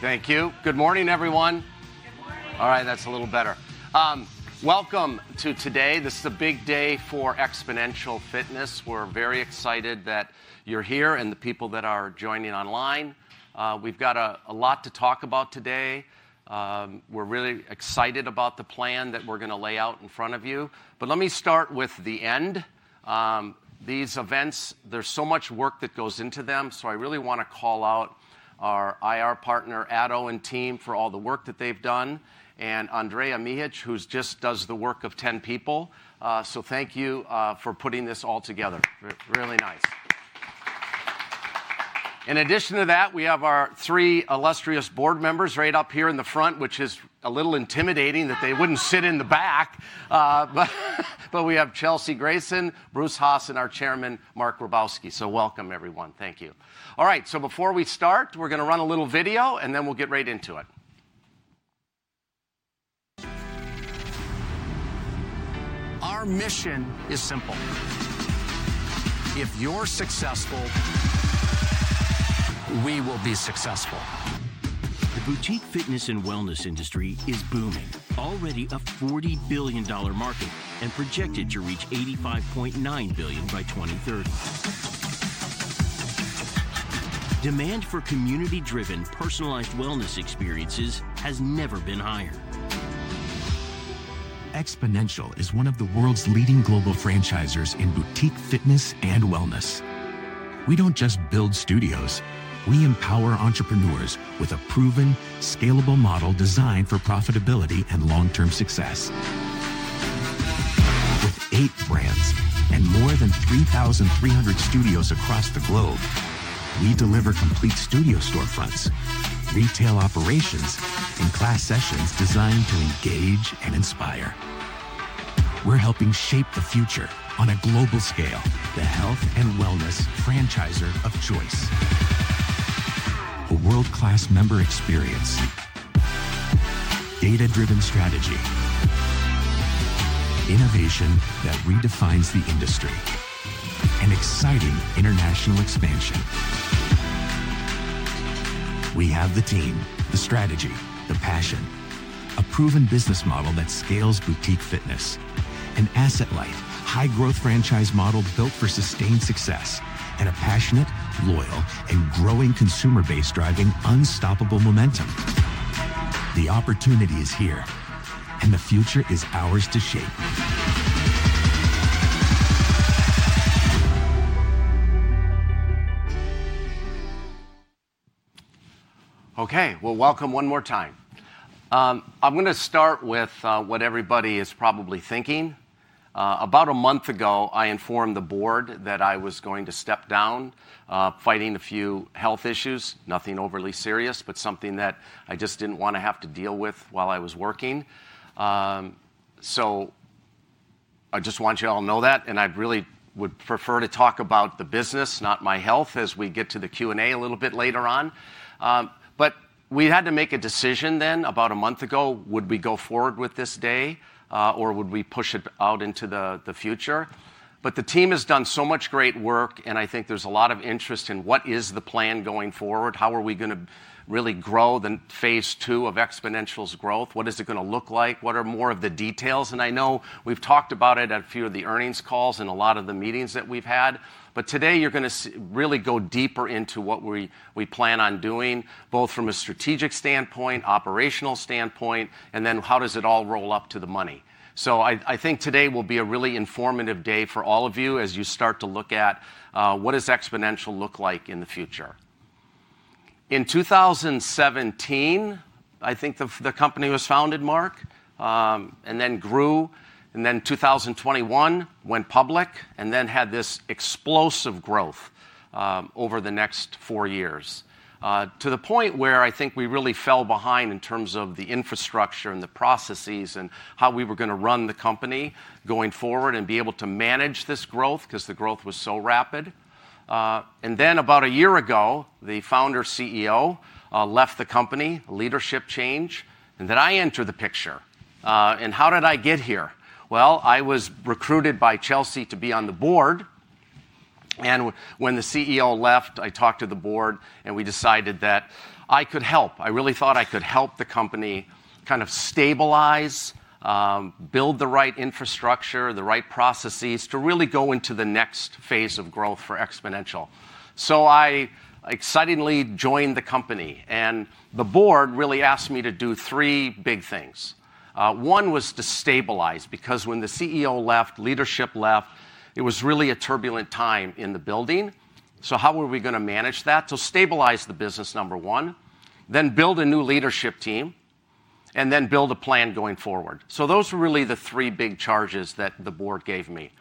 Thank you. Good morning, everyone. Good morning. All right, that's a little better. Welcome to today. This is a big day for Xponential Fitness. We're very excited that you're here and the people that are joining online. We've got a lot to talk about today. We're really excited about the plan that we're going to lay out in front of you. Let me start with the end. These events, there's so much work that goes into them. I really want to call out our IR partner, Ado, and team for all the work that they've done, and Andrej Amihic, who just does the work of 10 people. Thank you for putting this all together. Really nice. In addition to that, we have our three illustrious board members right up here in the front, which is a little intimidating that they wouldn't sit in the back. We have Chelsea Grayson, Bruce Haas, and our Chairman, Mark Rybowski. Welcome, everyone. Thank you. All right, before we start, we are going to run a little video, and then we will get right into it. Our mission is simple. If you're successful, we will be successful. The boutique fitness and wellness industry is booming, already a $40 billion market and projected to reach $85.9 billion by 2030. Demand for community-driven, personalized wellness experiences has never been higher. Xponential is one of the world's leading global franchisers in boutique fitness and wellness. We do not just build studios. We empower entrepreneurs with a proven, scalable model designed for profitability and long-term success. With eight brands and more than 3,300 studios across the globe, we deliver complete studio storefronts, retail operations, and class sessions designed to engage and inspire. We are helping shape the future on a global scale. The health and wellness franchisor of choice. A world-class member experience, data-driven strategy, innovation that redefines the industry, and exciting international expansion. We have the team, the strategy, the passion, a proven business model that scales boutique fitness, an asset-light, high-growth franchise model built for sustained success, and a passionate, loyal, and growing consumer base driving unstoppable momentum. The opportunity is here, and the future is ours to shape. Okay, welcome one more time. I'm going to start with what everybody is probably thinking. About a month ago, I informed the board that I was going to step down, fighting a few health issues. Nothing overly serious, but something that I just didn't want to have to deal with while I was working. I just want you all to know that. I really would prefer to talk about the business, not my health, as we get to the Q&A a little bit later on. We had to make a decision then about a month ago. Would we go forward with this day, or would we push it out into the future? The team has done so much great work, and I think there's a lot of interest in what is the plan going forward? How are we going to really grow the phase two of Xponential's growth? What is it going to look like? What are more of the details? I know we've talked about it at a few of the earnings calls and a lot of the meetings that we've had. Today, you're going to really go deeper into what we plan on doing, both from a strategic standpoint, operational standpoint, and then how does it all roll up to the money? I think today will be a really informative day for all of you as you start to look at what does Xponential look like in the future. In 2017, I think the company was founded, Mark, and then grew. In 2021 went public and then had this explosive growth over the next four years, to the point where I think we really fell behind in terms of the infrastructure and the processes and how we were going to run the company going forward and be able to manage this growth because the growth was so rapid. About a year ago, the founder CEO left the company, leadership change, and then I entered the picture. How did I get here? I was recruited by Chelsea to be on the board. When the CEO left, I talked to the board, and we decided that I could help. I really thought I could help the company kind of stabilize, build the right infrastructure, the right processes to really go into the next phase of growth for Xponential. I excitedly joined the company. The board really asked me to do three big things. One was to stabilize because when the CEO left, leadership left, it was really a turbulent time in the building. How were we going to manage that? To stabilize the business, number one, then build a new leadership team, and then build a plan going forward. Those were really the three big charges that the board gave me.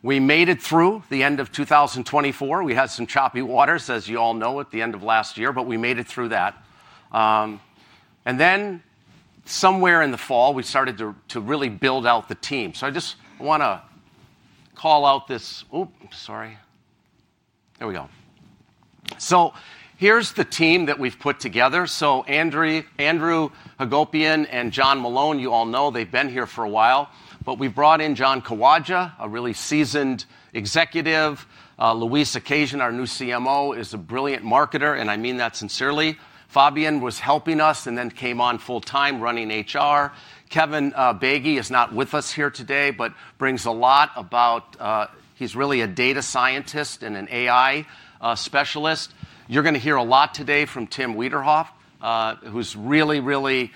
We made it through the end of 2024. We had some choppy waters, as you all know, at the end of last year, but we made it through that. Somewhere in the fall, we started to really build out the team. I just want to call out this oop, sorry. There we go. Here is the team that we have put together. Andrew Hagopian and John Meloun, you all know, they have been here for a while. We've brought in John Kawaja, a really seasoned executive. Louise Ocasion, our new CMO, is a brilliant marketer, and I mean that sincerely. Fabian was helping us and then came on full-time running HR. Kevin Begi is not with us here today, but brings a lot about, he's really a data scientist and an AI specialist. You're going to hear a lot today from Tim Wiedenhoff, who's really, really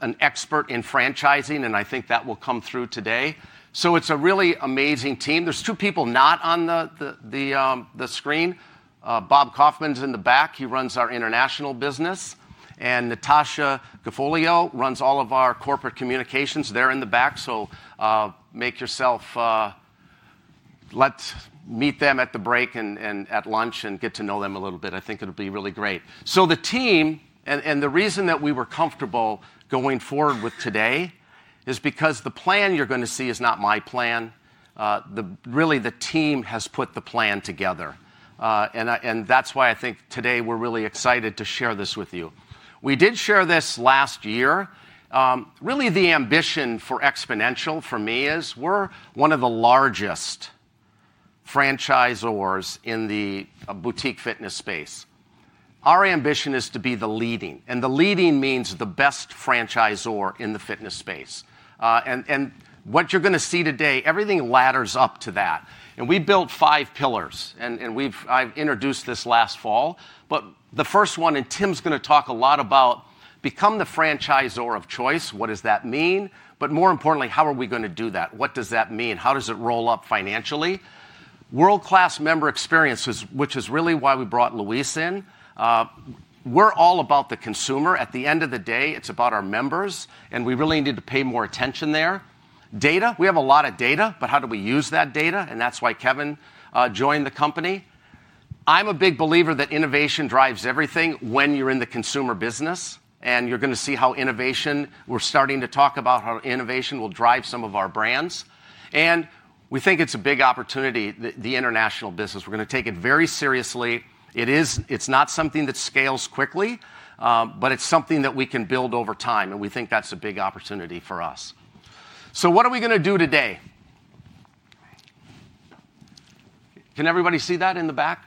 an expert in franchising, and I think that will come through today. It's a really amazing team. There are two people not on the screen. Bob Kaufman's in the back. He runs our international business. And Natasha Gafulio runs all of our corporate communications. They're in the back. Make yourself, let's meet them at the break and at lunch and get to know them a little bit. I think it'll be really great. The team and the reason that we were comfortable going forward with today is because the plan you're going to see is not my plan. Really, the team has put the plan together. That is why I think today we're really excited to share this with you. We did share this last year. Really, the ambition for Xponential for me is we're one of the largest franchisors in the boutique fitness space. Our ambition is to be the leading. The leading means the best franchisor in the fitness space. What you're going to see today, everything ladders up to that. We built five pillars. I introduced this last fall. The first one, and Tim's going to talk a lot about, become the franchisor of choice. What does that mean? More importantly, how are we going to do that? What does that mean? How does it roll up financially? World-class member experience, which is really why we brought Luis in. We're all about the consumer. At the end of the day, it's about our members. We really need to pay more attention there. Data, we have a lot of data, but how do we use that data? That's why Kevin joined the company. I'm a big believer that innovation drives everything when you're in the consumer business. You're going to see how innovation, we're starting to talk about how innovation will drive some of our brands. We think it's a big opportunity, the international business. We're going to take it very seriously. It's not something that scales quickly, but it's something that we can build over time. We think that's a big opportunity for us. What are we going to do today? Can everybody see that in the back?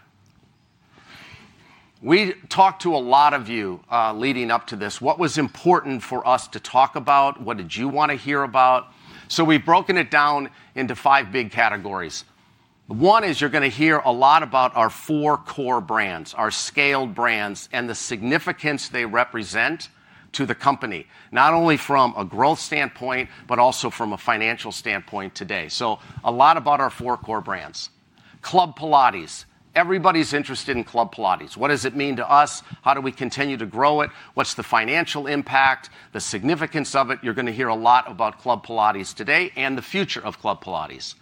We talked to a lot of you leading up to this. What was important for us to talk about? What did you want to hear about? We have broken it down into five big categories. One is you are going to hear a lot about our four core brands, our scaled brands, and the significance they represent to the company, not only from a growth standpoint, but also from a financial standpoint today. A lot about our four core brands. Club Pilates. Everybody is interested in Club Pilates. What does it mean to us? How do we continue to grow it? What is the financial impact, the significance of it? You are going to hear a lot about Club Pilates today and the future of Club Pilates.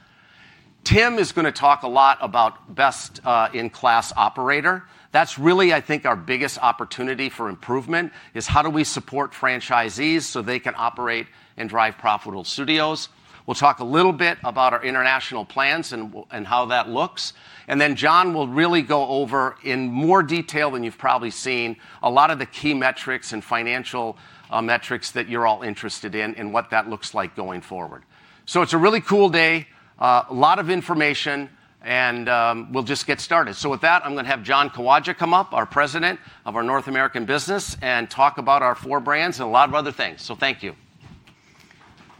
Tim is going to talk a lot about best-in-class operator. That's really, I think, our biggest opportunity for improvement is how do we support franchisees so they can operate and drive profitable studios. We'll talk a little bit about our international plans and how that looks. John will really go over in more detail than you've probably seen a lot of the key metrics and financial metrics that you're all interested in and what that looks like going forward. It's a really cool day. A lot of information. We'll just get started. With that, I'm going to have John Kawaja come up, our President of our North American business, and talk about our four brands and a lot of other things. Thank you.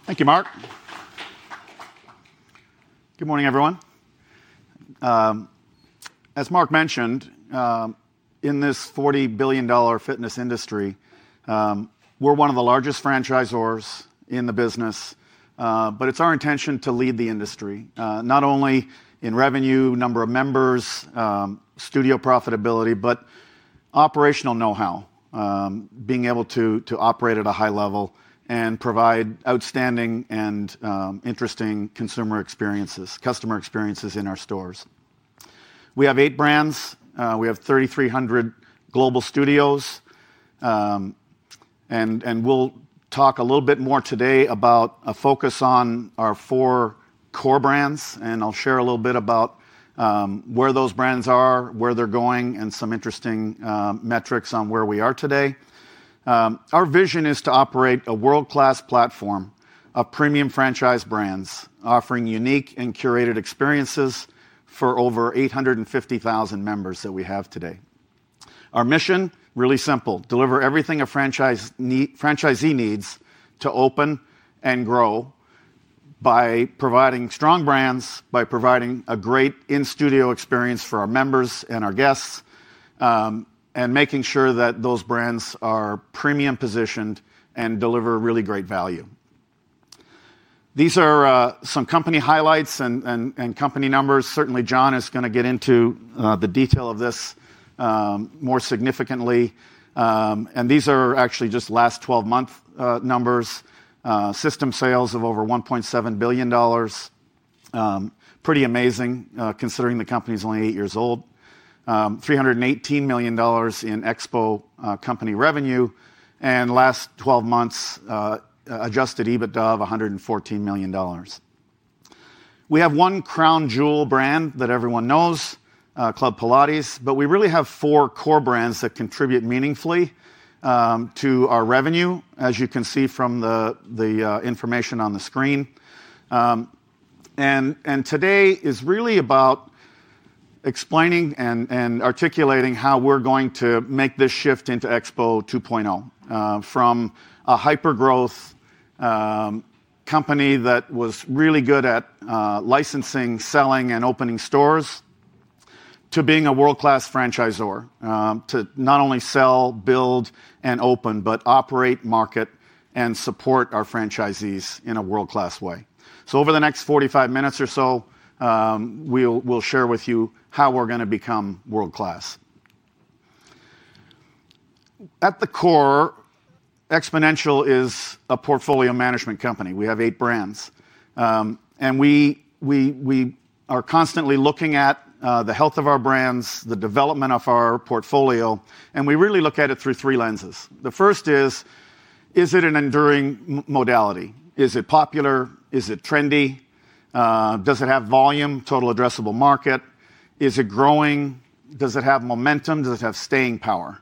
Thank you, Mark. Good morning, everyone. As Mark mentioned, in this $40 billion fitness industry, we're one of the largest franchisors in the business. It is our intention to lead the industry, not only in revenue, number of members, studio profitability, but operational know-how, being able to operate at a high level and provide outstanding and interesting consumer experiences, customer experiences in our stores. We have eight brands. We have 3,300 global studios. We will talk a little bit more today about a focus on our four core brands. I will share a little bit about where those brands are, where they're going, and some interesting metrics on where we are today. Our vision is to operate a world-class platform of premium franchise brands, offering unique and curated experiences for over 850,000 members that we have today. Our mission, really simple, deliver everything a franchisee needs to open and grow by providing strong brands, by providing a great in-studio experience for our members and our guests, and making sure that those brands are premium positioned and deliver really great value. These are some company highlights and company numbers. Certainly, John is going to get into the detail of this more significantly. These are actually just last 12-month numbers. System sales of over $1.7 billion, pretty amazing considering the company is only eight years old, $318 million in expo company revenue, and last 12 months adjusted EBITDA of $114 million. We have one crown jewel brand that everyone knows, Club Pilates, but we really have four core brands that contribute meaningfully to our revenue, as you can see from the information on the screen. Today is really about explaining and articulating how we're going to make this shift into Expo 2.0 from a hyper-growth company that was really good at licensing, selling, and opening stores to being a world-class franchisor to not only sell, build, and open, but operate, market, and support our franchisees in a world-class way. Over the next 45 minutes or so, we'll share with you how we're going to become world-class. At the core, Xponential is a portfolio management company. We have eight brands. We are constantly looking at the health of our brands, the development of our portfolio. We really look at it through three lenses. The first is, is it an enduring modality? Is it popular? Is it trendy? Does it have volume, total addressable market? Is it growing? Does it have momentum? Does it have staying power?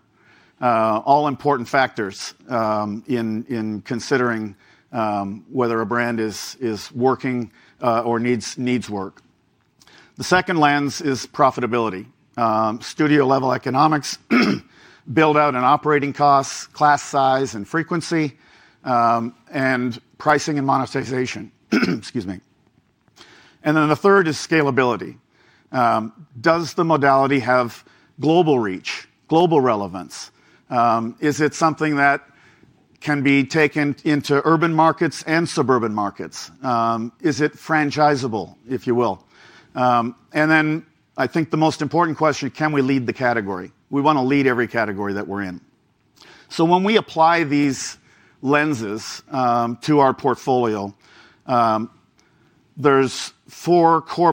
All important factors in considering whether a brand is working or needs work. The second lens is profitability, studio-level economics, build-out and operating costs, class size and frequency, and pricing and monetization. Excuse me. The third is scalability. Does the modality have global reach, global relevance? Is it something that can be taken into urban markets and suburban markets? Is it franchisable, if you will? I think the most important question, can we lead the category? We want to lead every category that we're in. When we apply these lenses to our portfolio, there are four core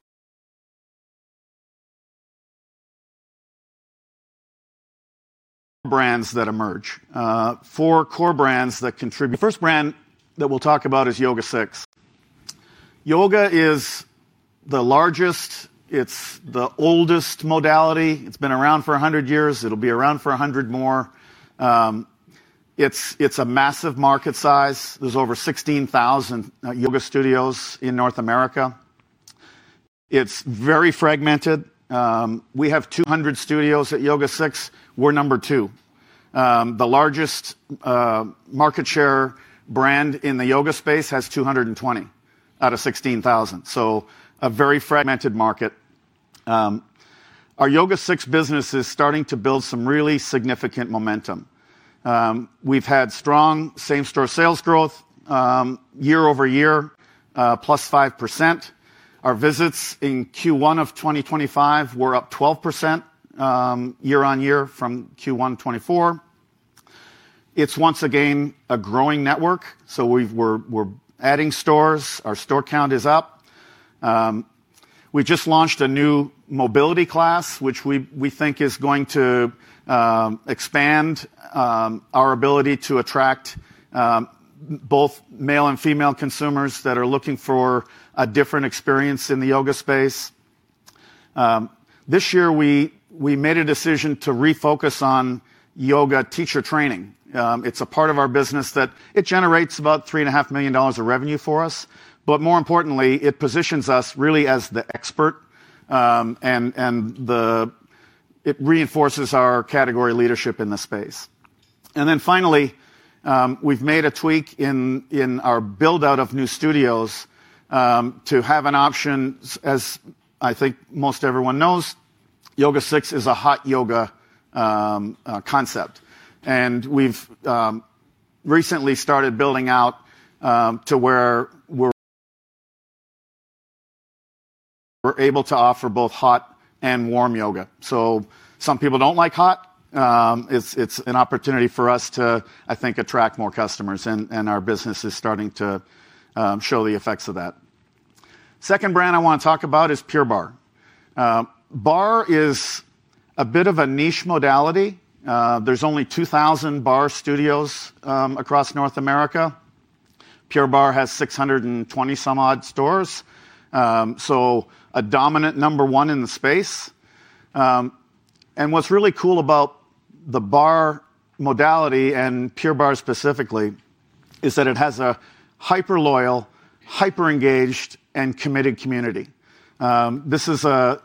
brands that emerge. Four core brands that contribute. The first brand that we'll talk about is YogaSix. Yoga is the largest. It's the oldest modality. It's been around for 100 years. It'll be around for 100 more. It's a massive market size. are over 16,000 yoga studios in North America. It is very fragmented. We have 200 studios at YogaSix. We are number two. The largest market share brand in the yoga space has 220 out of 16,000. It is a very fragmented market. Our YogaSix business is starting to build some really significant momentum. We have had strong same-store sales growth year over year, plus 5%. Our visits in Q1 of 2025 were up 12% year on year from Q1 2024. It is once again a growing network. We are adding stores. Our store count is up. We just launched a new mobility class, which we think is going to expand our ability to attract both male and female consumers that are looking for a different experience in the yoga space. This year, we made a decision to refocus on yoga teacher training. It's a part of our business that it generates about $3.5 million of revenue for us. More importantly, it positions us really as the expert, and it reinforces our category leadership in the space. Finally, we've made a tweak in our build-out of new studios to have an option. As I think most everyone knows, YogaSix is a hot yoga concept. We've recently started building out to where we're able to offer both hot and warm yoga. Some people do not like hot. It's an opportunity for us to, I think, attract more customers. Our business is starting to show the effects of that. Second brand I want to talk about is Pure Barre. Barre is a bit of a niche modality. There are only 2,000 barre studios across North America. Pure Barre has 620-some-odd stores. A dominant number one in the space. What's really cool about the barre modality and Pure Barre specifically is that it has a hyper-loyal, hyper-engaged, and committed community. This is a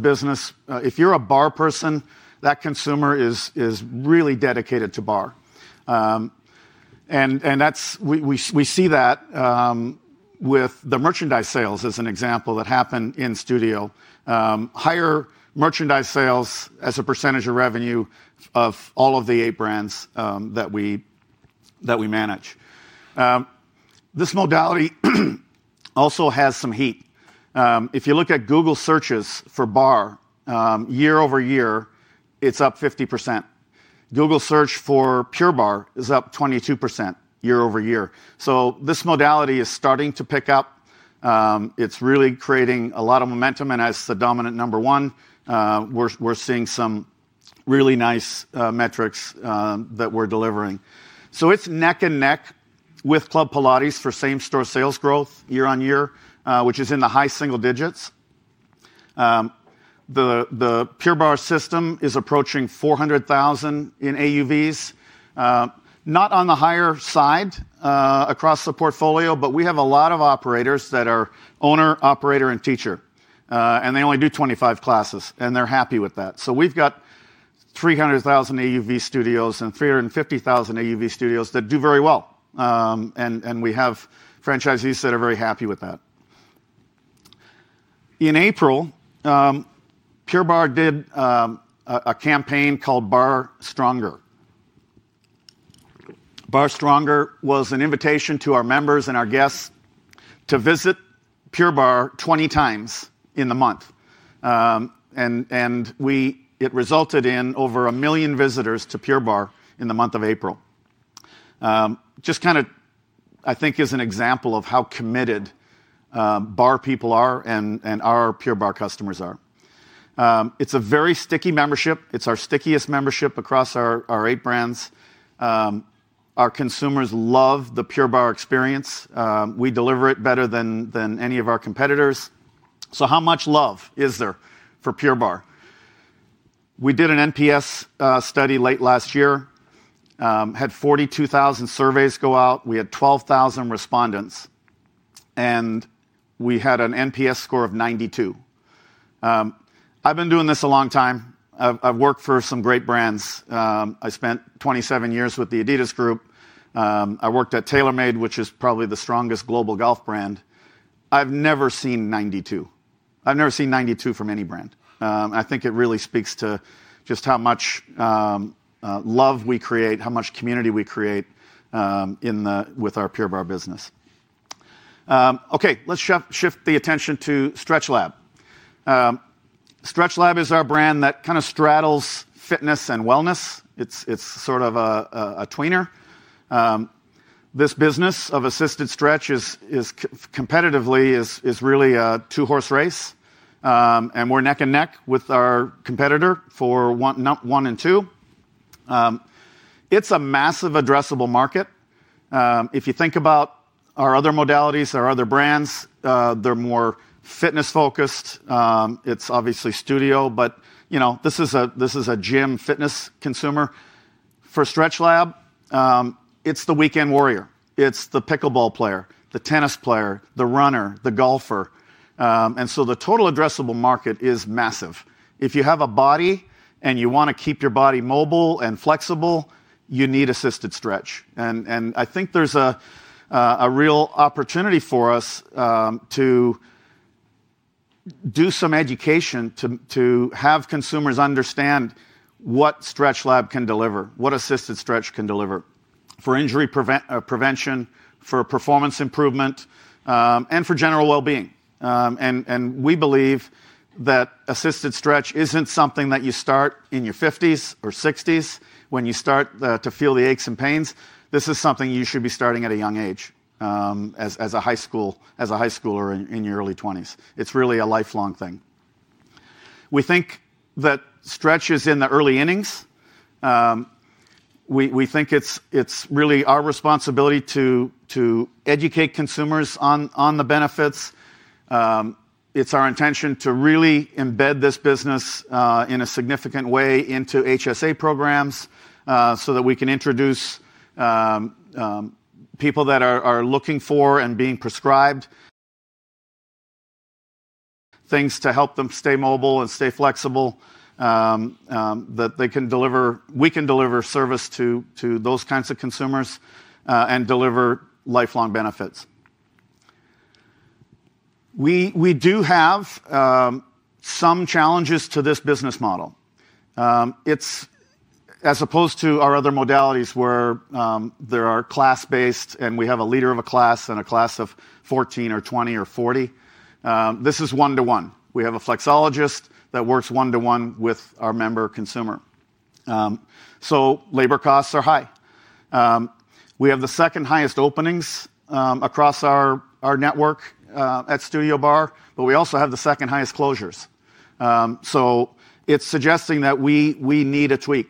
business, if you're a barre person, that consumer is really dedicated to barre. We see that with the merchandise sales, as an example, that happen in studio. Higher merchandise sales as a percentage of revenue of all of the eight brands that we manage. This modality also has some heat. If you look at Google searches for barre, year over year, it's up 50%. Google search for Pure Barre is up 22% year over year. This modality is starting to pick up. It's really creating a lot of momentum. As the dominant number one, we're seeing some really nice metrics that we're delivering. It's neck and neck with Club Pilates for same-store sales growth year on year, which is in the high single digits. The Pure Barre system is approaching $400,000 in AUVs, not on the higher side across the portfolio, but we have a lot of operators that are owner, operator, and teacher. They only do 25 classes. They're happy with that. We've got $300,000 AUV studios and $350,000 AUV studios that do very well. We have franchisees that are very happy with that. In April, Pure Barre did a campaign called Barre Stronger. Barre Stronger was an invitation to our members and our guests to visit Pure Barre 20 times in the month. It resulted in over a million visitors to Pure Barre in the month of April. Just kind of, I think, is an example of how committed barre people are and our Pure Barre customers are. It's a very sticky membership. It's our stickiest membership across our eight brands. Our consumers love the Pure Barre experience. We deliver it better than any of our competitors. How much love is there for Pure Barre? We did an NPS study late last year, had 42,000 surveys go out. We had 12,000 respondents. We had an NPS score of 92. I've been doing this a long time. I've worked for some great brands. I spent 27 years with the Adidas Group. I worked at TaylorMade, which is probably the strongest global golf brand. I've never seen 92. I've never seen 92 from any brand. I think it really speaks to just how much love we create, how much community we create with our Pure Barre business. Okay, let's shift the attention to StretchLab. StretchLab is our brand that kind of straddles fitness and wellness. It's sort of a tweener. This business of assisted stretch competitively is really a two-horse race. We're neck and neck with our competitor for one and two. It's a massive addressable market. If you think about our other modalities, our other brands, they're more fitness-focused. It's obviously studio, but this is a gym fitness consumer. For StretchLab, it's the weekend warrior. It's the pickleball player, the tennis player, the runner, the golfer. The total addressable market is massive. If you have a body and you want to keep your body mobile and flexible, you need assisted stretch. I think there's a real opportunity for us to do some education to have consumers understand what StretchLab can deliver, what assisted stretch can deliver for injury prevention, for performance improvement, and for general well-being. We believe that assisted stretch isn't something that you start in your 50s or 60s when you start to feel the aches and pains. This is something you should be starting at a young age, as a high schooler in your early 20s. It's really a lifelong thing. We think that stretch is in the early innings. We think it's really our responsibility to educate consumers on the benefits. It's our intention to really embed this business in a significant way into HSA programs so that we can introduce people that are looking for and being prescribed things to help them stay mobile and stay flexible, that we can deliver service to those kinds of consumers and deliver lifelong benefits. We do have some challenges to this business model. As opposed to our other modalities where there are class-based and we have a leader of a class and a class of 14 or 20 or 40, this is one-to-one. We have a flexologist that works one-to-one with our member consumer. So labor costs are high. We have the second-highest openings across our network at StretchLab, but we also have the second-highest closures. So it's suggesting that we need a tweak.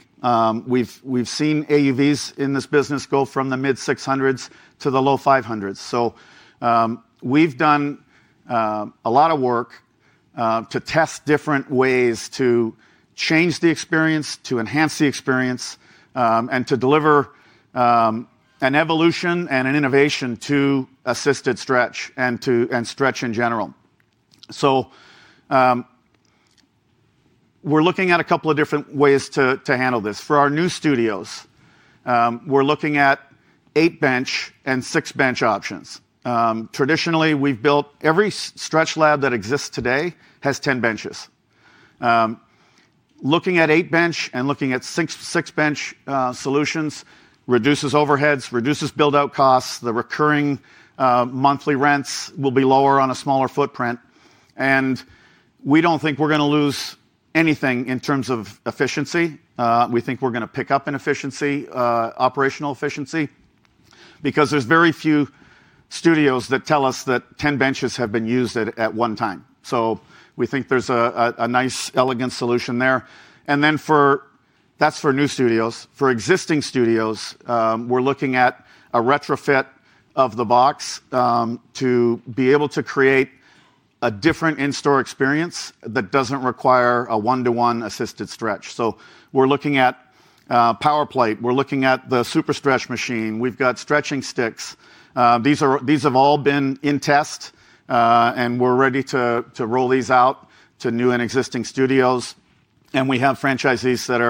We've seen AUVs in this business go from the mid-600s to the low 500s. We've done a lot of work to test different ways to change the experience, to enhance the experience, and to deliver an evolution and an innovation to assisted stretch and stretch in general. We're looking at a couple of different ways to handle this. For our new studios, we're looking at eight-bench and six-bench options. Traditionally, every StretchLab that exists today has 10 benches. Looking at eight-bench and looking at six-bench solutions reduces overheads, reduces build-out costs. The recurring monthly rents will be lower on a smaller footprint. We do not think we're going to lose anything in terms of efficiency. We think we're going to pick up in efficiency, operational efficiency, because there are very few studios that tell us that 10 benches have been used at one time. We think there's a nice, elegant solution there. That's for new studios. For existing studios, we're looking at a retrofit of the box to be able to create a different in-store experience that doesn't require a one-to-one assisted stretch. We're looking at Power Plate. We're looking at the Super Stretch Machine. We've got stretching sticks. These have all been in test. We're ready to roll these out to new and existing studios. We have franchisees that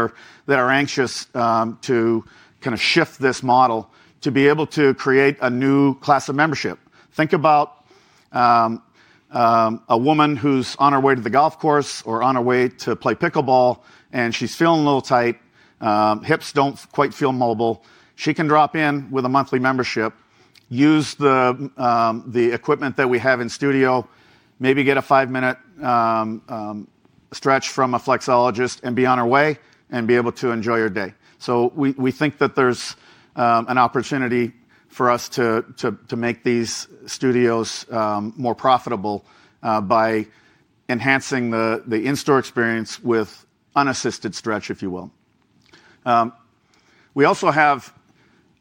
are anxious to kind of shift this model to be able to create a new class of membership. Think about a woman who's on her way to the golf course or on her way to play pickleball, and she's feeling a little tight. Hips don't quite feel mobile. She can drop in with a monthly membership, use the equipment that we have in studio, maybe get a five-minute stretch from a flexologist, and be on her way and be able to enjoy her day. We think that there's an opportunity for us to make these studios more profitable by enhancing the in-store experience with unassisted stretch, if you will. We also have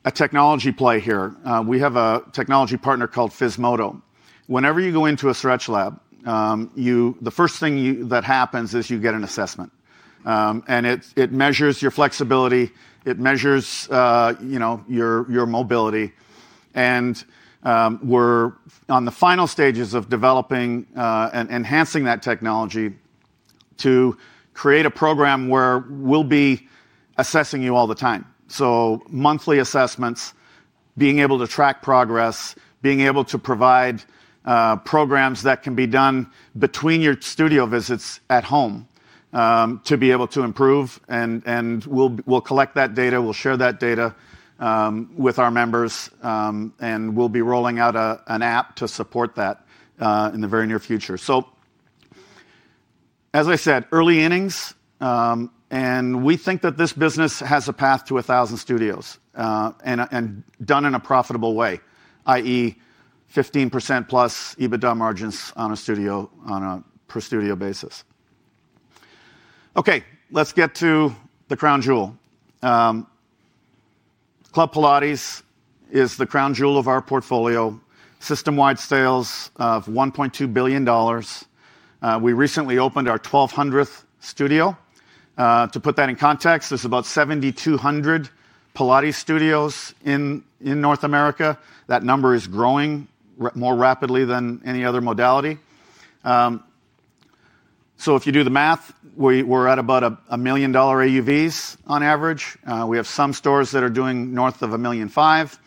a technology play here. We have a technology partner called PhysioTrac. Whenever you go into a StretchLab, the first thing that happens is you get an assessment. It measures your flexibility. It measures your mobility. We're on the final stages of developing and enhancing that technology to create a program where we'll be assessing you all the time. Monthly assessments, being able to track progress, being able to provide programs that can be done between your studio visits at home to be able to improve. And we'll collect that data. We'll share that data with our members. We'll be rolling out an app to support that in the very near future. As I said, early innings. We think that this business has a path to 1,000 studios and done in a profitable way, i.e., 15%+ EBITDA margins per studio basis. Okay, let's get to the crown jewel. Club Pilates is the crown jewel of our portfolio, system-wide sales of $1.2 billion. We recently opened our 1,200th studio. To put that in context, there's about 7,200 Pilates studios in North America. That number is growing more rapidly than any other modality. If you do the math, we're at about a million-dollar AUVs on average. We have some stores that are doing north of a million-five.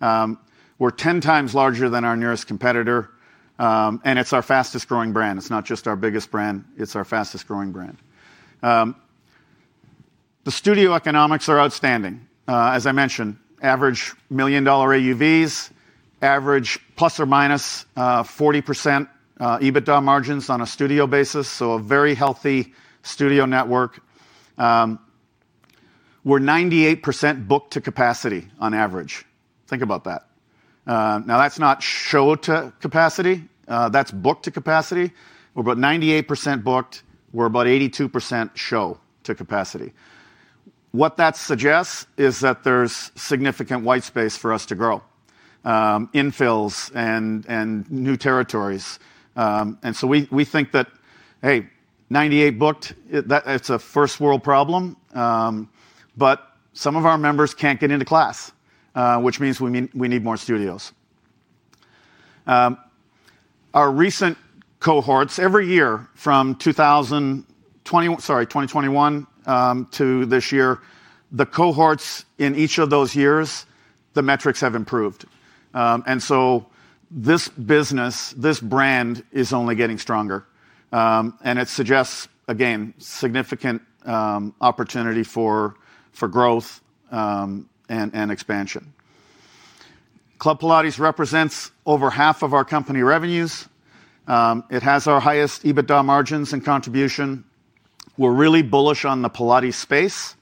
We're 10 times larger than our nearest competitor. It's our fastest-growing brand. It's not just our biggest brand. It's our fastest-growing brand. The studio economics are outstanding. As I mentioned, average million-dollar AUVs, average plus or minus 40% EBITDA margins on a studio basis. A very healthy studio network. We're 98% booked to capacity on average. Think about that. Now, that's not show to capacity. That's booked to capacity. We're about 98% booked. We're about 82% show to capacity. What that suggests is that there's significant white space for us to grow, infills, and new territories. We think that, hey, 98 booked, that's a first-world problem. Some of our members can't get into class, which means we need more studios. Our recent cohorts, every year from 2021 to this year, the cohorts in each of those years, the metrics have improved. This business, this brand is only getting stronger. It suggests, again, significant opportunity for growth and expansion. Club Pilates represents over half of our company revenues. It has our highest EBITDA margins and contribution. We're really bullish on the Pilates space.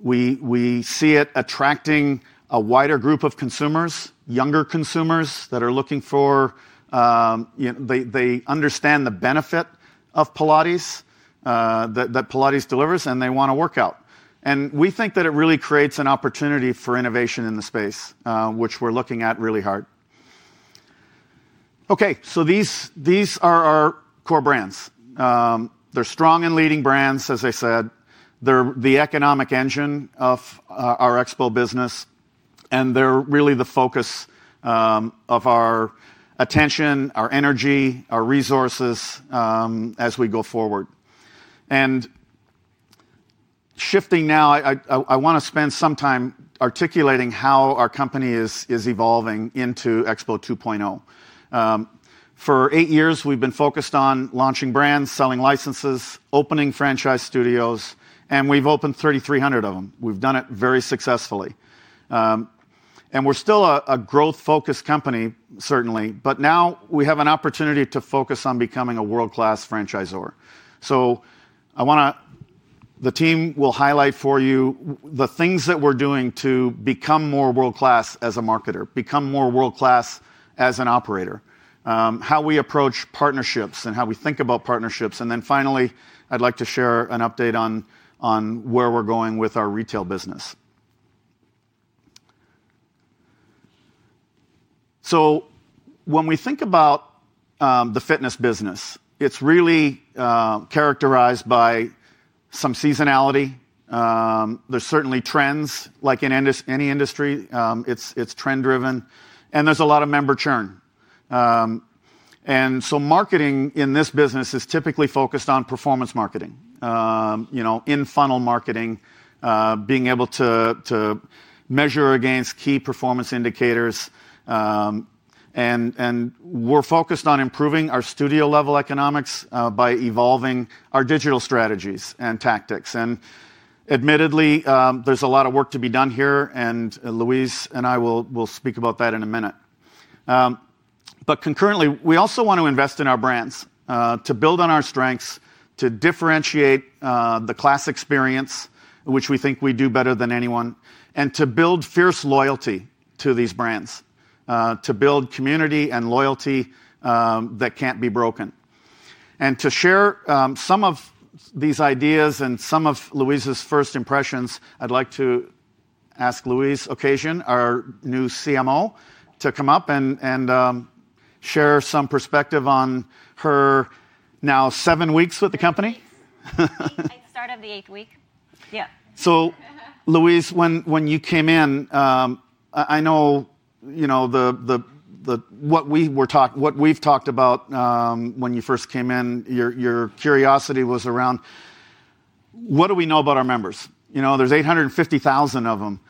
We see it attracting a wider group of consumers, younger consumers that are looking for they understand the benefit of Pilates, that Pilates delivers, and they want to work out. We think that it really creates an opportunity for innovation in the space, which we're looking at really hard. These are our core brands. They're strong and leading brands, as I said. They're the economic engine of our expo business. They're really the focus of our attention, our energy, our resources as we go forward. Shifting now, I want to spend some time articulating how our company is evolving into Expo 2.0. For eight years, we've been focused on launching brands, selling licenses, opening franchise studios. We've opened 3,300 of them. We've done it very successfully. We're still a growth-focused company, certainly. Now we have an opportunity to focus on becoming a world-class franchisor. The team will highlight for you the things that we're doing to become more world-class as a marketer, become more world-class as an operator, how we approach partnerships and how we think about partnerships. Finally, I'd like to share an update on where we're going with our retail business. When we think about the fitness business, it's really characterized by some seasonality. There's certainly trends, like in any industry. It's trend-driven. And there's a lot of member churn. Marketing in this business is typically focused on performance marketing, in-funnel marketing, being able to measure against key performance indicators. We're focused on improving our studio-level economics by evolving our digital strategies and tactics. Admittedly, there's a lot of work to be done here. Louise and I will speak about that in a minute. Concurrently, we also want to invest in our brands to build on our strengths, to differentiate the class experience, which we think we do better than anyone, and to build fierce loyalty to these brands, to build community and loyalty that can't be broken. To share some of these ideas and some of Luis's first impressions, I'd like to ask Luis Ocasion, our new CMO, to come up and share some perspective on her now seven weeks with the company. It's the start of the eighth week. Yeah. Louise, when you came in, I know what we've talked about when you first came in, your curiosity was around, what do we know about our members? There's 850,000 of them.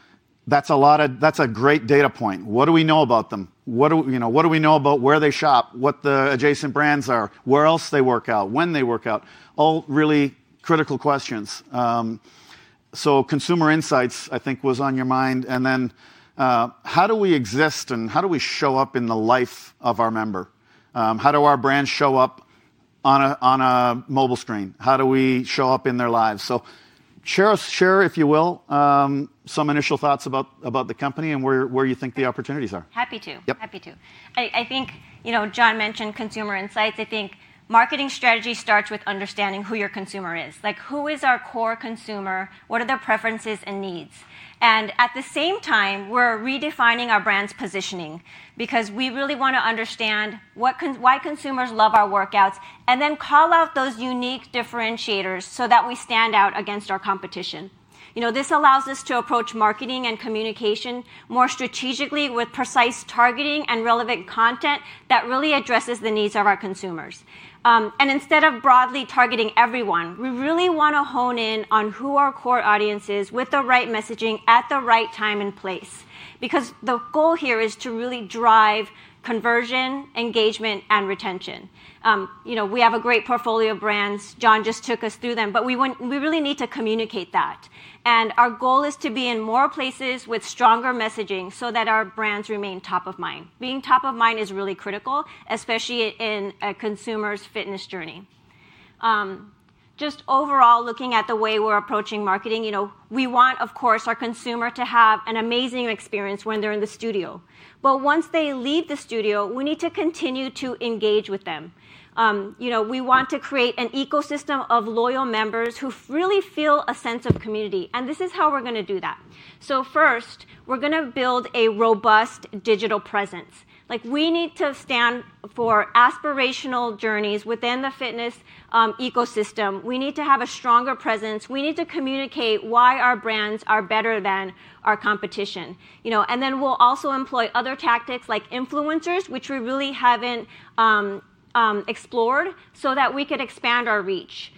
That's a great data point. What do we know about them? What do we know about where they shop, what the adjacent brands are, where else they work out, when they work out? All really critical questions. Consumer insights, I think, was on your mind. And then how do we exist and how do we show up in the life of our member? How do our brands show up on a mobile screen? How do we show up in their lives? Share, if you will, some initial thoughts about the company and where you think the opportunities are. Happy to. Happy to. I think John mentioned consumer insights. I think marketing strategy starts with understanding who your consumer is. Who is our core consumer? What are their preferences and needs? At the same time, we're redefining our brand's positioning because we really want to understand why consumers love our workouts and then call out those unique differentiators so that we stand out against our competition. This allows us to approach marketing and communication more strategically with precise targeting and relevant content that really addresses the needs of our consumers. Instead of broadly targeting everyone, we really want to hone in on who our core audience is with the right messaging at the right time and place. The goal here is to really drive conversion, engagement, and retention. We have a great portfolio of brands. John just took us through them. We really need to communicate that. Our goal is to be in more places with stronger messaging so that our brands remain top of mind. Being top of mind is really critical, especially in a consumer's fitness journey. Just overall, looking at the way we're approaching marketing, we want, of course, our consumer to have an amazing experience when they're in the studio. Once they leave the studio, we need to continue to engage with them. We want to create an ecosystem of loyal members who really feel a sense of community. This is how we're going to do that. First, we're going to build a robust digital presence. We need to stand for aspirational journeys within the fitness ecosystem. We need to have a stronger presence. We need to communicate why our brands are better than our competition. We will also employ other tactics like influencers, which we really have not explored, so that we could expand our reach.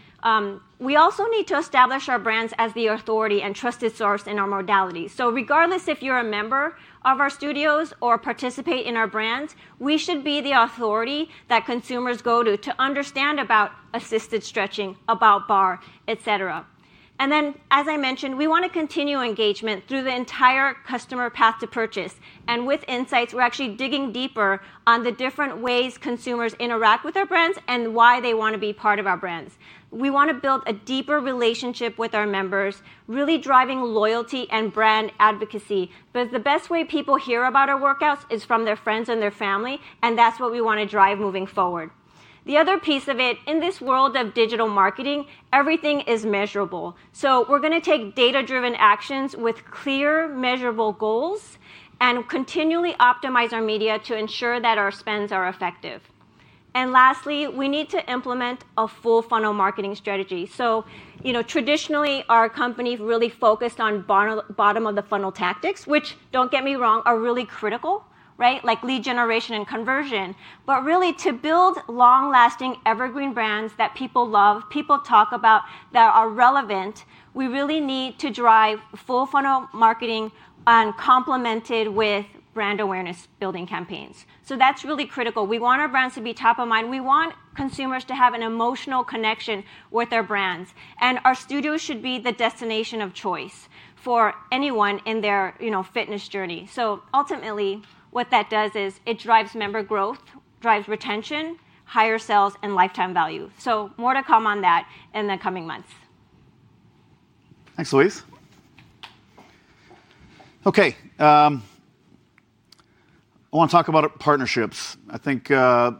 We also need to establish our brands as the authority and trusted source in our modalities. Regardless if you are a member of our studios or participate in our brands, we should be the authority that consumers go to to understand about assisted stretching, about barre, etc. As I mentioned, we want to continue engagement through the entire customer path to purchase. With insights, we are actually digging deeper on the different ways consumers interact with our brands and why they want to be part of our brands. We want to build a deeper relationship with our members, really driving loyalty and brand advocacy. The best way people hear about our workouts is from their friends and their family. That is what we want to drive moving forward. The other piece of it, in this world of digital marketing, everything is measurable. We are going to take data-driven actions with clear, measurable goals and continually optimize our media to ensure that our spends are effective. Lastly, we need to implement a full-funnel marketing strategy. Traditionally, our company really focused on bottom-of-the-funnel tactics, which, do not get me wrong, are really critical, like lead generation and conversion. Really, to build long-lasting, evergreen brands that people love, people talk about, that are relevant, we really need to drive full-funnel marketing complemented with brand awareness-building campaigns. That is really critical. We want our brands to be top of mind. We want consumers to have an emotional connection with our brands. Our studios should be the destination of choice for anyone in their fitness journey. Ultimately, what that does is it drives member growth, drives retention, higher sales, and lifetime value. More to come on that in the coming months. Thanks, Louise. Okay, I want to talk about partnerships. I think the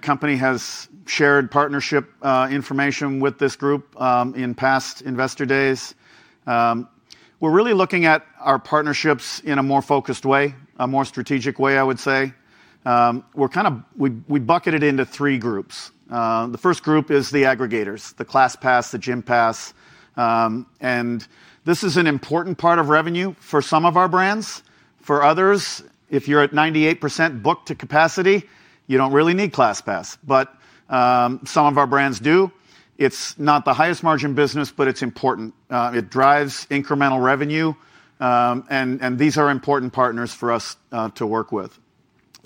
company has shared partnership information with this group in past investor days. We're really looking at our partnerships in a more focused way, a more strategic way, I would say. We bucket it into three groups. The first group is the aggregators, the ClassPass, the GymPass. This is an important part of revenue for some of our brands. For others, if you're at 98% booked to capacity, you don't really need ClassPass. Some of our brands do. It's not the highest margin business, but it's important. It drives incremental revenue. These are important partners for us to work with.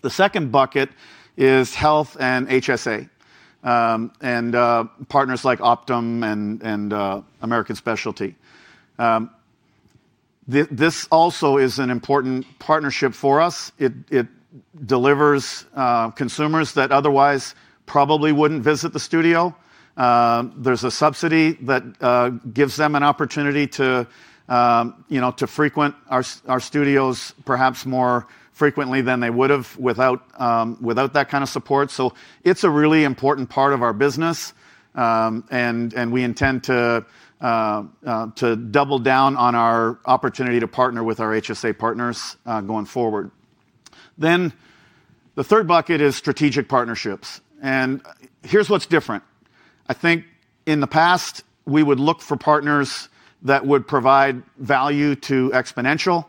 The second bucket is health and HSA and partners like Optum and American Specialty. This also is an important partnership for us. It delivers consumers that otherwise probably wouldn't visit the studio. There's a subsidy that gives them an opportunity to frequent our studios perhaps more frequently than they would have without that kind of support. It is a really important part of our business. We intend to double down on our opportunity to partner with our HSA partners going forward. The third bucket is strategic partnerships. Here's what's different. I think in the past, we would look for partners that would provide value to Xponential.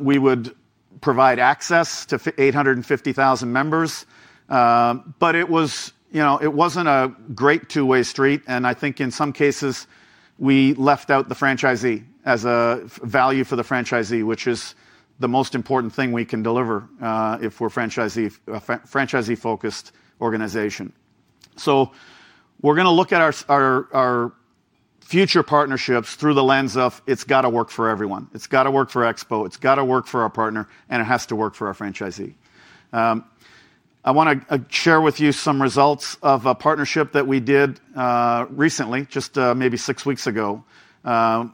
We would provide access to 850,000 members. It was not a great two-way street. I think in some cases, we left out the franchisee as a value for the franchisee, which is the most important thing we can deliver if we're a franchisee-focused organization. We are going to look at our future partnerships through the lens of it's got to work for everyone. It's got to work for Expo. It's got to work for our partner. And it has to work for our franchisee. I want to share with you some results of a partnership that we did recently, just maybe six weeks ago.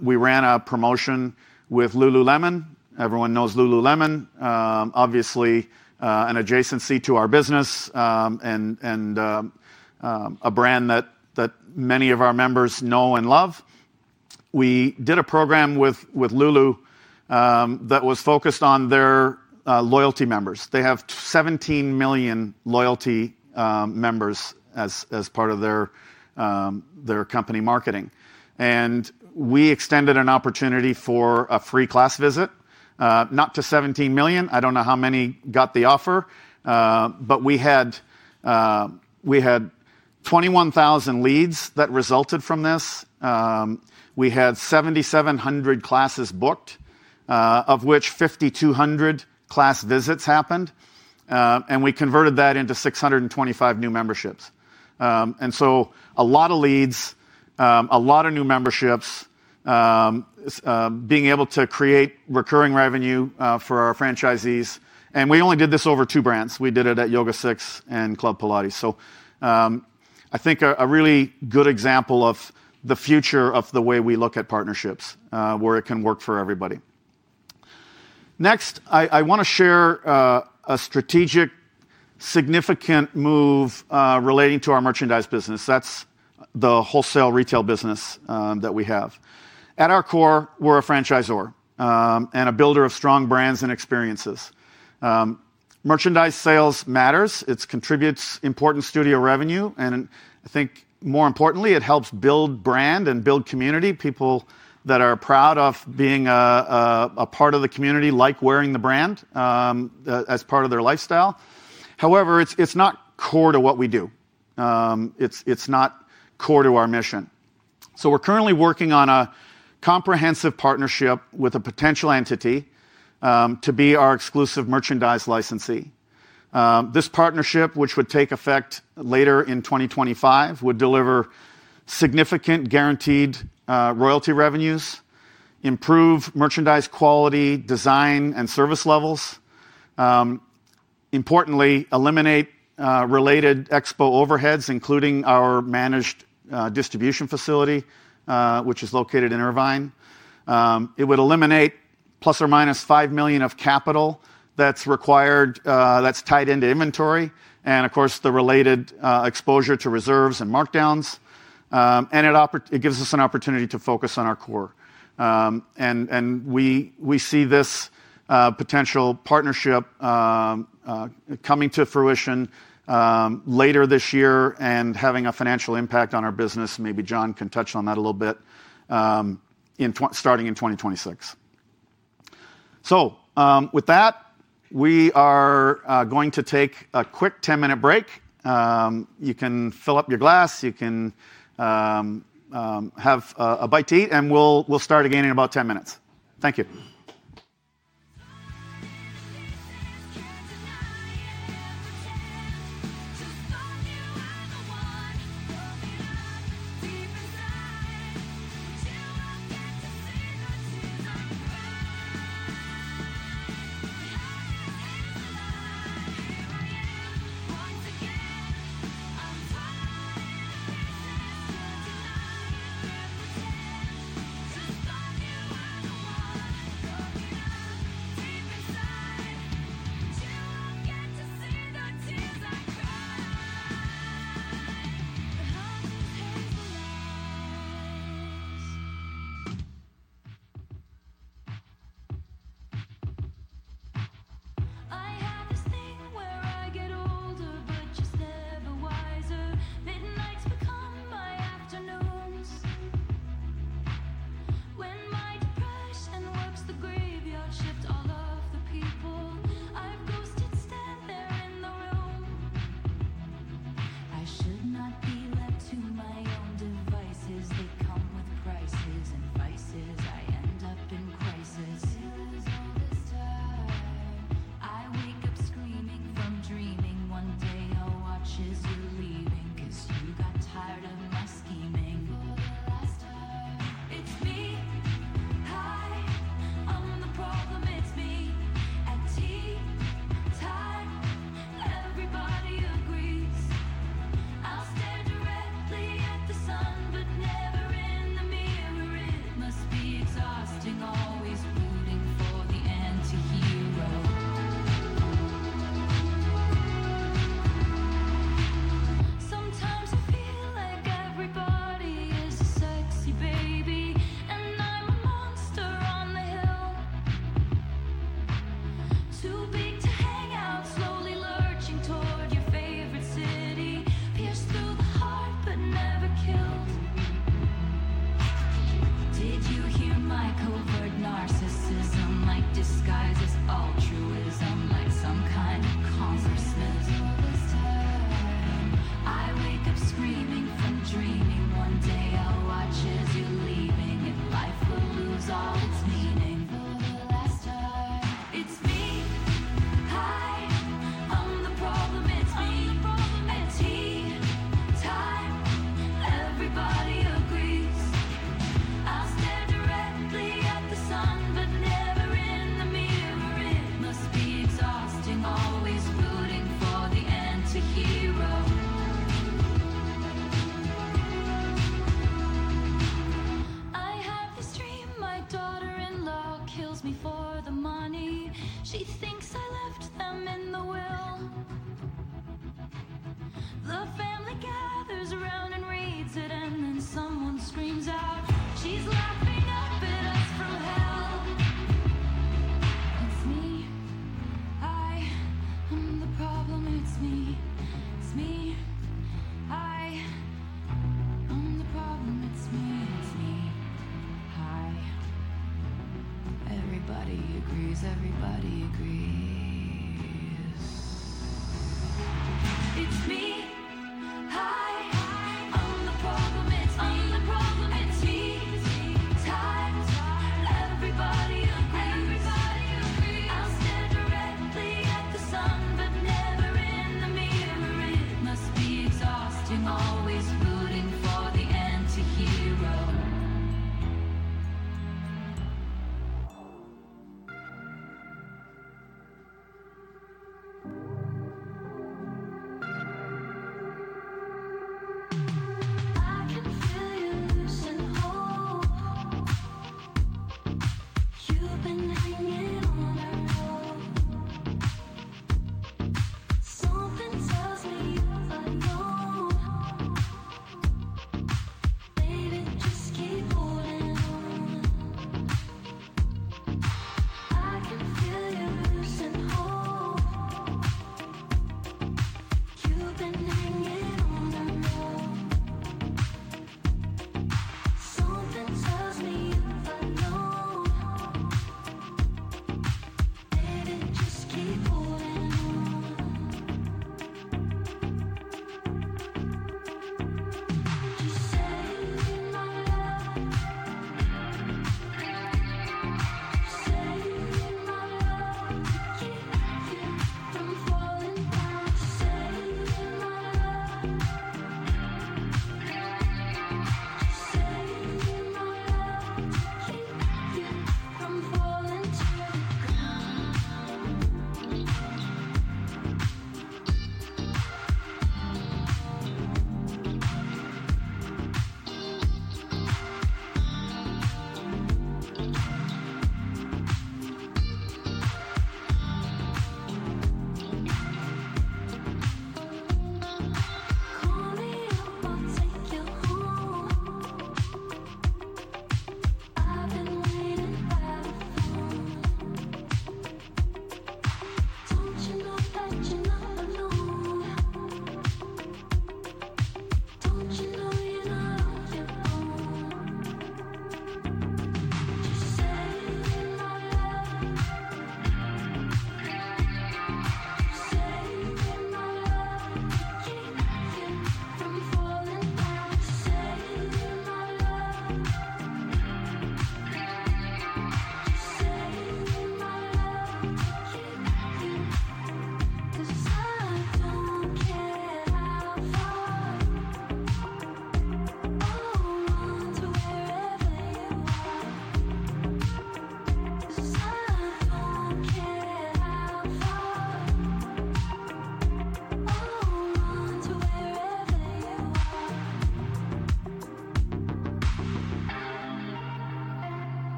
We ran a promotion with Lululemon. Everyone knows Lululemon, obviously, an adjacency to our business and a brand that many of our members know and love. We did a program with Lulu that was focused on their loyalty members. They have 17 million loyalty members as part of their company marketing. And we extended an opportunity for a free class visit. Not to 17 million. I don't know how many got the offer. But we had 21,000 leads that resulted from this. We had 7,700 classes booked, of which 5,200 class visits happened. And we converted that into 625 new memberships. A lot of leads, a lot of new memberships, being able to create recurring revenue for our franchisees. We only did this over two brands. We did it at YogaSix and Club Pilates. I think a really good example of the future of the way we look at partnerships, where it can work for everybody. Next, I want to share a strategic, significant move relating to our merchandise business. That is the wholesale retail business that we have. At our core, we are a franchisor and a builder of strong brands and experiences. Merchandise sales matter. It contributes important studio revenue. I think more importantly, it helps build brand and build community. People that are proud of being a part of the community like wearing the brand as part of their lifestyle. However, it is not core to what we do. It is not core to our mission. We are currently working on a comprehensive partnership with a potential entity to be our exclusive merchandise licensee. This partnership, which would take effect later in 2025, would deliver significant guaranteed royalty revenues, improve merchandise quality, design, and service levels. Importantly, it would eliminate related Expo overheads, including our managed distribution facility, which is located in Irvine. It would eliminate plus or minus $5 million of capital that is tied into inventory and, of course, the related exposure to reserves and markdowns. It gives us an opportunity to focus on our core. We see this potential partnership coming to fruition later this year and having a financial impact on our business. Maybe John can touch on that a little bit starting in 2026. With that, we are going to take a quick 10-minute break. You can fill up your glass. You can have a bite to eat. We will start again in about 10 minutes. Thank you.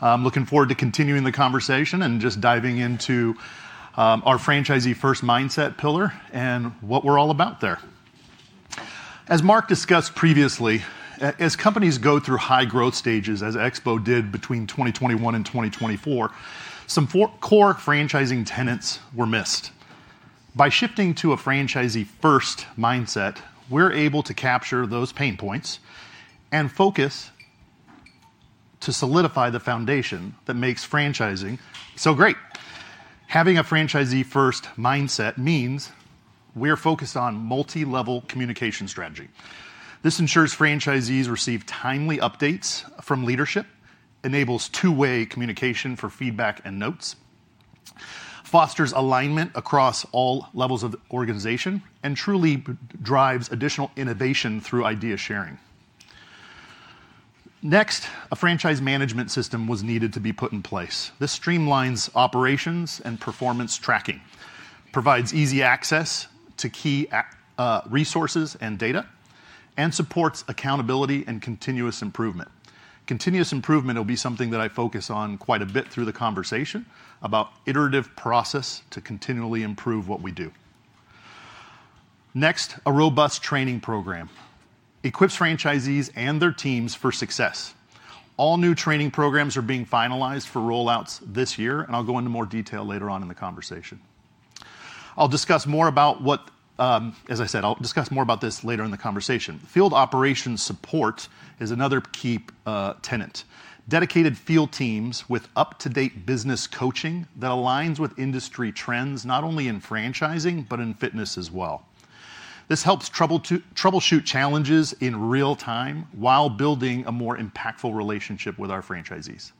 I'm looking forward to continuing the conversation and just diving into our franchisee first mindset pillar and what we're all about there. As Mark discussed previously, as companies go through high growth stages, as Xponential did between 2021 and 2024, some core franchising tenets were missed. By shifting to a franchisee first mindset, we're able to capture those pain points and focus to solidify the foundation that makes franchising so great. Having a franchisee first mindset means we're focused on multi-level communication strategy. This ensures franchisees receive timely updates from leadership, enables two-way communication for feedback and notes, fosters alignment across all levels of the organization, and truly drives additional innovation through idea sharing. Next, a franchise management system was needed to be put in place. This streamlines operations and performance tracking, provides easy access to key resources and data, and supports accountability and continuous improvement. Continuous improvement will be something that I focus on quite a bit through the conversation about iterative process to continually improve what we do. Next, a robust training program equips franchisees and their teams for success. All new training programs are being finalized for rollouts this year, and I'll go into more detail later on in the conversation. I'll discuss more about this later in the conversation. Field operations support is another key tenet. Dedicated field teams with up-to-date business coaching that aligns with industry trends not only in franchising, but in fitness as well. This helps troubleshoot challenges in real time while building a more impactful relationship with our franchisees.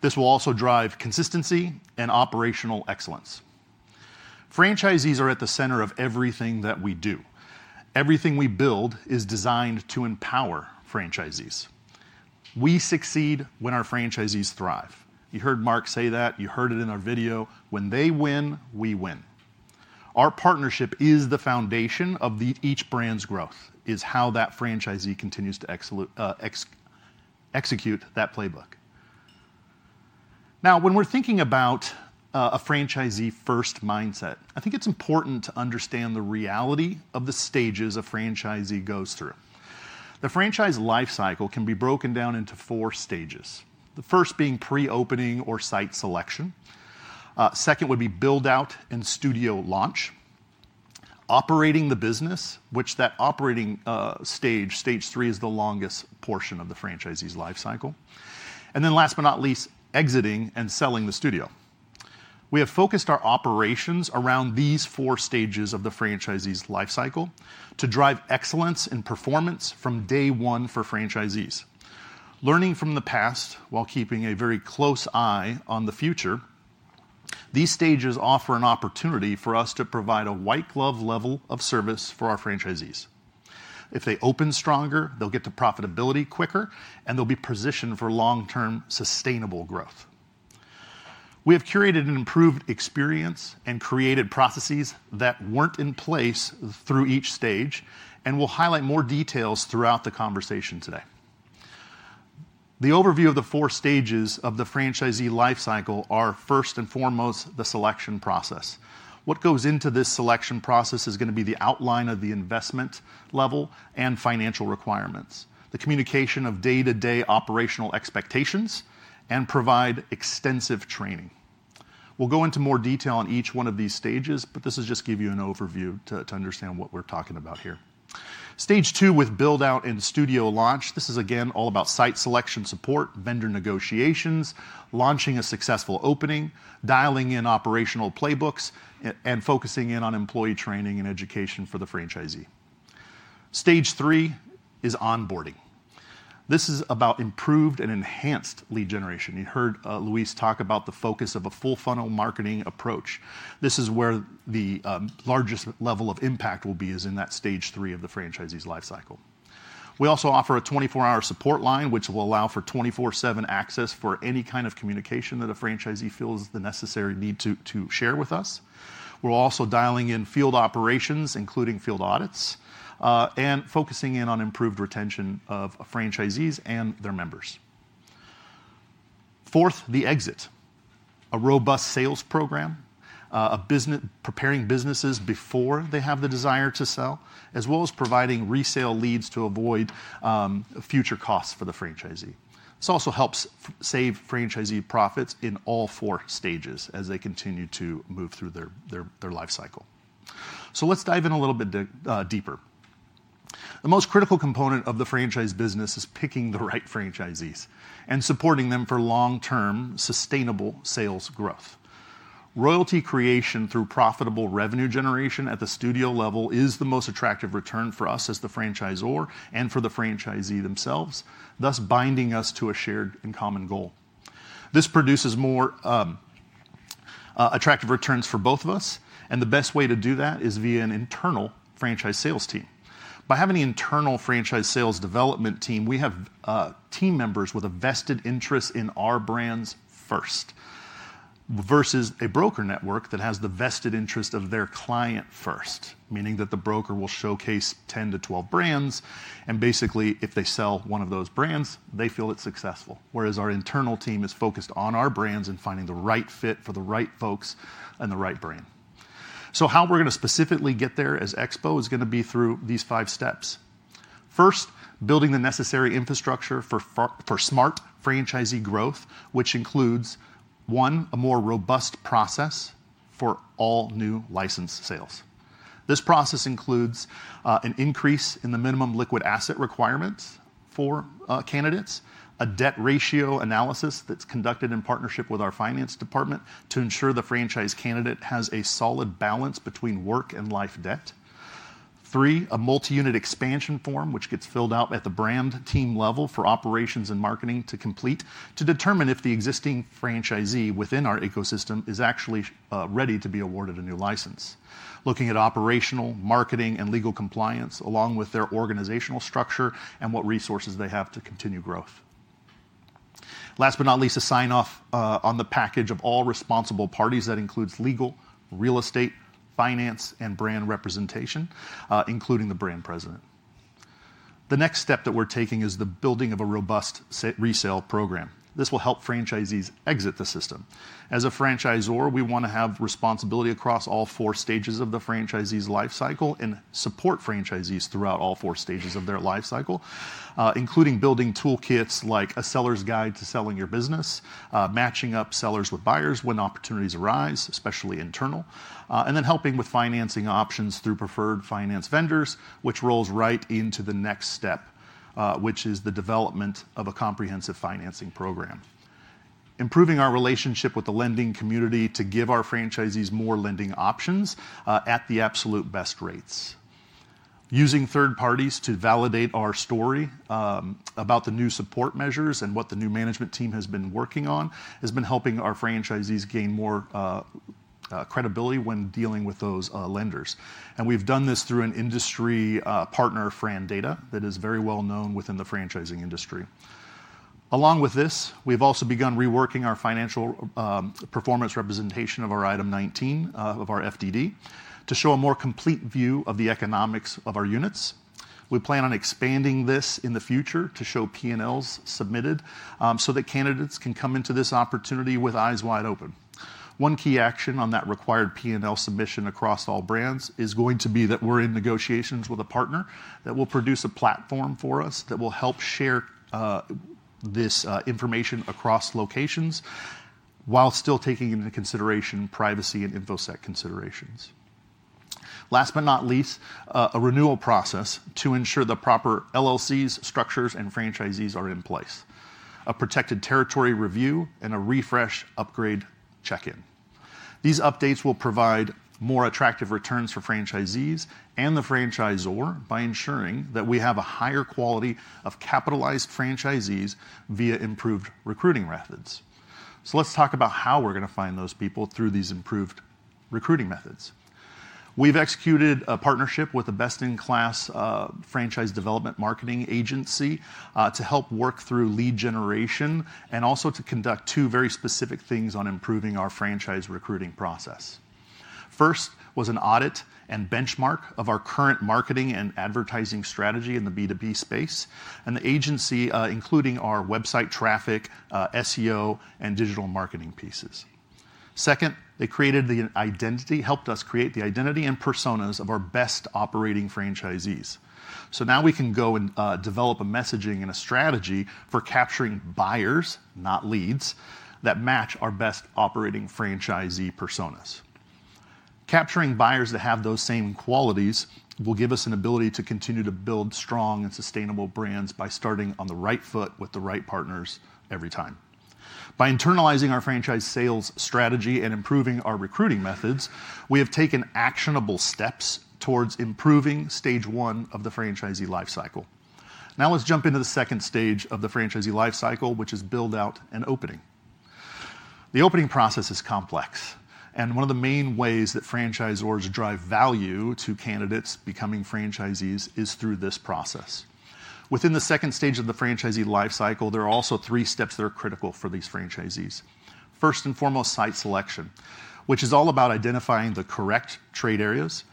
This will also drive consistency and operational excellence. Franchisees are at the center of everything that we do. Everything we build is designed to empower franchisees. We succeed when our franchisees thrive. You heard Mark say that. You heard it in our video. When they win, we win. Our partnership is the foundation of each brand's growth, is how that franchisee continues to execute that playbook. Now, when we're thinking about a franchisee first mindset, I think it's important to understand the reality of the stages a franchisee goes through. The franchise lifecycle can be broken down into four stages, the first being pre-opening or site selection. Second would be build-out and studio launch. Operating the business, which that operating stage, stage three, is the longest portion of the franchisee's lifecycle. Last but not least, exiting and selling the studio. We have focused our operations around these four stages of the franchisee's lifecycle to drive excellence and performance from day one for franchisees. Learning from the past while keeping a very close eye on the future, these stages offer an opportunity for us to provide a white-glove level of service for our franchisees. If they open stronger, they'll get to profitability quicker, and they'll be positioned for long-term sustainable growth. We have curated an improved experience and created processes that were not in place through each stage and will highlight more details throughout the conversation today. The overview of the four stages of the franchisee lifecycle are first and foremost the selection process. What goes into this selection process is going to be the outline of the investment level and financial requirements, the communication of day-to-day operational expectations, and provide extensive training. We'll go into more detail on each one of these stages, but this is just to give you an overview to understand what we're talking about here. Stage two with build-out and studio launch. This is again all about site selection support, vendor negotiations, launching a successful opening, dialing in operational playbooks, and focusing in on employee training and education for the franchisee. Stage three is onboarding. This is about improved and enhanced lead generation. You heard Luis talk about the focus of a full-funnel marketing approach. This is where the largest level of impact will be in that stage three of the franchisee's lifecycle. We also offer a 24-hour support line, which will allow for 24/7 access for any kind of communication that a franchisee feels the necessary need to share with us. We're also dialing in field operations, including field audits, and focusing in on improved retention of franchisees and their members. Fourth, the exit. A robust sales program, preparing businesses before they have the desire to sell, as well as providing resale leads to avoid future costs for the franchisee. This also helps save franchisee profits in all four stages as they continue to move through their lifecycle. Let's dive in a little bit deeper. The most critical component of the franchise business is picking the right franchisees and supporting them for long-term sustainable sales growth. Loyalty creation through profitable revenue generation at the studio level is the most attractive return for us as the franchisor and for the franchisee themselves, thus binding us to a shared and common goal. This produces more attractive returns for both of us, and the best way to do that is via an internal franchise sales team. By having an internal franchise sales development team, we have team members with a vested interest in our brands first versus a broker network that has the vested interest of their client first, meaning that the broker will showcase 10 to 12 brands, and basically, if they sell one of those brands, they feel it's successful, whereas our internal team is focused on our brands and finding the right fit for the right folks and the right brand. How we're going to specifically get there as Expo is going to be through these five steps. First, building the necessary infrastructure for smart franchisee growth, which includes, one, a more robust process for all new license sales. This process includes an increase in the minimum liquid asset requirements for candidates, a debt ratio analysis that's conducted in partnership with our finance department to ensure the franchise candidate has a solid balance between work and life debt. Three, a multi-unit expansion form, which gets filled out at the brand team level for operations and marketing to complete to determine if the existing franchisee within our ecosystem is actually ready to be awarded a new license, looking at operational, marketing, and legal compliance along with their organizational structure and what resources they have to continue growth. Last but not least, a sign-off on the package of all responsible parties. That includes legal, real estate, finance, and brand representation, including the brand president. The next step that we're taking is the building of a robust resale program. This will help franchisees exit the system. As a franchisor, we want to have responsibility across all four stages of the franchisee's lifecycle and support franchisees throughout all four stages of their lifecycle, including building toolkits like a seller's guide to selling your business, matching up sellers with buyers when opportunities arise, especially internal, and then helping with financing options through preferred finance vendors, which rolls right into the next step, which is the development of a comprehensive financing program, improving our relationship with the lending community to give our franchisees more lending options at the absolute best rates. Using third parties to validate our story about the new support measures and what the new management team has been working on has been helping our franchisees gain more credibility when dealing with those lenders. We have done this through an industry partner, FranData, that is very well known within the franchising industry. Along with this, we've also begun reworking our financial performance representation of our item 19 of our FDD to show a more complete view of the economics of our units. We plan on expanding this in the future to show P&Ls submitted so that candidates can come into this opportunity with eyes wide open. One key action on that required P&L submission across all brands is going to be that we're in negotiations with a partner that will produce a platform for us that will help share this information across locations while still taking into consideration privacy and infosec considerations. Last but not least, a renewal process to ensure the proper LLCs, structures, and franchisees are in place, a protected territory review, and a refresh upgrade check-in. These updates will provide more attractive returns for franchisees and the franchisor by ensuring that we have a higher quality of capitalized franchisees via improved recruiting methods. Let's talk about how we're going to find those people through these improved recruiting methods. We've executed a partnership with a best-in-class franchise development marketing agency to help work through lead generation and also to conduct two very specific things on improving our franchise recruiting process. First was an audit and benchmark of our current marketing and advertising strategy in the B2B space and the agency, including our website traffic, SEO, and digital marketing pieces. Second, they created the identity, helped us create the identity and personas of our best operating franchisees. Now we can go and develop a messaging and a strategy for capturing buyers, not leads, that match our best operating franchisee personas. Capturing buyers that have those same qualities will give us an ability to continue to build strong and sustainable brands by starting on the right foot with the right partners every time. By internalizing our franchise sales strategy and improving our recruiting methods, we have taken actionable steps towards improving stage one of the franchisee lifecycle. Now let's jump into the second stage of the franchisee lifecycle, which is build-out and opening. The opening process is complex, and one of the main ways that franchisors drive value to candidates becoming franchisees is through this process. Within the second stage of the franchisee lifecycle, there are also three steps that are critical for these franchisees. First and foremost, site selection, which is all about identifying the correct trade areas,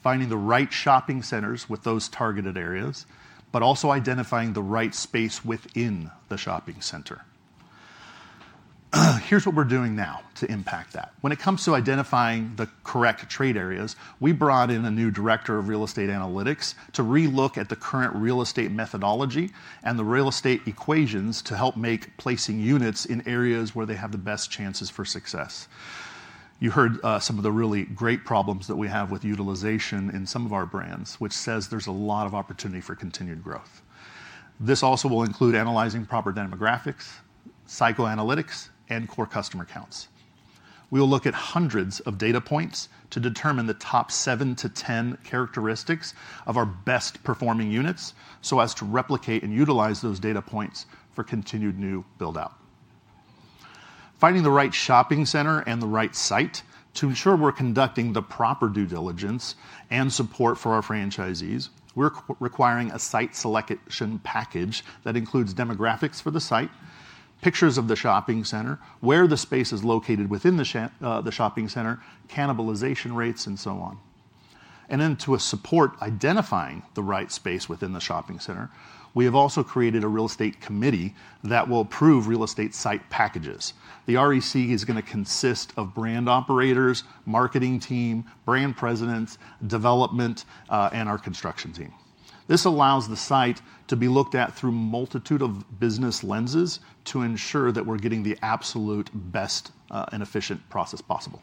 finding the right shopping centers with those targeted areas, but also identifying the right space within the shopping center. Here's what we're doing now to impact that. When it comes to identifying the correct trade areas, we brought in a new Director of Real Estate Analytics to re-look at the current real estate methodology and the real estate equations to help make placing units in areas where they have the best chances for success. You heard some of the really great problems that we have with utilization in some of our brands, which says there's a lot of opportunity for continued growth. This also will include analyzing proper demographics, cycle analytics, and core customer counts. We will look at hundreds of data points to determine the top 7-10 characteristics of our best-performing units so as to replicate and utilize those data points for continued new build-out. Finding the right shopping center and the right site to ensure we're conducting the proper due diligence and support for our franchisees, we're requiring a site selection package that includes demographics for the site, pictures of the shopping center, where the space is located within the shopping center, cannibalization rates, and so on. To support identifying the right space within the shopping center, we have also created a real estate committee that will approve real estate site packages. The REC is going to consist of brand operators, marketing team, brand presidents, development, and our construction team. This allows the site to be looked at through a multitude of business lenses to ensure that we're getting the absolute best and efficient process possible.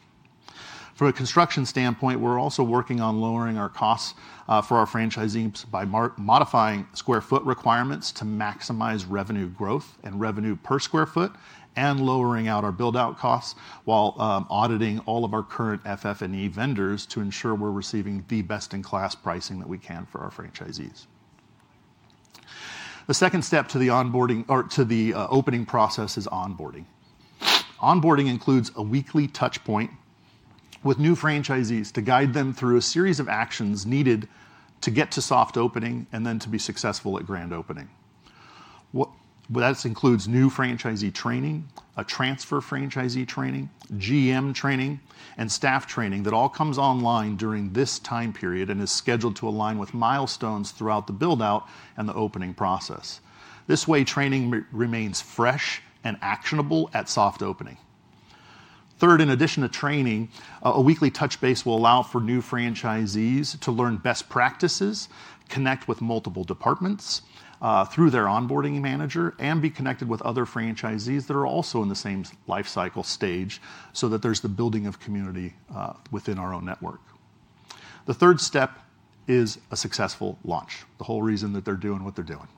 From a construction standpoint, we're also working on lowering our costs for our franchisees by modifying square foot requirements to maximize revenue growth and revenue per square foot and lowering our build-out costs while auditing all of our current FF&E vendors to ensure we're receiving the best-in-class pricing that we can for our franchisees. The second step to the opening process is onboarding. Onboarding includes a weekly touchpoint with new franchisees to guide them through a series of actions needed to get to soft opening and then to be successful at grand opening. That includes new franchisee training, a transfer franchisee training, GM training, and staff training that all comes online during this time period and is scheduled to align with milestones throughout the build-out and the opening process. This way, training remains fresh and actionable at soft opening. Third, in addition to training, a weekly touch base will allow for new franchisees to learn best practices, connect with multiple departments through their onboarding manager, and be connected with other franchisees that are also in the same lifecycle stage so that there's the building of community within our own network. The third step is a successful launch, the whole reason that they're doing what they're doing.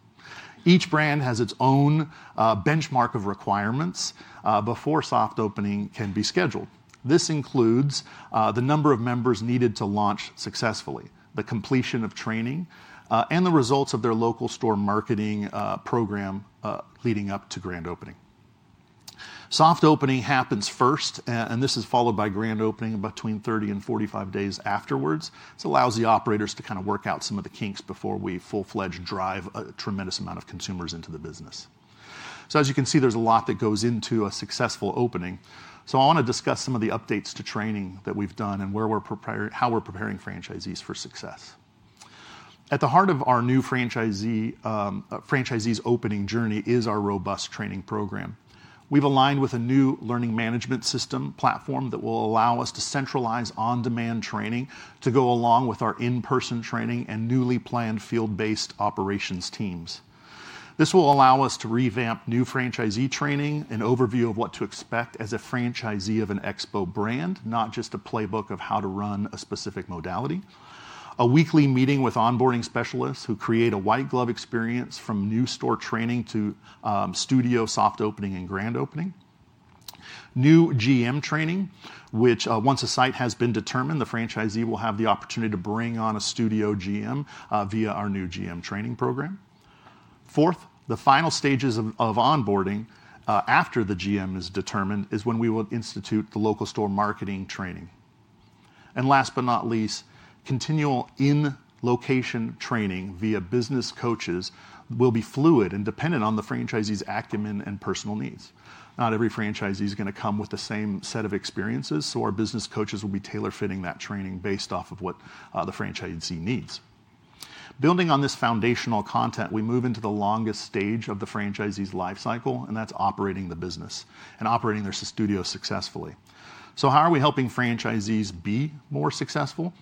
Each brand has its own benchmark of requirements before soft opening can be scheduled. This includes the number of members needed to launch successfully, the completion of training, and the results of their local store marketing program leading up to grand opening. Soft opening happens first, and this is followed by grand opening between 30 and 45 days afterwards. This allows the operators to kind of work out some of the kinks before we full-fledge drive a tremendous amount of consumers into the business. As you can see, there's a lot that goes into a successful opening. I want to discuss some of the updates to training that we've done and how we're preparing franchisees for success. At the heart of our new franchisee's opening journey is our robust training program. We've aligned with a new learning management system platform that will allow us to centralize on-demand training to go along with our in-person training and newly planned field-based operations teams. This will allow us to revamp new franchisee training, an overview of what to expect as a franchisee of an Expo brand, not just a playbook of how to run a specific modality, a weekly meeting with onboarding specialists who create a white glove experience from new store training to studio soft opening and grand opening, new GM training, which once a site has been determined, the franchisee will have the opportunity to bring on a studio GM via our new GM training program. Fourth, the final stages of onboarding after the GM is determined is when we will institute the local store marketing training. Last but not least, continual in-location training via business coaches will be fluid and dependent on the franchisee's acumen and personal needs. Not every franchisee is going to come with the same set of experiences, so our business coaches will be tailor-fitting that training based off of what the franchisee needs. Building on this foundational content, we move into the longest stage of the franchisee's lifecycle, and that's operating the business and operating their studio successfully. How are we helping franchisees be more successful?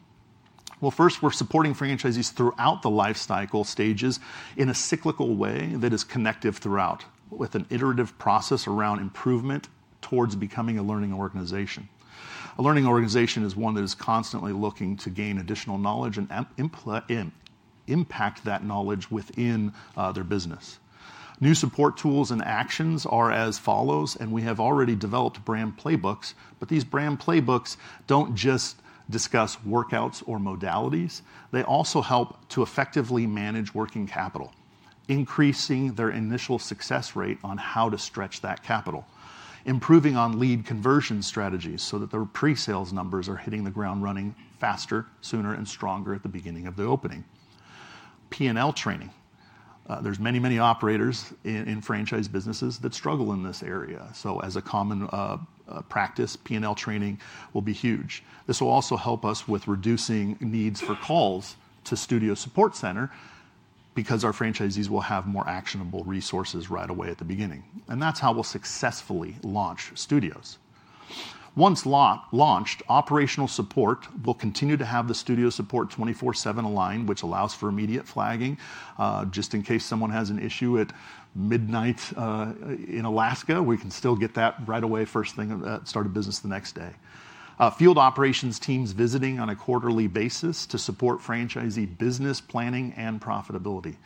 First, we're supporting franchisees throughout the lifecycle stages in a cyclical way that is connective throughout with an iterative process around improvement towards becoming a learning organization. A learning organization is one that is constantly looking to gain additional knowledge and impact that knowledge within their business. New support tools and actions are as follows, and we have already developed brand playbooks, but these brand playbooks do not just discuss workouts or modalities. They also help to effectively manage working capital, increasing their initial success rate on how to stretch that capital, improving on lead conversion strategies so that their pre-sales numbers are hitting the ground running faster, sooner, and stronger at the beginning of the opening. P&L training. There are many, many operators in franchise businesses that struggle in this area. As a common practice, P&L training will be huge. This will also help us with reducing needs for calls to studio support center because our franchisees will have more actionable resources right away at the beginning. That is how we will successfully launch studios. Once launched, operational support will continue to have the studio support 24/7 aligned, which allows for immediate flagging just in case someone has an issue at midnight in Alaska. We can still get that right away first thing that started business the next day. Field operations teams visiting on a quarterly basis to support franchisee business planning and profitability.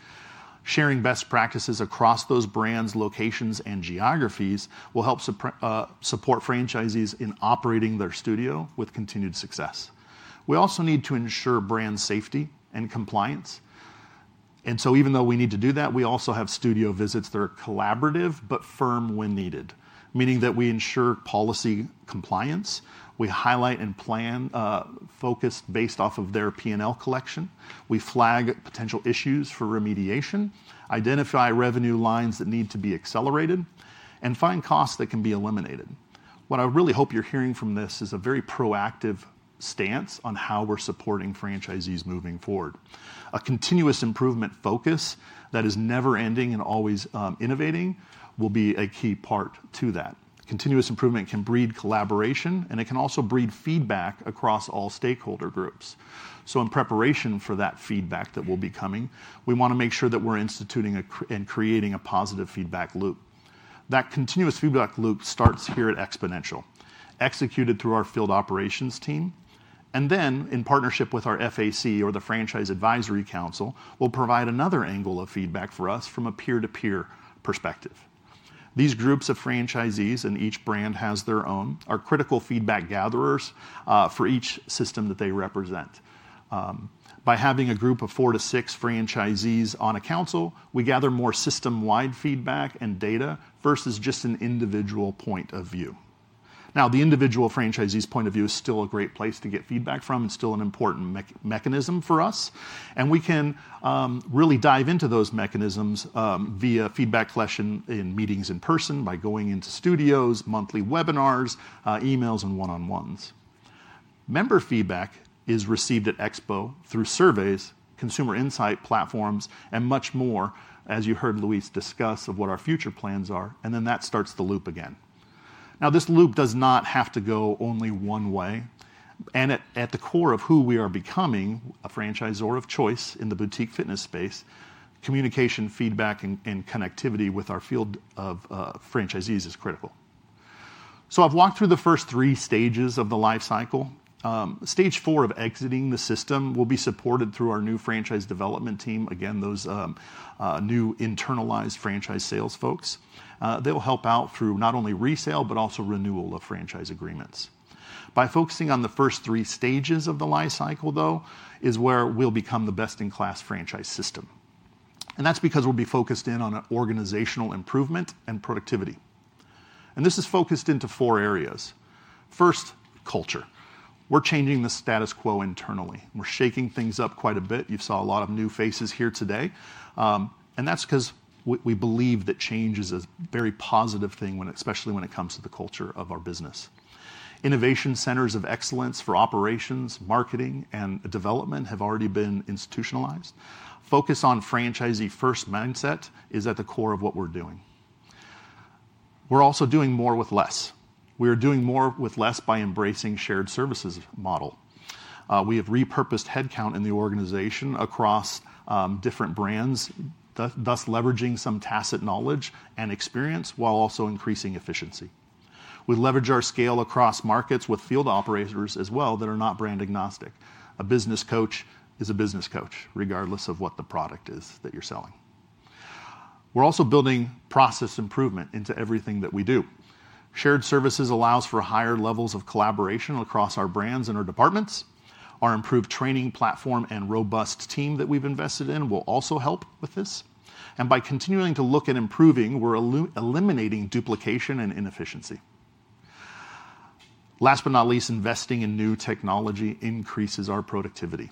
Sharing best practices across those brands, locations, and geographies will help support franchisees in operating their studio with continued success. We also need to ensure brand safety and compliance. Even though we need to do that, we also have studio visits that are collaborative but firm when needed, meaning that we ensure policy compliance. We highlight and plan focused based off of their P&L collection. We flag potential issues for remediation, identify revenue lines that need to be accelerated, and find costs that can be eliminated. What I really hope you're hearing from this is a very proactive stance on how we're supporting franchisees moving forward. A continuous improvement focus that is never-ending and always innovating will be a key part to that. Continuous improvement can breed collaboration, and it can also breed feedback across all stakeholder groups. In preparation for that feedback that will be coming, we want to make sure that we're instituting and creating a positive feedback loop. That continuous feedback loop starts here at Xponential, executed through our field operations team, and then, in partnership with our FAC or the Franchise Advisory Council, will provide another angle of feedback for us from a peer-to-peer perspective. These groups of franchisees, and each brand has their own, are critical feedback gatherers for each system that they represent. By having a group of four to six franchisees on a council, we gather more system-wide feedback and data versus just an individual point of view. Now, the individual franchisee's point of view is still a great place to get feedback from and still an important mechanism for us. We can really dive into those mechanisms via feedback collection in meetings in person, by going into studios, monthly webinars, emails, and one-on-ones. Member feedback is received at Expo through surveys, consumer insight platforms, and much more, as you heard Luis discuss of what our future plans are, and then that starts the loop again. This loop does not have to go only one way. At the core of who we are becoming, a franchisor of choice in the boutique fitness space, communication, feedback, and connectivity with our field of franchisees is critical. I have walked through the first three stages of the lifecycle. Stage four of exiting the system will be supported through our new franchise development team, again, those new internalized franchise sales folks. They will help out through not only resale but also renewal of franchise agreements. By focusing on the first three stages of the lifecycle, though, is where we'll become the best-in-class franchise system. That is because we'll be focused in on organizational improvement and productivity. This is focused into four areas. First, culture. We're changing the status quo internally. We're shaking things up quite a bit. You saw a lot of new faces here today. That is because we believe that change is a very positive thing, especially when it comes to the culture of our business. Innovation centers of excellence for operations, marketing, and development have already been institutionalized. Focus on franchisee-first mindset is at the core of what we're doing. We're also doing more with less. We are doing more with less by embracing shared services model. We have repurposed headcount in the organization across different brands, thus leveraging some tacit knowledge and experience while also increasing efficiency. We leverage our scale across markets with field operators as well that are not brand agnostic. A business coach is a business coach, regardless of what the product is that you're selling. We're also building process improvement into everything that we do. Shared services allows for higher levels of collaboration across our brands and our departments. Our improved training platform and robust team that we've invested in will also help with this. By continuing to look at improving, we're eliminating duplication and inefficiency. Last but not least, investing in new technology increases our productivity.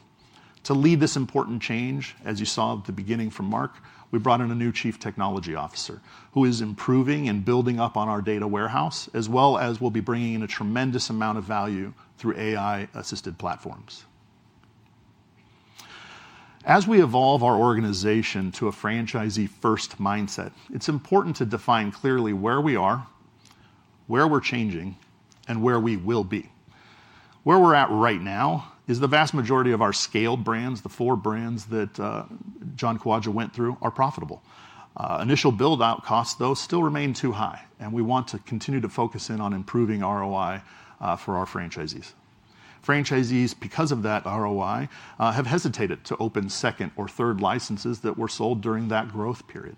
To lead this important change, as you saw at the beginning from Mark, we brought in a new Chief Technology Officer who is improving and building up on our data warehouse, as well as we'll be bringing in a tremendous amount of value through AI-assisted platforms. As we evolve our organization to a franchisee-first mindset, it's important to define clearly where we are, where we're changing, and where we will be. Where we're at right now is the vast majority of our scaled brands, the four brands that John Kawaja went through, are profitable. Initial build-out costs, though, still remain too high, and we want to continue to focus in on improving ROI for our franchisees. Franchisees, because of that ROI, have hesitated to open second or third licenses that were sold during that growth period.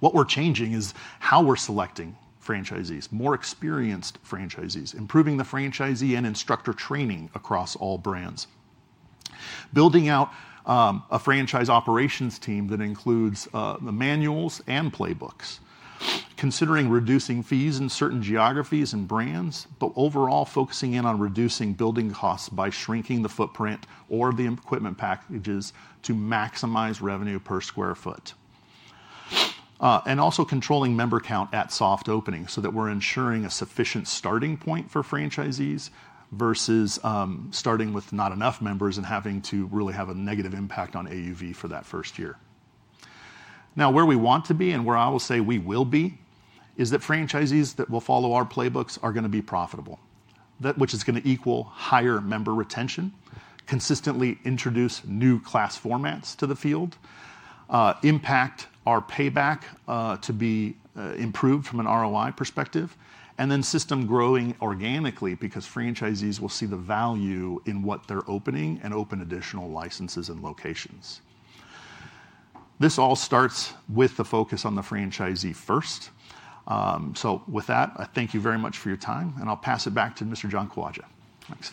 What we're changing is how we're selecting franchisees, more experienced franchisees, improving the franchisee and instructor training across all brands, building out a franchise operations team that includes the manuals and playbooks, considering reducing fees in certain geographies and brands, but overall focusing in on reducing building costs by shrinking the footprint or the equipment packages to maximize revenue per sq ft, and also controlling member count at soft opening so that we're ensuring a sufficient starting point for franchisees versus starting with not enough members and having to really have a negative impact on AUV for that first year. Now, where we want to be and where I will say we will be is that franchisees that will follow our playbooks are going to be profitable, which is going to equal higher member retention, consistently introduce new class formats to the field, impact our payback to be improved from an ROI perspective, and then system growing organically because franchisees will see the value in what they're opening and open additional licenses and locations. This all starts with the focus on the franchisee first. With that, I thank you very much for your time, and I'll pass it back to Mr. John Kawaja. Thanks.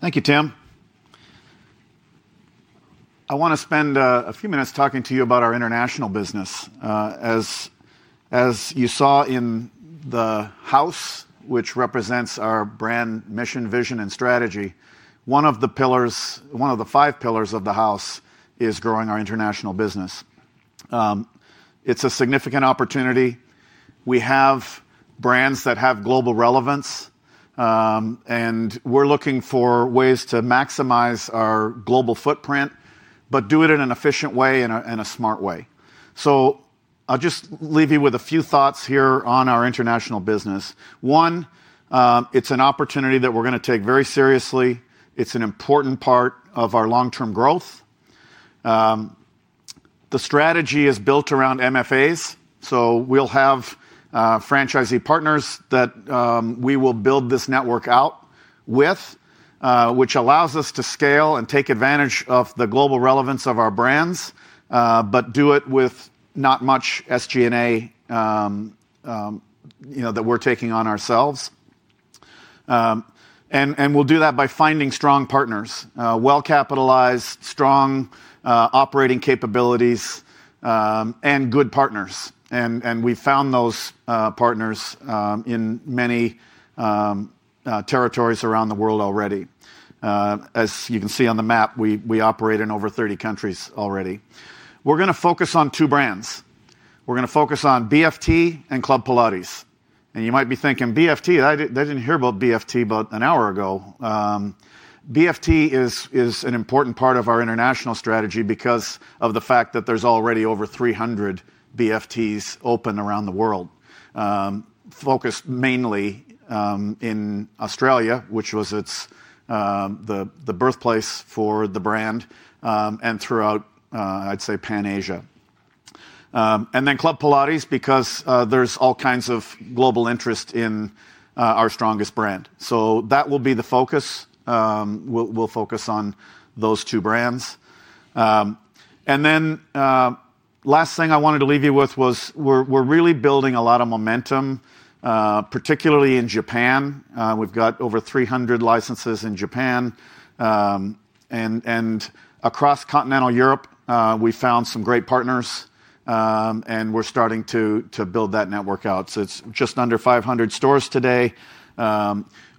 Thank you, Tim. I want to spend a few minutes talking to you about our international business. As you saw in the house, which represents our brand mission, vision, and strategy, one of the pillars, one of the five pillars of the house, is growing our international business. It's a significant opportunity. We have brands that have global relevance, and we're looking for ways to maximize our global footprint, but do it in an efficient way and a smart way. I'll just leave you with a few thoughts here on our international business. One, it's an opportunity that we're going to take very seriously. It's an important part of our long-term growth. The strategy is built around MFAs, so we'll have franchisee partners that we will build this network out with, which allows us to scale and take advantage of the global relevance of our brands, but do it with not much SG&A that we're taking on ourselves. We'll do that by finding strong partners, well-capitalized, strong operating capabilities, and good partners. We've found those partners in many territories around the world already. As you can see on the map, we operate in over 30 countries already. We're going to focus on two brands. We're going to focus on BFT and Club Pilates. You might be thinking, "BFT? I didn't hear about BFT about an hour ago. BFT is an important part of our international strategy because of the fact that there's already over 300 BFTs open around the world, focused mainly in Australia, which was the birthplace for the brand, and throughout, I'd say, Pan Asia. Club Pilates, because there's all kinds of global interest in our strongest brand, that will be the focus. We'll focus on those two brands. The last thing I wanted to leave you with was we're really building a lot of momentum, particularly in Japan. We've got over 300 licenses in Japan. Across continental Europe, we found some great partners, and we're starting to build that network out. It's just under 500 stores today.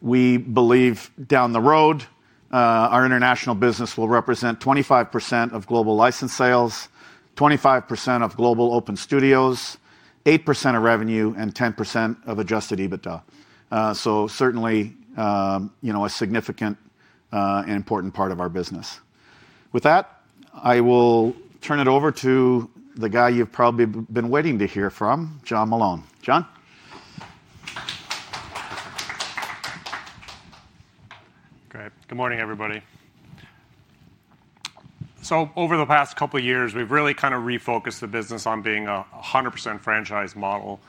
We believe down the road our international business will represent 25% of global license sales, 25% of global open studios, 8% of revenue, and 10% of adjusted EBITDA. Certainly a significant and important part of our business. With that, I will turn it over to the guy you've probably been waiting to hear from, John Meloun. John. Okay. Good morning, everybody. Over the past couple of years, we've really kind of refocused the business on being a 100% franchise model,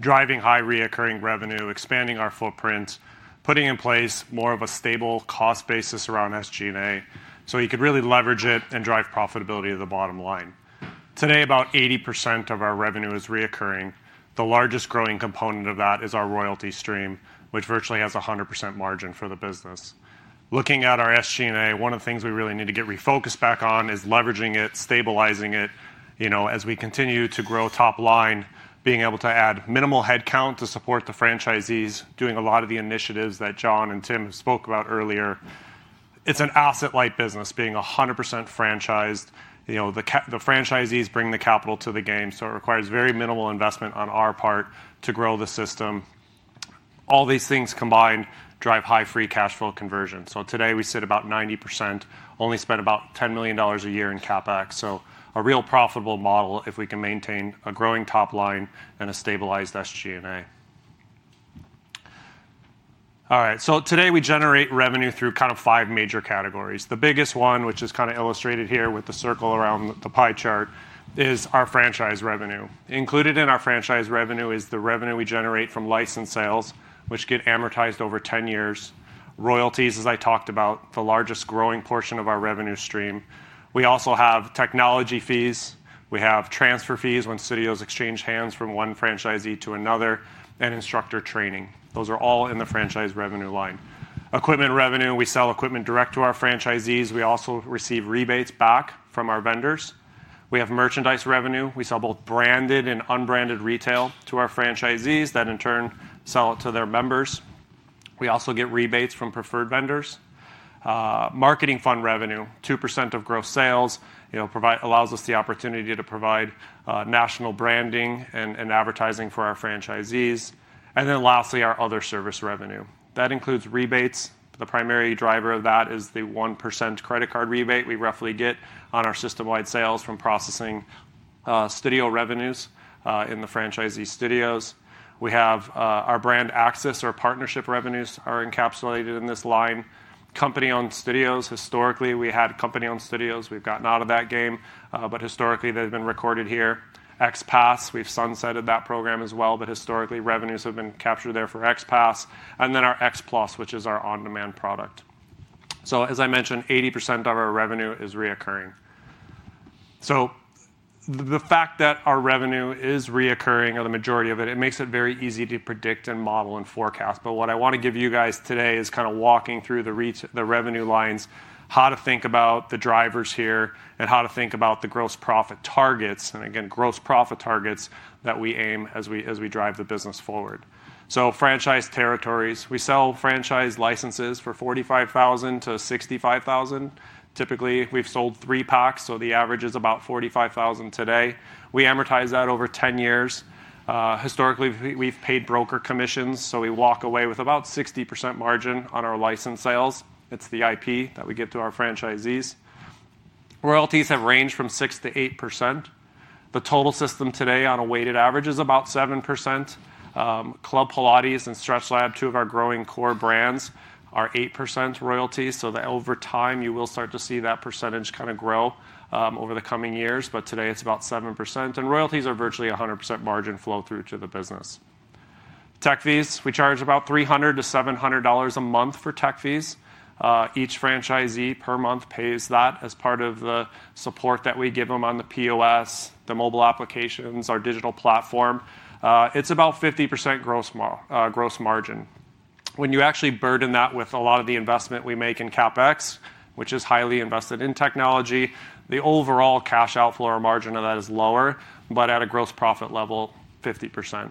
driving high reoccurring revenue, expanding our footprint, putting in place more of a stable cost basis around SG&A so you could really leverage it and drive profitability at the bottom line. Today, about 80% of our revenue is reoccurring. The largest growing component of that is our royalty stream, which virtually has a 100% margin for the business. Looking at our SG&A, one of the things we really need to get refocused back on is leveraging it, stabilizing it. As we continue to grow top line, being able to add minimal headcount to support the franchisees, doing a lot of the initiatives that John and Tim spoke about earlier. It's an asset-like business, being 100% franchised. The franchisees bring the capital to the game, so it requires very minimal investment on our part to grow the system. All these things combined drive high free cash flow conversion. Today we sit about 90%, only spend about $10 million a year in CapEx. A real profitable model if we can maintain a growing top line and a stabilized SG&A. All right. Today we generate revenue through kind of five major categories. The biggest one, which is kind of illustrated here with the circle around the pie chart, is our franchise revenue. Included in our franchise revenue is the revenue we generate from license sales, which get amortized over 10 years. Royalties, as I talked about, the largest growing portion of our revenue stream. We also have technology fees. We have transfer fees when studios exchange hands from one franchisee to another, and instructor training. Those are all in the franchise revenue line. Equipment revenue, we sell equipment direct to our franchisees. We also receive rebates back from our vendors. We have merchandise revenue. We sell both branded and unbranded retail to our franchisees that, in turn, sell it to their members. We also get rebates from preferred vendors. Marketing fund revenue, 2% of gross sales, allows us the opportunity to provide national branding and advertising for our franchisees. Lastly, our other service revenue. That includes rebates. The primary driver of that is the 1% credit card rebate we roughly get on our system-wide sales from processing studio revenues in the franchisee studios. We have our brand access or partnership revenues that are encapsulated in this line. Company-owned studios, historically, we had company-owned studios. We've gotten out of that game, but historically, they've been recorded here. XPass, we've sunsetted that program as well, but historically, revenues have been captured there for XPass. And then our XPlus, which is our on-demand product. As I mentioned, 80% of our revenue is reoccurring. The fact that our revenue is reoccurring, or the majority of it, it makes it very easy to predict and model and forecast. What I want to give you guys today is kind of walking through the revenue lines, how to think about the drivers here, and how to think about the gross profit targets, and again, gross profit targets that we aim as we drive the business forward. Franchise territories. We sell franchise licenses for $45,000-$65,000. Typically, we've sold three packs, so the average is about $45,000 today. We amortize that over 10 years. Historically, we've paid broker commissions, so we walk away with about 60% margin on our license sales. It's the IP that we give to our franchisees. Royalties have ranged from 6% to 8%. The total system today on a weighted average is about 7%. Club Pilates and StretchLab, two of our growing core brands, are 8% royalties. Over time, you will start to see that percentage kind of grow over the coming years, but today it's about 7%. Royalties are virtually a 100% margin flow through to the business. Tech fees. We charge about $300-$700 a month for tech fees. Each franchisee per month pays that as part of the support that we give them on the POS, the mobile applications, our digital platform. It's about 50% gross margin. When you actually burden that with a lot of the investment we make in CapEx, which is highly invested in technology, the overall cash outflow or margin of that is lower, but at a gross profit level, 50%.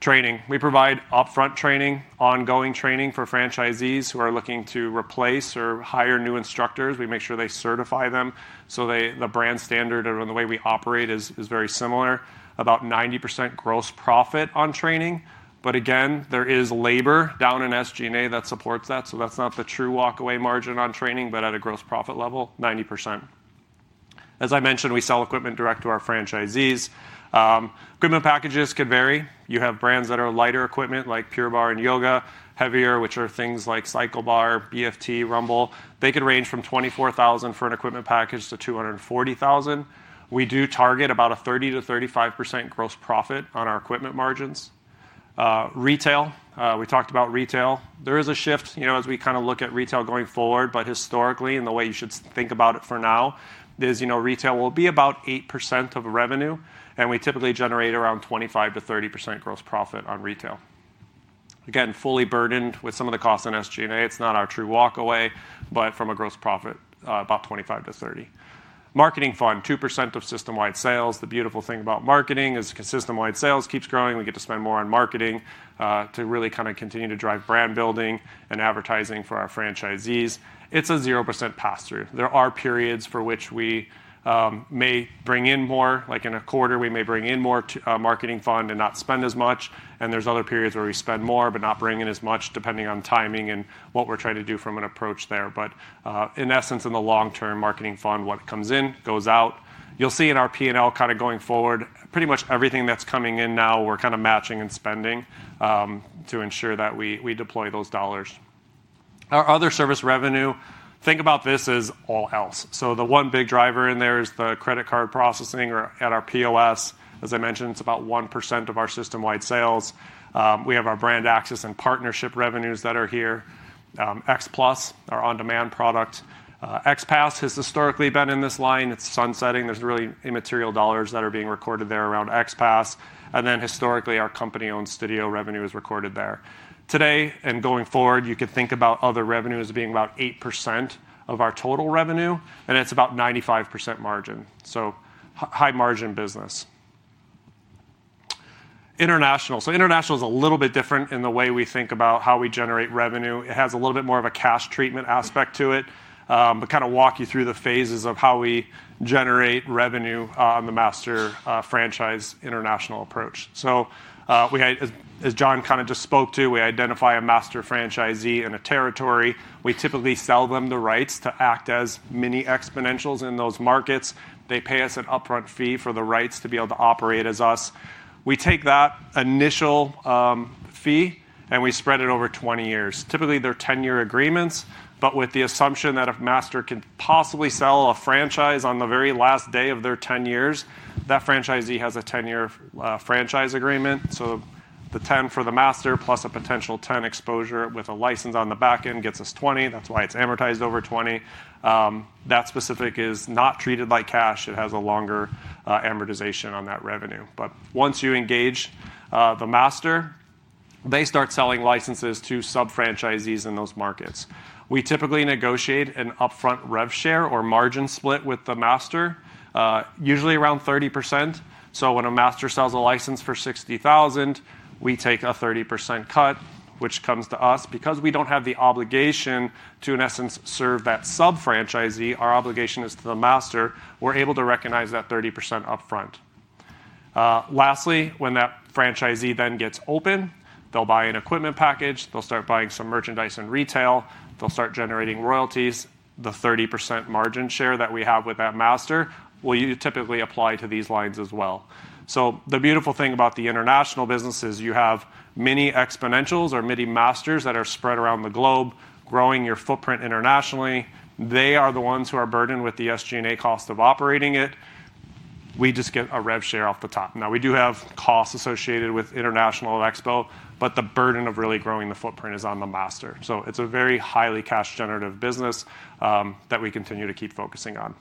Training. We provide upfront training, ongoing training for franchisees who are looking to replace or hire new instructors. We make sure they certify them, so the brand standard and the way we operate is very similar. About 90% gross profit on training. Again, there is labor down in SG&A that supports that, so that's not the true walk-away margin on training, but at a gross profit level, 90%. As I mentioned, we sell equipment direct to our franchisees. Equipment packages could vary. You have brands that are lighter equipment, like Pure Barre and YogaSix, heavier, which are things like CycleBar, BFT, Rumble. They could range from $24,000 for an equipment package to $240,000. We do target about a 30%-35% gross profit on our equipment margins. Retail. We talked about retail. There is a shift as we kind of look at retail going forward, but historically, and the way you should think about it for now, is retail will be about 8% of revenue, and we typically generate around 25%-30% gross profit on retail. Again, fully burdened with some of the costs in SG&A. It's not our true walk-away, but from a gross profit, about 25%-30%. Marketing fund, 2% of system-wide sales. The beautiful thing about marketing is system-wide sales keeps growing. We get to spend more on marketing to really kind of continue to drive brand building and advertising for our franchisees. It's a 0% pass-through. There are periods for which we may bring in more. Like in a quarter, we may bring in more marketing fund and not spend as much. There are other periods where we spend more but not bring in as much, depending on timing and what we're trying to do from an approach there. In essence, in the long term, marketing fund, what comes in, goes out. You'll see in our P&L kind of going forward, pretty much everything that's coming in now, we're kind of matching and spending to ensure that we deploy those dollars. Our other service revenue, think about this as all else. The one big driver in there is the credit card processing at our POS. As I mentioned, it's about 1% of our system-wide sales. We have our brand access and partnership revenues that are here. XPlus, our on-demand product. XPass has historically been in this line. It's sunsetting. There's really immaterial dollars that are being recorded there around XPass. Then historically, our company-owned studio revenue is recorded there. Today and going forward, you could think about other revenues being about 8% of our total revenue, and it's about 95% margin. High-margin business. International. International is a little bit different in the way we think about how we generate revenue. It has a little bit more of a cash treatment aspect to it, but kind of walk you through the phases of how we generate revenue on the master franchise international approach. As John kind of just spoke to, we identify a master franchisee in a territory. We typically sell them the rights to act as mini exponentials in those markets. They pay us an upfront fee for the rights to be able to operate as us. We take that initial fee and we spread it over 20 years. Typically, they're 10-year agreements, but with the assumption that if master can possibly sell a franchise on the very last day of their 10 years, that franchisee has a 10-year franchise agreement. The 10 for the master plus a potential 10 exposure with a license on the back end gets us 20. That's why it's amortized over 20. That specific is not treated like cash. It has a longer amortization on that revenue. Once you engage the master, they start selling licenses to sub-franchisees in those markets. We typically negotiate an upfront rev share or margin split with the master, usually around 30%. When a master sells a license for $60,000, we take a 30% cut, which comes to us because we don't have the obligation to, in essence, serve that sub-franchisee. Our obligation is to the master. We're able to recognize that 30% upfront. Lastly, when that franchisee then gets open, they'll buy an equipment package. They'll start buying some merchandise in retail. They'll start generating royalties. The 30% margin share that we have with that master will typically apply to these lines as well. The beautiful thing about the international business is you have mini exponentials or mini masters that are spread around the globe, growing your footprint internationally. They are the ones who are burdened with the SG&A cost of operating it. We just get a rev share off the top. Now, we do have costs associated with international expo, but the burden of really growing the footprint is on the master. It's a very highly cash-generative business that we continue to keep focusing on.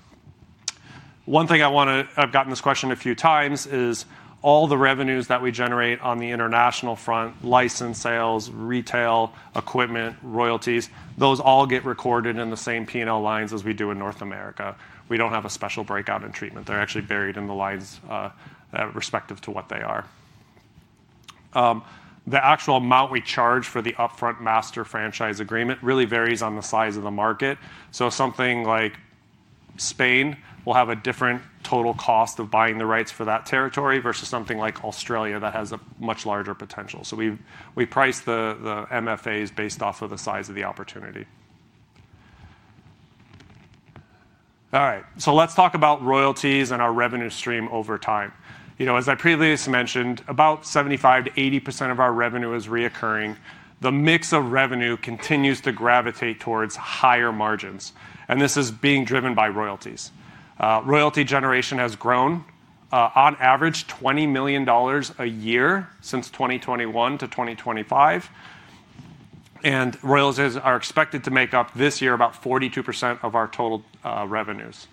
One thing I've gotten this question a few times is all the revenues that we generate on the international front, license sales, retail, equipment, royalties, those all get recorded in the same P&L lines as we do in North America. We don't have a special breakout and treatment. They're actually buried in the lines respective to what they are. The actual amount we charge for the upfront master franchise agreement really varies on the size of the market. Something like Spain will have a different total cost of buying the rights for that territory versus something like Australia that has a much larger potential. We price the MFAs based off of the size of the opportunity. All right. Let's talk about royalties and our revenue stream over time. As I previously mentioned, about 75%-80% of our revenue is reoccurring. The mix of revenue continues to gravitate towards higher margins, and this is being driven by royalties. Royalty generation has grown on average $20 million a year since 2021 to 2025, and royalties are expected to make up this year about 42% of our total revenues.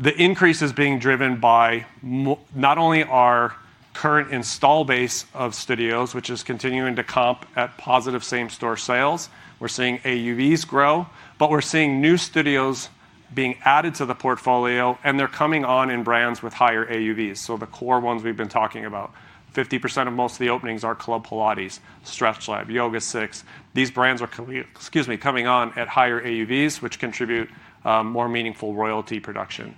The increase is being driven by not only our current install base of studios, which is continuing to comp at positive same-store sales. We're seeing AUVs grow, but we're seeing new studios being added to the portfolio, and they're coming on in brands with higher AUVs. The core ones we've been talking about, 50% of most of the openings are Club Pilates, StretchLab, YogaSix. These brands are coming on at higher AUVs, which contribute to more meaningful royalty production.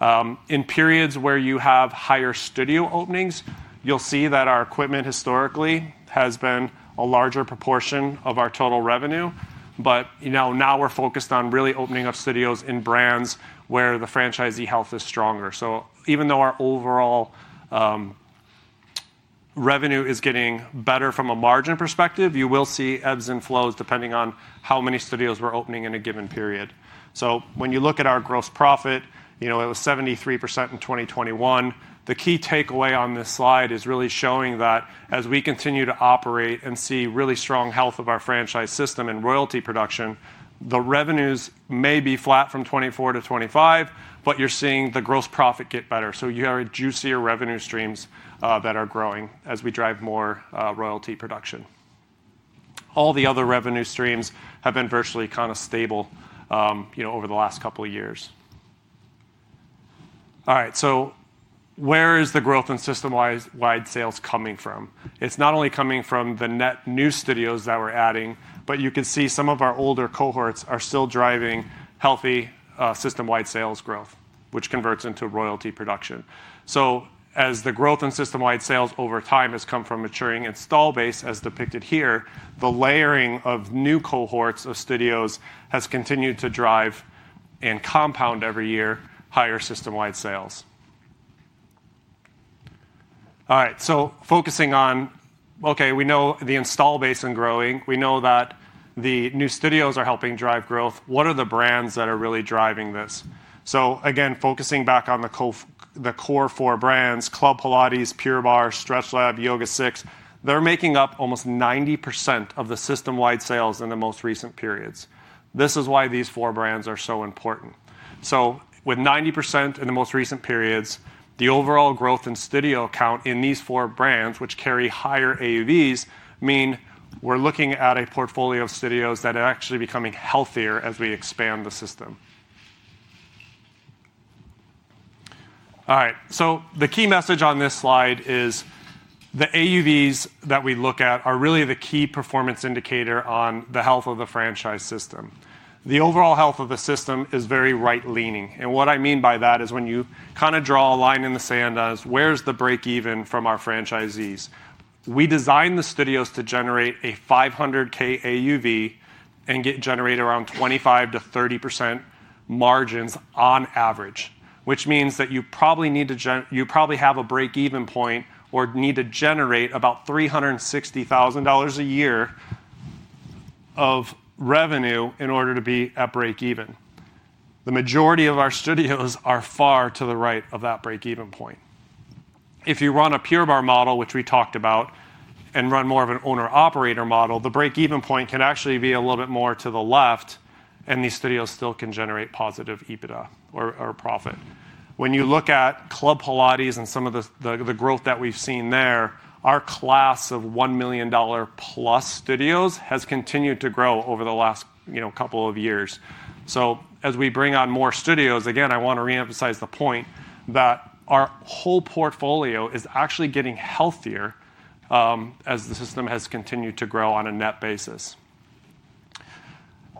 In periods where you have higher studio openings, you'll see that our equipment historically has been a larger proportion of our total revenue, but now we're focused on really opening up studios in brands where the franchisee health is stronger. Even though our overall revenue is getting better from a margin perspective, you will see ebbs and flows depending on how many studios we're opening in a given period. When you look at our gross profit, it was 73% in 2021. The key takeaway on this slide is really showing that as we continue to operate and see really strong health of our franchise system and royalty production, the revenues may be flat from 2024 to 2025, but you're seeing the gross profit get better. You have juicier revenue streams that are growing as we drive more royalty production. All the other revenue streams have been virtually kind of stable over the last couple of years. All right. So, where is the growth in system-wide sales coming from? It's not only coming from the net new studios that we're adding, but you can see some of our older cohorts are still driving healthy system-wide sales growth, which converts into royalty production. As the growth in system-wide sales over time has come from maturing install base, as depicted here, the layering of new cohorts of studios has continued to drive and compound every year higher system-wide sales. All right. Focusing on, okay, we know the install base is growing. We know that the new studios are helping drive growth. What are the brands that are really driving this? So, again, focusing back on the core four brands, Club Pilates, Pure Barre, StretchLab, YogaSix, they're making up almost 90% of the system-wide sales in the most recent periods. This is why these four brands are so important. With 90% in the most recent periods, the overall growth in studio count in these four brands, which carry higher AUVs, means we're looking at a portfolio of studios that are actually becoming healthier as we expand the system. All right. The key message on this slide is the AUVs that we look at are really the key performance indicator on the health of the franchise system. The overall health of the system is very right-leaning. What I mean by that is when you kind of draw a line in the sand as where's the break-even from our franchisees. We designed the studios to generate a $500,000 AUV and generate around 25%-30% margins on average, which means that you probably have a break-even point or need to generate about $360,000 a year of revenue in order to be at break-even. The majority of our studios are far to the right of that break-even point. If you run a Pure Barre model, which we talked about, and run more of an owner-operator model, the break-even point can actually be a little bit more to the left, and these studios still can generate positive EBITDA or profit. When you look at Club Pilates and some of the growth that we've seen there, our class of $1 million plus studios has continued to grow over the last couple of years. As we bring on more studios, again, I want to reemphasize the point that our whole portfolio is actually getting healthier as the system has continued to grow on a net basis.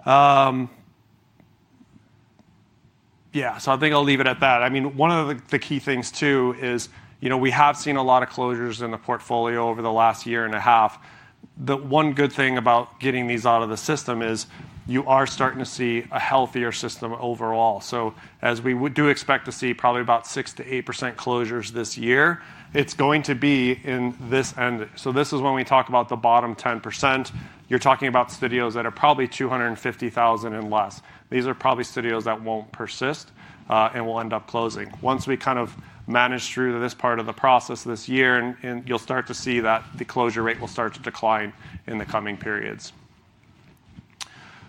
Yeah. I think I'll leave it at that. I mean, one of the key things too is we have seen a lot of closures in the portfolio over the last year and a half. The one good thing about getting these out of the system is you are starting to see a healthier system overall. As we do expect to see probably about 6%-8% closures this year, it's going to be in this end. This is when we talk about the bottom 10%. You're talking about studios that are probably $250,000 and less. These are probably studios that won't persist and will end up closing. Once we kind of manage through this part of the process this year, you'll start to see that the closure rate will start to decline in the coming periods.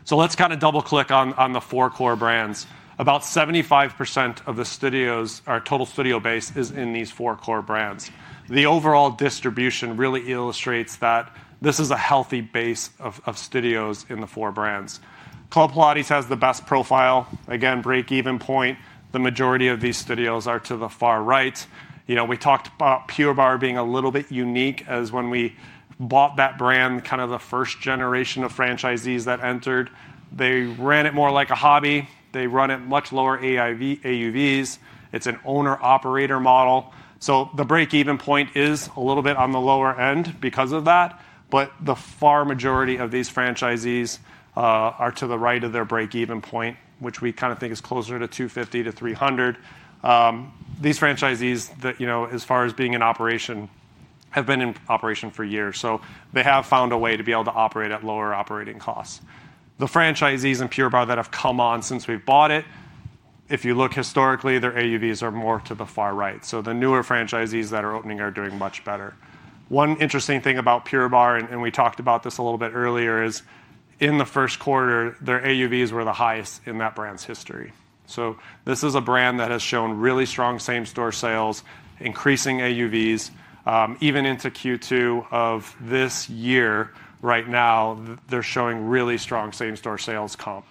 Let's kind of double-click on the four core brands. About 75% of the studios, our total studio base, is in these four core brands. The overall distribution really illustrates that this is a healthy base of studios in the four brands. Club Pilates has the best profile. Again, break-even point, the majority of these studios are to the far right. We talked about Pure Barre being a little bit unique as when we bought that brand, kind of the first generation of franchisees that entered. They ran it more like a hobby. They run it much lower AUVs. It's an owner-operator model. The break-even point is a little bit on the lower end because of that, but the far majority of these franchisees are to the right of their break-even point, which we kind of think is closer to $250,000-$300,000. These franchisees, as far as being in operation, have been in operation for years. They have found a way to be able to operate at lower operating costs. The franchisees in Pure Barre that have come on since we have bought it, if you look historically, their AUVs are more to the far right. The newer franchisees that are opening are doing much better. One interesting thing about Pure Barre, and we talked about this a little bit earlier, is in the first quarter, their AUVs were the highest in that brand's history. This is a brand that has shown really strong same-store sales, increasing AUVs. Even into Q2 of this year, right now, they're showing really strong same-store sales comp.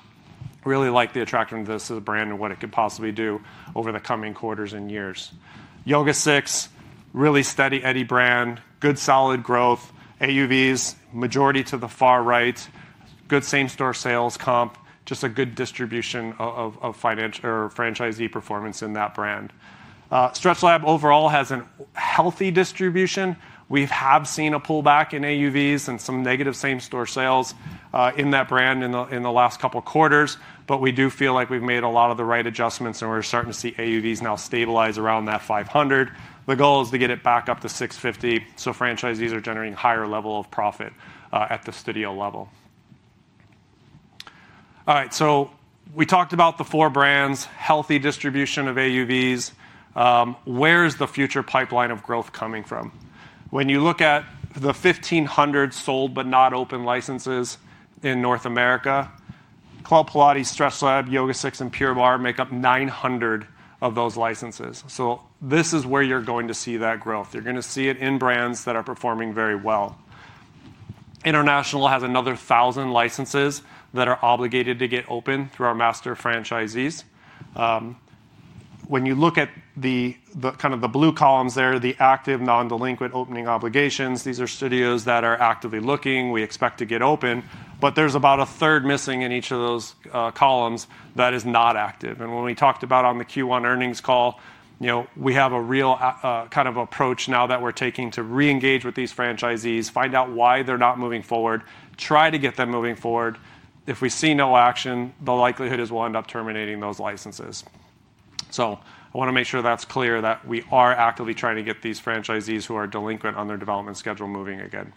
Really like the attractiveness of the brand and what it could possibly do over the coming quarters and years. YogaSix, really steady eddy brand, good solid growth, AUVs, majority to the far right, good same-store sales comp, just a good distribution of franchisee performance in that brand. StretchLab overall has a healthy distribution. We have seen a pullback in AUVs and some negative same-store sales in that brand in the last couple of quarters, but we do feel like we've made a lot of the right adjustments, and we're starting to see AUVs now stabilize around that $500. The goal is to get it back up to $650, so franchisees are generating a higher level of profit at the studio level. All right. We talked about the four brands, healthy distribution of AUVs. Where's the future pipeline of growth coming from? When you look at the 1,500 sold but not open licenses in North America, Club Pilates, StretchLab, YogaSix, and Pure Barre make up 900 of those licenses. This is where you're going to see that growth. You're going to see it in brands that are performing very well. International has another 1,000 licenses that are obligated to get open through our master franchisees. When you look at kind of the blue columns there, the active, non-delinquent opening obligations, these are studios that are actively looking. We expect to get open, but there's about a third missing in each of those columns that is not active. When we talked about on the Q1 earnings call, we have a real kind of approach now that we're taking to re-engage with these franchisees, find out why they're not moving forward, try to get them moving forward. If we see no action, the likelihood is we'll end up terminating those licenses. I want to make sure that's clear that we are actively trying to get these franchisees who are delinquent on their development schedule moving again.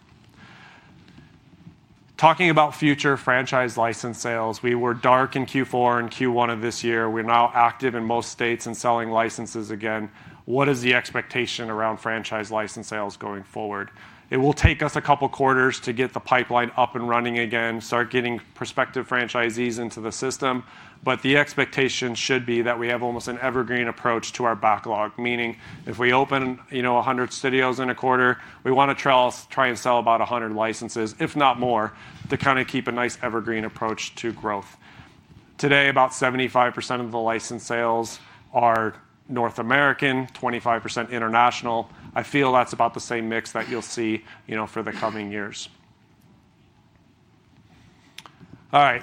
Talking about future franchise license sales, we were dark in Q4 and Q1 of this year. We're now active in most states and selling licenses again. What is the expectation around franchise license sales going forward? It will take us a couple of quarters to get the pipeline up and running again, start getting prospective franchisees into the system, but the expectation should be that we have almost an evergreen approach to our backlog, meaning if we open 100 studios in a quarter, we want to try and sell about 100 licenses, if not more, to kind of keep a nice evergreen approach to growth. Today, about 75% of the license sales are North American, 25% international. I feel that's about the same mix that you'll see for the coming years. All right.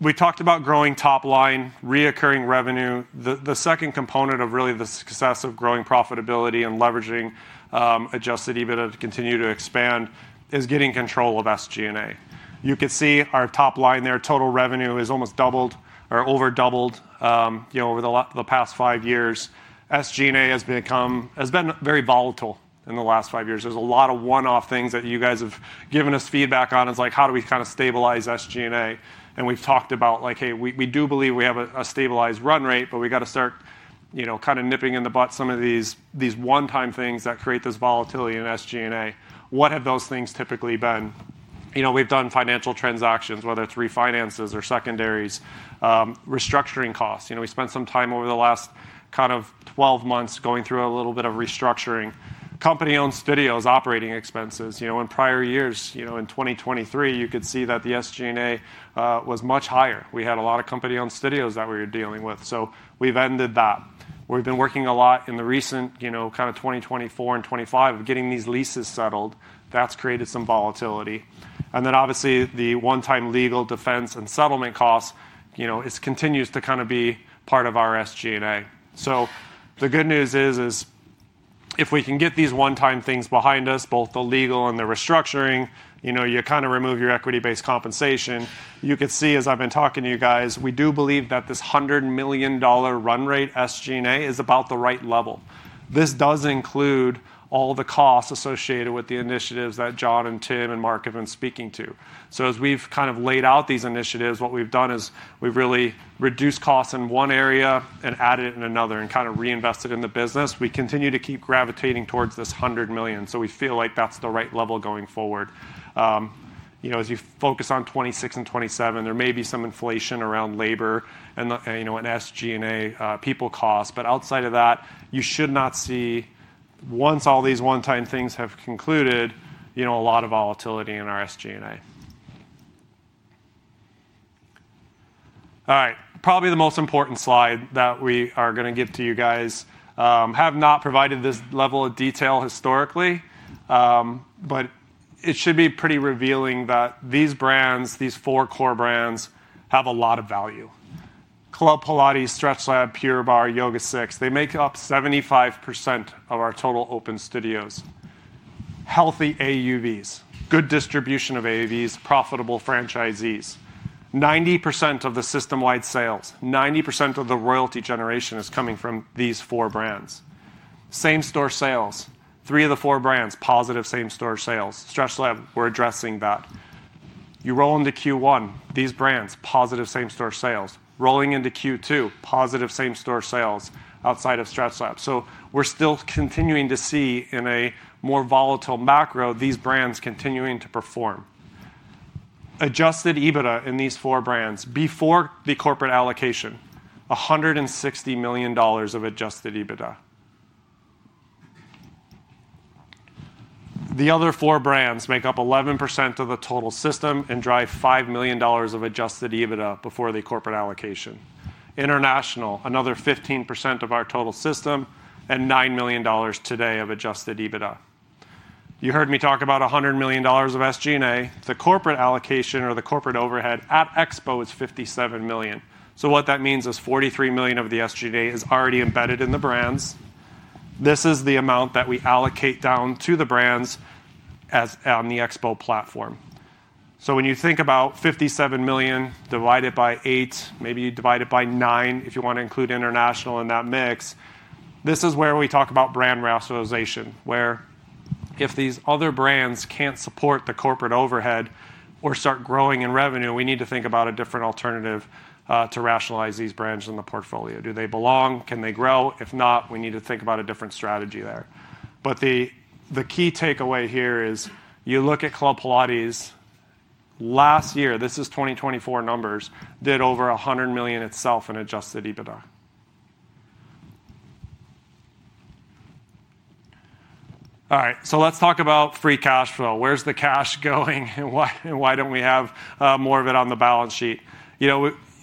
We talked about growing top line, reoccurring revenue. The second component of really the success of growing profitability and leveraging adjusted EBITDA to continue to expand is getting control of SG&A. You could see our top line there, total revenue has almost doubled or overdoubled over the past five years. SG&A has been very volatile in the last five years. There's a lot of one-off things that you guys have given us feedback on. It's like, how do we kind of stabilize SG&A? We've talked about like, hey, we do believe we have a stabilized run rate, but we got to start kind of nipping in the bud some of these one-time things that create this volatility in SG&A. What have those things typically been? We've done financial transactions, whether it's refinances or secondaries, restructuring costs. We spent some time over the last kind of 12 months going through a little bit of restructuring. Company-owned studios, operating expenses. In prior years, in 2023, you could see that the SG&A was much higher. We had a lot of company-owned studios that we were dealing with. We've ended that. We've been working a lot in the recent kind of 2024 and 2025 of getting these leases settled. That's created some volatility. Obviously, the one-time legal defense and settlement costs continue to kind of be part of our SG&A. The good news is, if we can get these one-time things behind us, both the legal and the restructuring, you kind of remove your equity-based compensation, you could see, as I've been talking to you guys, we do believe that this $100 million run rate, SG&A, is about the right level. This does include all the costs associated with the initiatives that John and Tim and Mark have been speaking to. As we've kind of laid out these initiatives, what we've done is we've really reduced costs in one area and added it in another and kind of reinvested in the business. We continue to keep gravitating towards this $100 million. So, we feel like that's the right level going forward. As you focus on 2026 and 2027, there may be some inflation around labor and SG&A, people costs. But outside of that, you should not see, once all these one-time things have concluded, a lot of volatility in our SG&A. All right. Probably the most important slide that we are going to give to you guys. I have not provided this level of detail historically, but it should be pretty revealing that these brands, these four core brands, have a lot of value. Club Pilates, StretchLab, Pure Barre, YogaSix, they make up 75% of our total open studios. Healthy AUVs, good distribution of AUVs, profitable franchisees. 90% of the system-wide sales, 90% of the royalty generation is coming from these four brands. Same-store sales, three of the four brands, positive same-store sales. StretchLab, we're addressing that. You roll into Q1, these brands, positive same-store sales. Rolling into Q2, positive same-store sales outside of StretchLab. We are still continuing to see in a more volatile macro, these brands continuing to perform. Adjusted EBITDA in these four brands, before the corporate allocation, $160 million of adjusted EBITDA. The other four brands make up 11% of the total system and drive $5 million of adjusted EBITDA before the corporate allocation. International, another 15% of our total system and $9 million today of adjusted EBITDA. You heard me talk about $100 million of SG&A. The corporate allocation or the corporate overhead at Xponential is $57 million. What that means is $43 million of the SG&A is already embedded in the brands. This is the amount that we allocate down to the brands on the expo platform. So, when you think about $57 million divided by 8, maybe you divide it by 9 if you want to include international in that mix, this is where we talk about brand rationalization, where if these other brands can't support the corporate overhead or start growing in revenue, we need to think about a different alternative to rationalize these brands in the portfolio. Do they belong? Can they grow? If not, we need to think about a different strategy there. The key takeaway here is you look at Club Pilates, last year, this is 2024 numbers, did over $100 million itself in adjusted EBITDA. All right. Let's talk about free cash flow. Where's the cash going and why don't we have more of it on the balance sheet?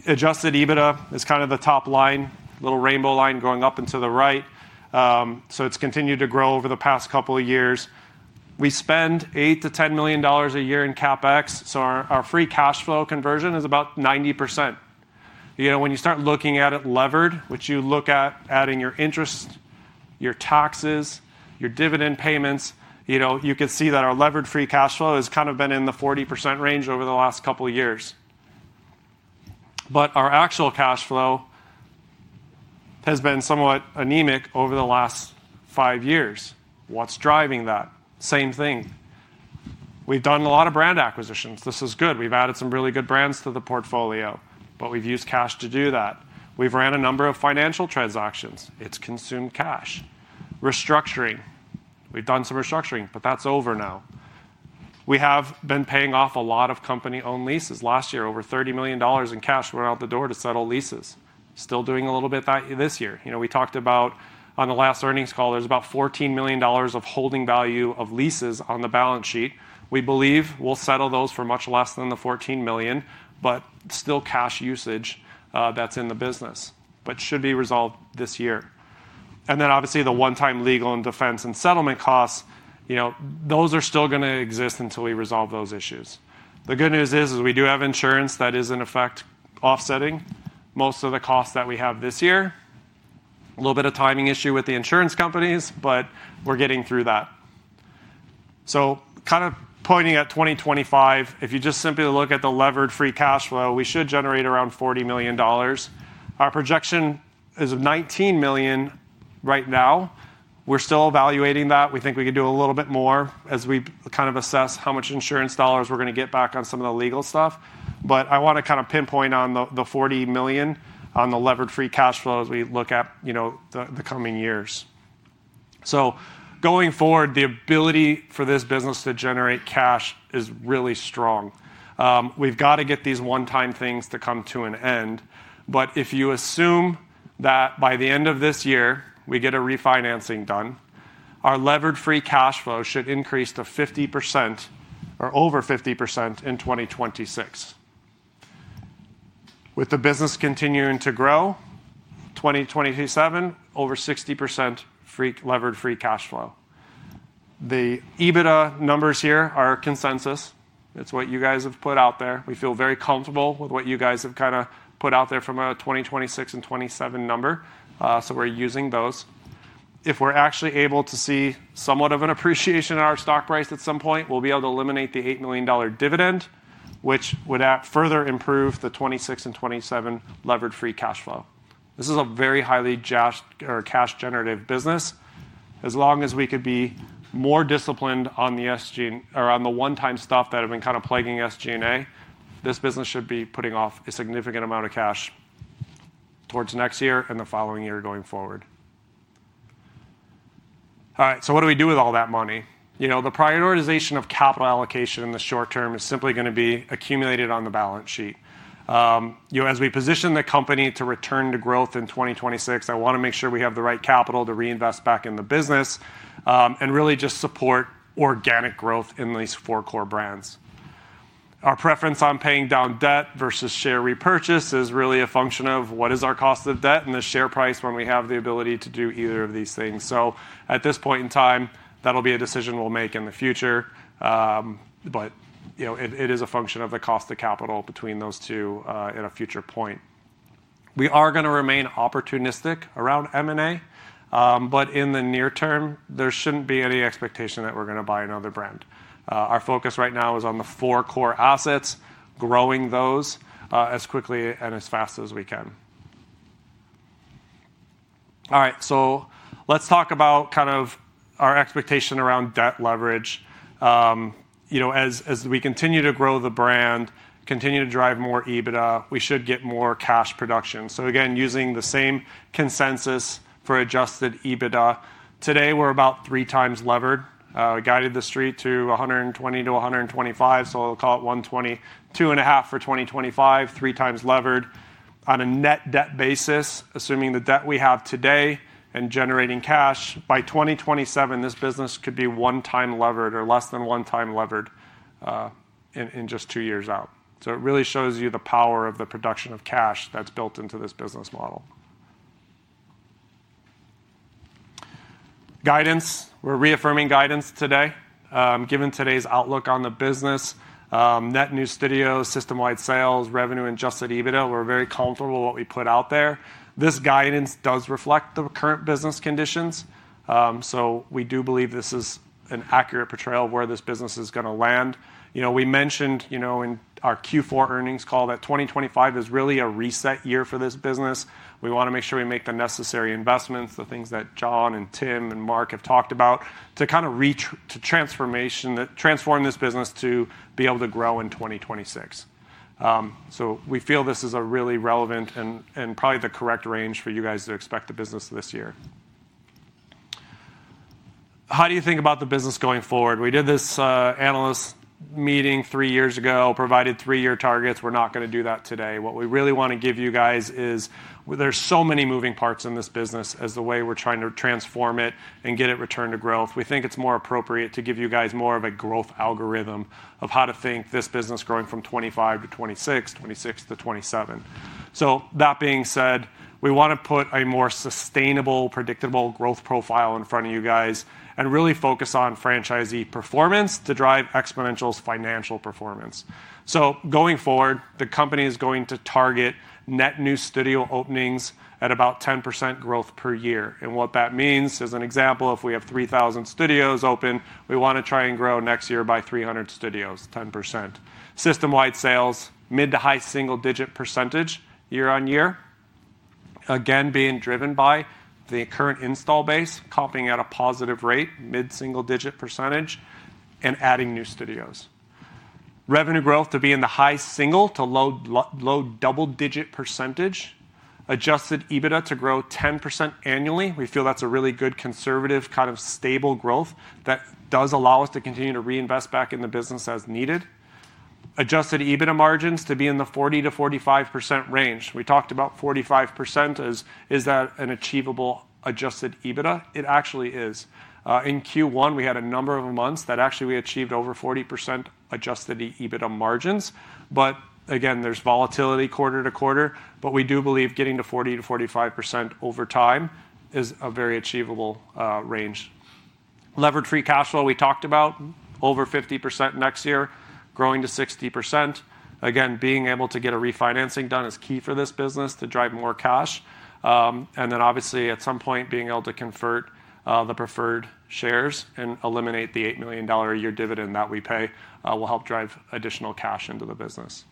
Adjusted EBITDA is kind of the top line, little rainbow line going up and to the right. It has continued to grow over the past couple of years. We spend $8-$10 million a year in CapEx, so our free cash flow conversion is about 90%. When you start looking at it levered, which you look at adding your interest, your taxes, your dividend payments, you could see that our levered free cash flow has kind of been in the 40% range over the last couple of years. Our actual cash flow has been somewhat anemic over the last five years. What's driving that? Same thing. We have done a lot of brand acquisitions. This is good. We have added some really good brands to the portfolio, but we have used cash to do that. We have run a number of financial transactions. It has consumed cash. Restructuring. We've done some restructuring, but that's over now. We have been paying off a lot of company-owned leases. Last year, over $30 million in cash went out the door to settle leases. Still doing a little bit of that this year. We talked about on the last earnings call, there's about $14 million of holding value of leases on the balance sheet. We believe we'll settle those for much less than the $14 million, but still cash usage that's in the business, but should be resolved this year. Obviously, the one-time legal and defense and settlement costs, those are still going to exist until we resolve those issues. The good news is we do have insurance that is, in effect, offsetting most of the costs that we have this year. A little bit of timing issue with the insurance companies, but we're getting through that. Kind of pointing at 2025, if you just simply look at the levered free cash flow, we should generate around $40 million. Our projection is of $19 million right now. We're still evaluating that. We think we could do a little bit more as we kind of assess how much insurance dollars we're going to get back on some of the legal stuff. I want to kind of pinpoint on the $40 million on the levered free cash flow as we look at the coming years. Going forward, the ability for this business to generate cash is really strong. We've got to get these one-time things to come to an end. If you assume that by the end of this year, we get a refinancing done, our levered free cash flow should increase to 50% or over 50% in 2026. With the business continuing to grow, 2027, over 60% levered free cash flow. The EBITDA numbers here are consensus. It's what you guys have put out there. We feel very comfortable with what you guys have kind of put out there from a 2026 and 2027 number. So, we're using those. If we're actually able to see somewhat of an appreciation in our stock price at some point, we'll be able to eliminate the $8 million dividend, which would further improve the 2026 and 2027 levered free cash flow. This is a very highly cash-generative business. As long as we could be more disciplined on the one-time stuff that have been kind of plaguing SG&A, this business should be putting off a significant amount of cash towards next year and the following year going forward. All right. So, what do we do with all that money? The prioritization of capital allocation in the short term is simply going to be accumulated on the balance sheet. As we position the company to return to growth in 2026, I want to make sure we have the right capital to reinvest back in the business and really just support organic growth in these four core brands. Our preference on paying down debt versus share repurchase is really a function of what is our cost of debt and the share price when we have the ability to do either of these things. At this point in time, that'll be a decision we'll make in the future, but it is a function of the cost of capital between those two at a future point. We are going to remain opportunistic around M&A, but in the near term, there shouldn't be any expectation that we're going to buy another brand. Our focus right now is on the four core assets, growing those as quickly and as fast as we can. All right. Let's talk about kind of our expectation around debt leverage. As we continue to grow the brand, continue to drive more EBITDA, we should get more cash production. Again, using the same consensus for adjusted EBITDA. Today, we are about three times levered. We guided the street to $120 million-$125 million, so we will call it $120 million. Two and a half for 2025, three times levered. On a net debt basis, assuming the debt we have today and generating cash, by 2027, this business could be one-time levered or less than one-time levered in just two years out. It really shows you the power of the production of cash that is built into this business model. Guidance. We are reaffirming guidance today. Given today's outlook on the business, NetNew Studios, system-wide sales, revenue, and adjusted EBITDA, we're very comfortable with what we put out there. This guidance does reflect the current business conditions, so we do believe this is an accurate portrayal of where this business is going to land. We mentioned in our Q4 earnings call that 2025 is really a reset year for this business. We want to make sure we make the necessary investments, the things that John and Tim and Mark have talked about, to kind of transform this business to be able to grow in 2026. We feel this is a really relevant and probably the correct range for you guys to expect the business this year. How do you think about the business going forward? We did this analyst meeting three years ago, provided three-year targets. We're not going to do that today. What we really want to give you guys is there's so many moving parts in this business as the way we're trying to transform it and get it returned to growth. We think it's more appropriate to give you guys more of a growth algorithm of how to think this business growing from 2025 to 2026, 2026 to 2027. That being said, we want to put a more sustainable, predictable growth profile in front of you guys and really focus on franchisee performance to drive exponential financial performance. Going forward, the company is going to target NetNew Studio openings at about 10% growth per year. What that means, as an example, if we have 3,000 studios open, we want to try and grow next year by 300 studios, 10%. System-wide sales, mid to high single-digit % year on year, again, being driven by the current install base, copying at a positive rate, mid-single-digit %, and adding new studios. Revenue growth to be in the high single to low double-digit %. Adjusted EBITDA to grow 10% annually. We feel that's a really good conservative kind of stable growth that does allow us to continue to reinvest back in the business as needed. Adjusted EBITDA margins to be in the 40-45% range. We talked about 45%. Is that an achievable adjusted EBITDA? It actually is. In Q1, we had a number of months that actually we achieved over 40% adjusted EBITDA margins. Again, there's volatility quarter to quarter, but we do believe getting to 40-45% over time is a very achievable range. Levered free cash flow we talked about, over 50% next year, growing to 60%. Again, being able to get a refinancing done is key for this business to drive more cash. Then, obviously, at some point, being able to convert the preferred shares and eliminate the $8 million a year dividend that we pay will help drive additional cash into the business.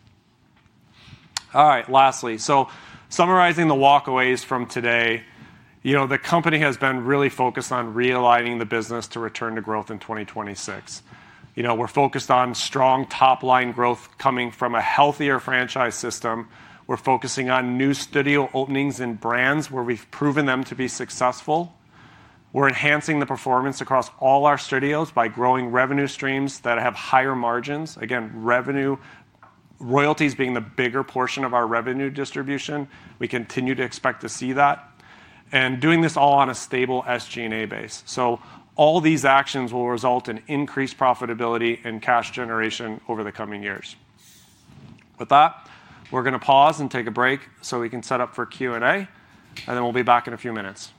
All right, lastly, summarizing the walkways from today, the company has been really focused on realigning the business to return to growth in 2026. We're focused on strong top-line growth coming from a healthier franchise system. We're focusing on new studio openings and brands where we've proven them to be successful. We're enhancing the performance across all our studios by growing revenue streams that have higher margins. Again, revenue, royalties being the bigger portion of our revenue distribution. We continue to expect to see that. Doing this all on a stable SG&A base. So, all these actions will result in increased profitability and cash generation over the coming years. With that, we're going to pause and take a break so we can set up for Q&A, and then we'll be back in a few minutes.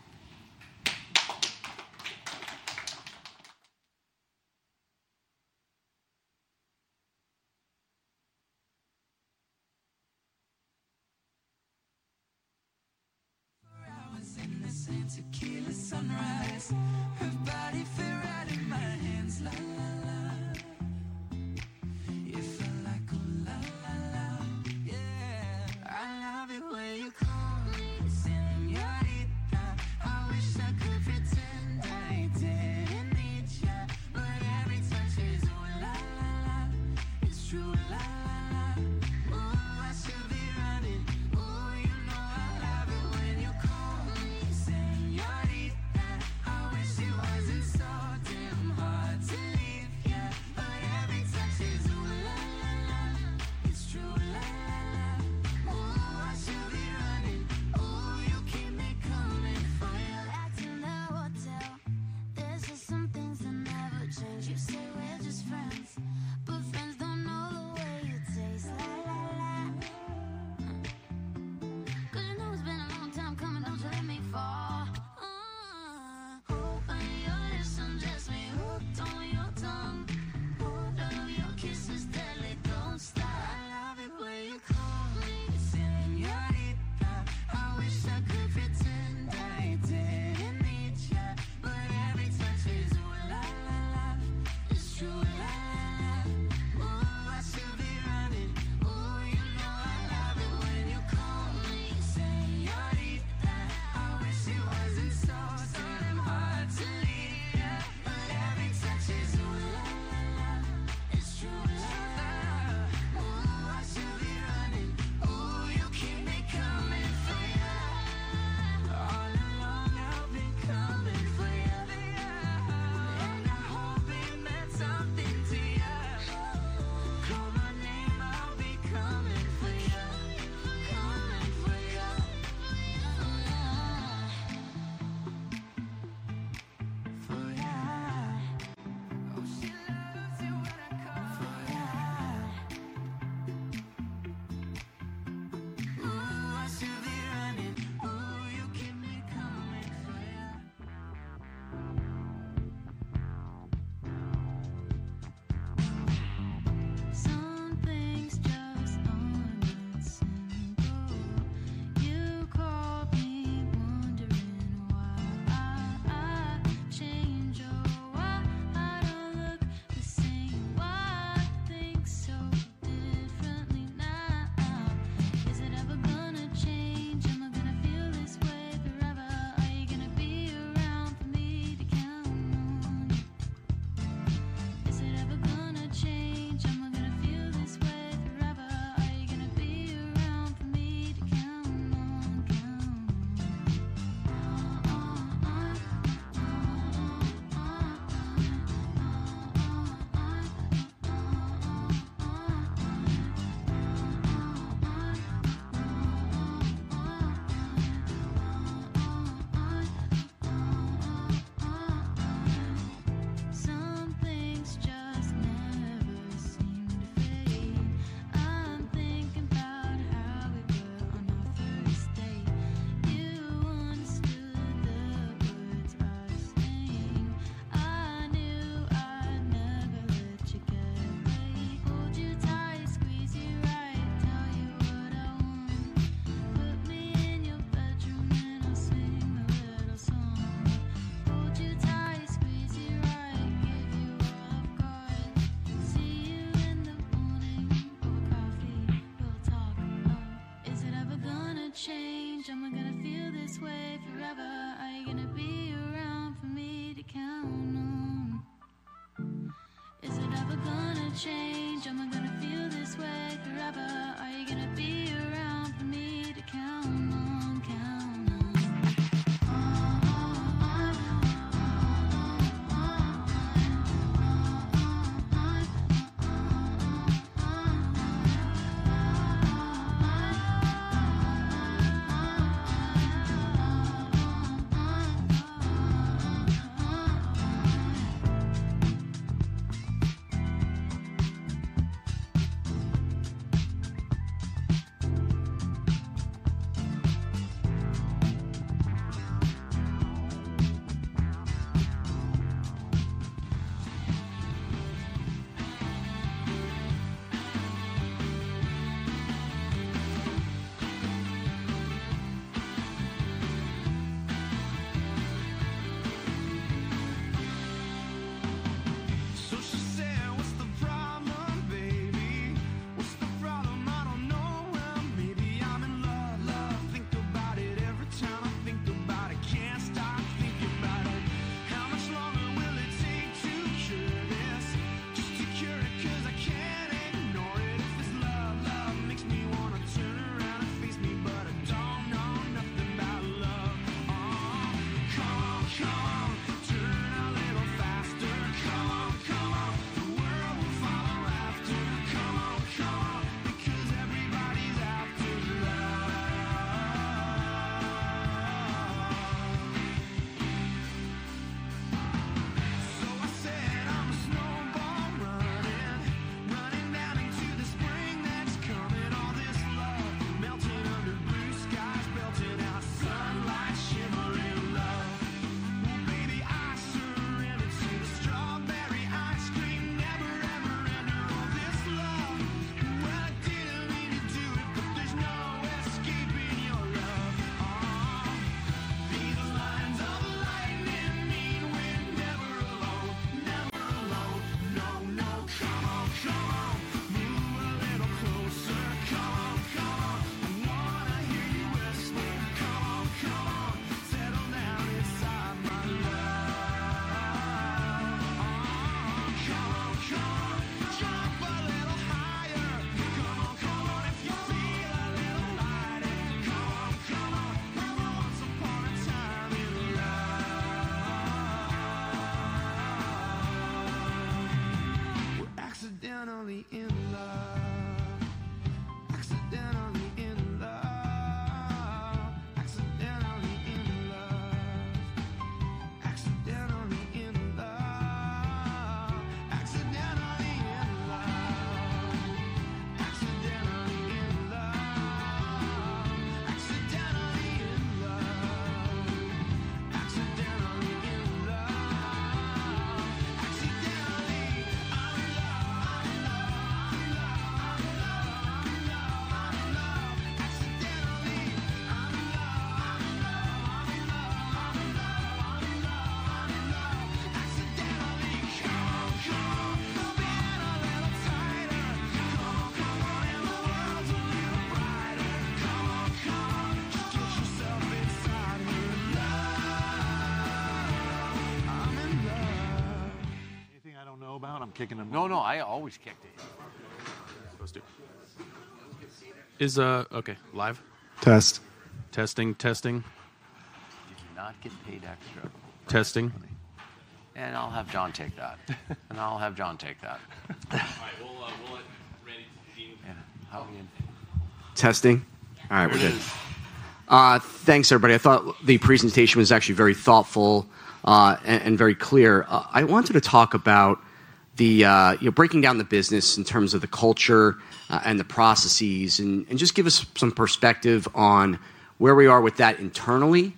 the, you know, breaking down the business in terms of the culture and the processes and just give us some perspective on where we are with that internally.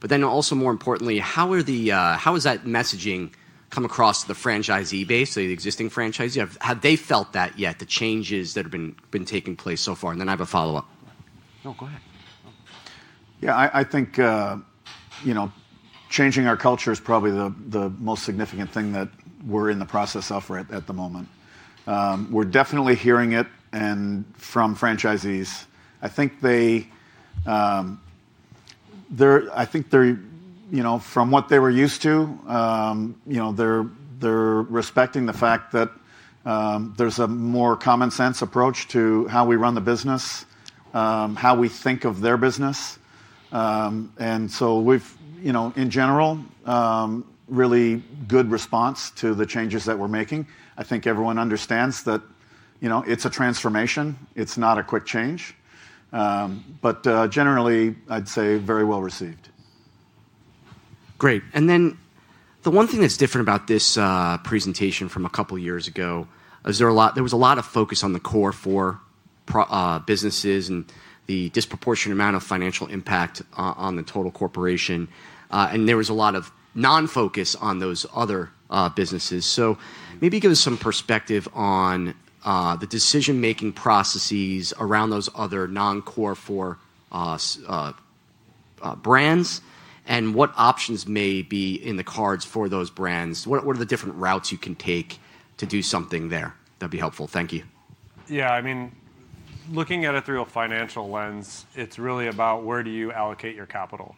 But then also, more importantly, how are the, how has that messaging come across to the franchisee base, the existing franchisee? Have they felt that yet, the changes that have been taking place so far? And then I have a follow-up. No, go ahead. Yeah, I think, you know, changing our culture is probably the most significant thing that we're in the process of right at the moment. We're definitely hearing it from franchisees. I think they, I think they're, you know, from what they were used to, you know, they're respecting the fact that there's a more common sense approach to how we run the business, how we think of their business. We've, you know, in general, really good response to the changes that we're making. I think everyone understands that, you know, it's a transformation. It's not a quick change. Generally, I'd say very well received. Great. The one thing that's different about this presentation from a couple of years ago is there was a lot of focus on the core four businesses and the disproportionate amount of financial impact on the total corporation. There was a lot of non-focus on those other businesses. Maybe give us some perspective on the decision-making processes around those other non-core four brands and what options may be in the cards for those brands. What are the different routes you can take to do something there? That'd be helpful. Thank you. Yeah, I mean, looking at it through a financial lens, it's really about where do you allocate your capital.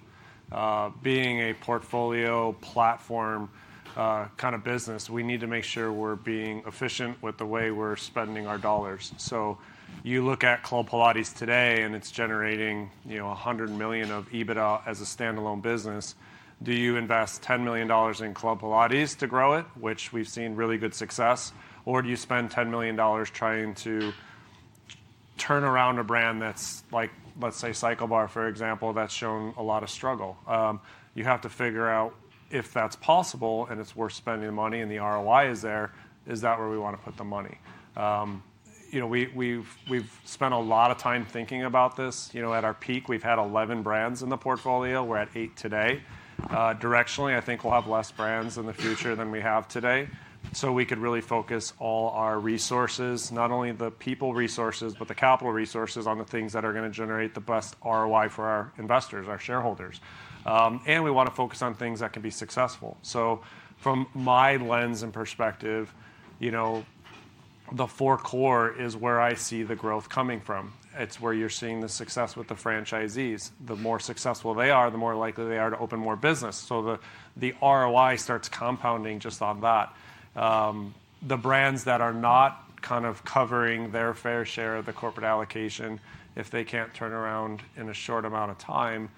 Being a portfolio platform kind of business, we need to make sure we're being efficient with the way we're spending our dollars. You look at Club Pilates today and it's generating, you know, $100 million of EBITDA as a standalone business. Do you invest $10 million in Club Pilates to grow it, which we've seen really good success? Or do you spend $10 million trying to turn around a brand that's like, let's say, CycleBar, for example, that's shown a lot of struggle? You have to figure out if that's possible and it's worth spending the money and the ROI is there, is that where we want to put the money? You know, we've spent a lot of time thinking about this. You know, at our peak, we've had 11 brands in the portfolio. We're at 8 today. Directionally, I think we'll have less brands in the future than we have today. We could really focus all our resources, not only the people resources, but the capital resources on the things that are going to generate the best ROI for our investors, our shareholders. We want to focus on things that can be successful. From my lens and perspective, you know, the four core is where I see the growth coming from. It's where you're seeing the success with the franchisees. The more successful they are, the more likely they are to open more business. The ROI starts compounding just on that. The brands that are not kind of covering their fair share of the corporate allocation, if they can't turn around in a short amount of time,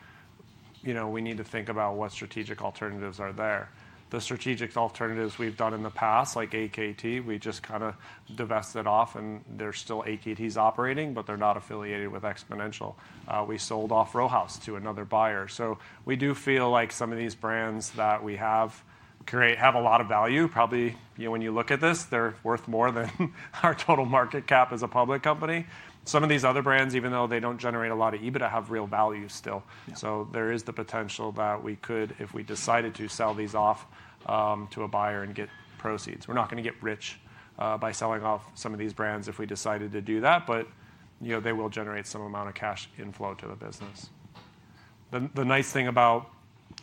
you know, we need to think about what strategic alternatives are there. The strategic alternatives we've done in the past, like AKT, we just kind of divested off and there's still AKT's operating, but they're not affiliated with Xponential. We sold off Row House to another buyer. We do feel like some of these brands that we have created have a lot of value. Probably, you know, when you look at this, they're worth more than our total market cap as a public company. Some of these other brands, even though they don't generate a lot of EBITDA, have real value still. There is the potential that we could, if we decided to sell these off to a buyer and get proceeds. We're not going to get rich by selling off some of these brands if we decided to do that, but you know, they will generate some amount of cash inflow to the business. The nice thing about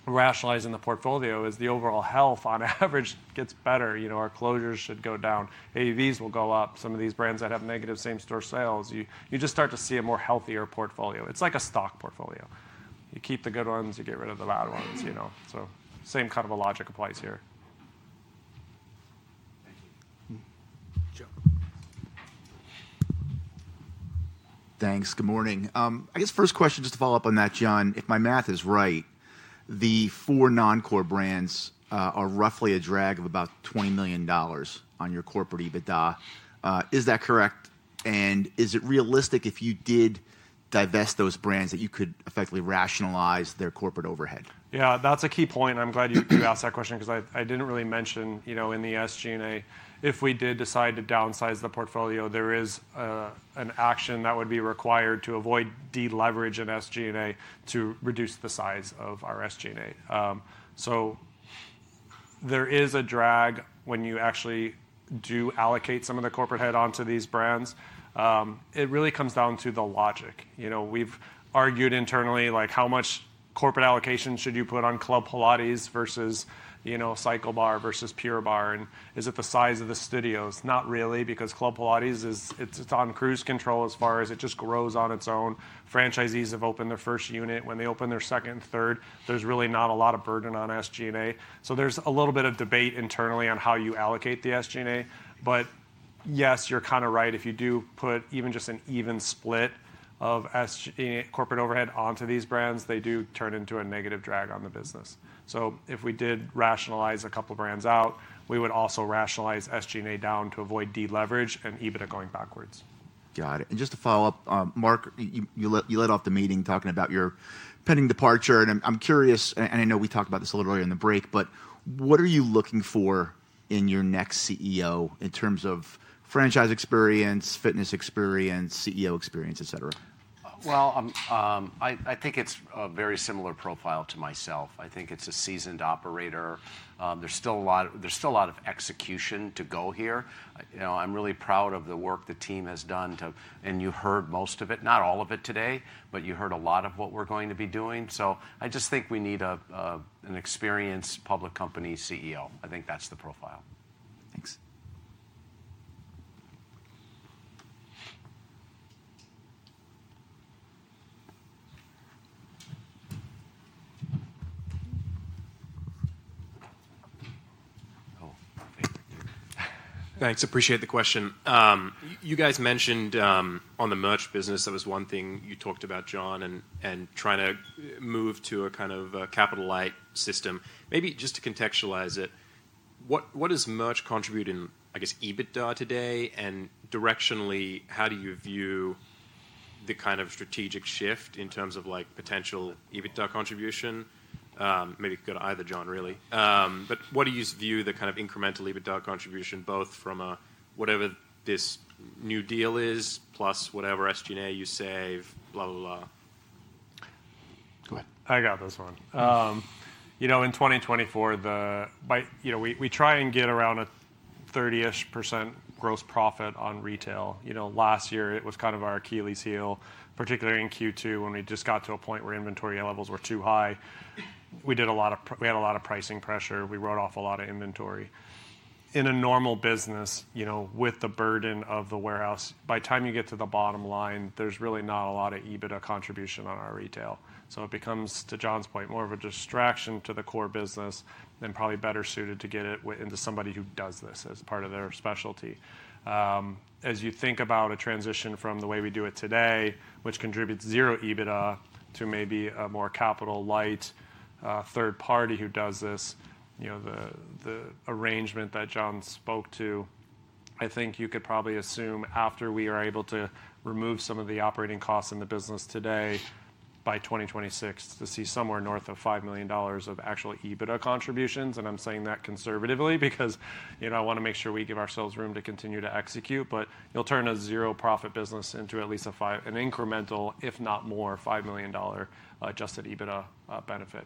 rationalizing the portfolio is the overall health on average gets better. You know, our closures should go down. AUVs will go up. Some of these brands that have negative same-store sales, you just start to see a more healthier portfolio. It's like a stock portfolio. You keep the good ones, you get rid of the bad ones, you know. Same kind of a logic applies here. Thank you. Thanks. Good morning. I guess first question just to follow up on that, John, if my math is right, the four non-core brands are roughly a drag of about $20 million on your corporate EBITDA. Is that correct? Is it realistic if you did divest those brands that you could effectively rationalize their corporate overhead? Yeah, that's a key point. I'm glad you asked that question because I didn't really mention, you know, in the SG&A, if we did decide to downsize the portfolio, there is an action that would be required to avoid deleverage in SG&A to reduce the size of our SG&A. There is a drag when you actually do allocate some of the corporate head onto these brands. It really comes down to the logic. You know, we've argued internally, like how much corporate allocation should you put on Club Pilates versus, you know, CycleBar versus Pure Barre? Is it the size of the studios? Not really, because Club Pilates is, it's on cruise control as far as it just grows on its own. Franchisees have opened their first unit. When they open their second and third, there's really not a lot of burden on SG&A. There is a little bit of debate internally on how you allocate the SG&A. Yes, you're kind of right. If you do put even just an even split of corporate overhead onto these brands, they do turn into a negative drag on the business. If we did rationalize a couple of brands out, we would also rationalize SG&A down to avoid deleverage and EBITDA going backwards. Got it. Just to follow up, Mark, you led off the meeting talking about your pending departure. I'm curious, and I know we talked about this a little earlier in the break, but what are you looking for in your next CEO in terms of franchise experience, fitness experience, CEO experience, etc.? I think it's a very similar profile to myself. I think it's a seasoned operator. There's still a lot of execution to go here. You know, I'm really proud of the work the team has done to, and you heard most of it, not all of it today, but you heard a lot of what we're going to be doing. I just think we need an experienced public company CEO. I think that's the profile. Thanks. Thanks. Appreciate the question. You guys mentioned on the merch business, that was one thing you talked about, John, and trying to move to a kind of capital light system. Maybe just to contextualize it, what does merch contribute in, I guess, EBITDA today? And directionally, how do you view the kind of strategic shift in terms of like potential EBITDA contribution? Maybe you could go to either, John, really. What do you view the kind of incremental EBITDA contribution, both from whatever this new deal is, plus whatever SG&A you save, blah, blah, blah? Go ahead. I got this one. You know, in 2024, you know, we try and get around a 30% gross profit on retail. You know, last year it was kind of our Achilles heel, particularly in Q2 when we just got to a point where inventory levels were too high. We did a lot of, we had a lot of pricing pressure. We wrote off a lot of inventory. In a normal business, you know, with the burden of the warehouse, by the time you get to the bottom line, there is really not a lot of EBITDA contribution on our retail. It becomes, to John's point, more of a distraction to the core business than probably better suited to get it into somebody who does this as part of their specialty. As you think about a transition from the way we do it today, which contributes zero EBITDA to maybe a more capital light third party who does this, you know, the arrangement that John spoke to, I think you could probably assume after we are able to remove some of the operating costs in the business today by 2026 to see somewhere north of $5 million of actual EBITDA contributions. I'm saying that conservatively because, you know, I want to make sure we give ourselves room to continue to execute, but you'll turn a zero profit business into at least a five, an incremental, if not more, $5 million adjusted EBITDA benefit.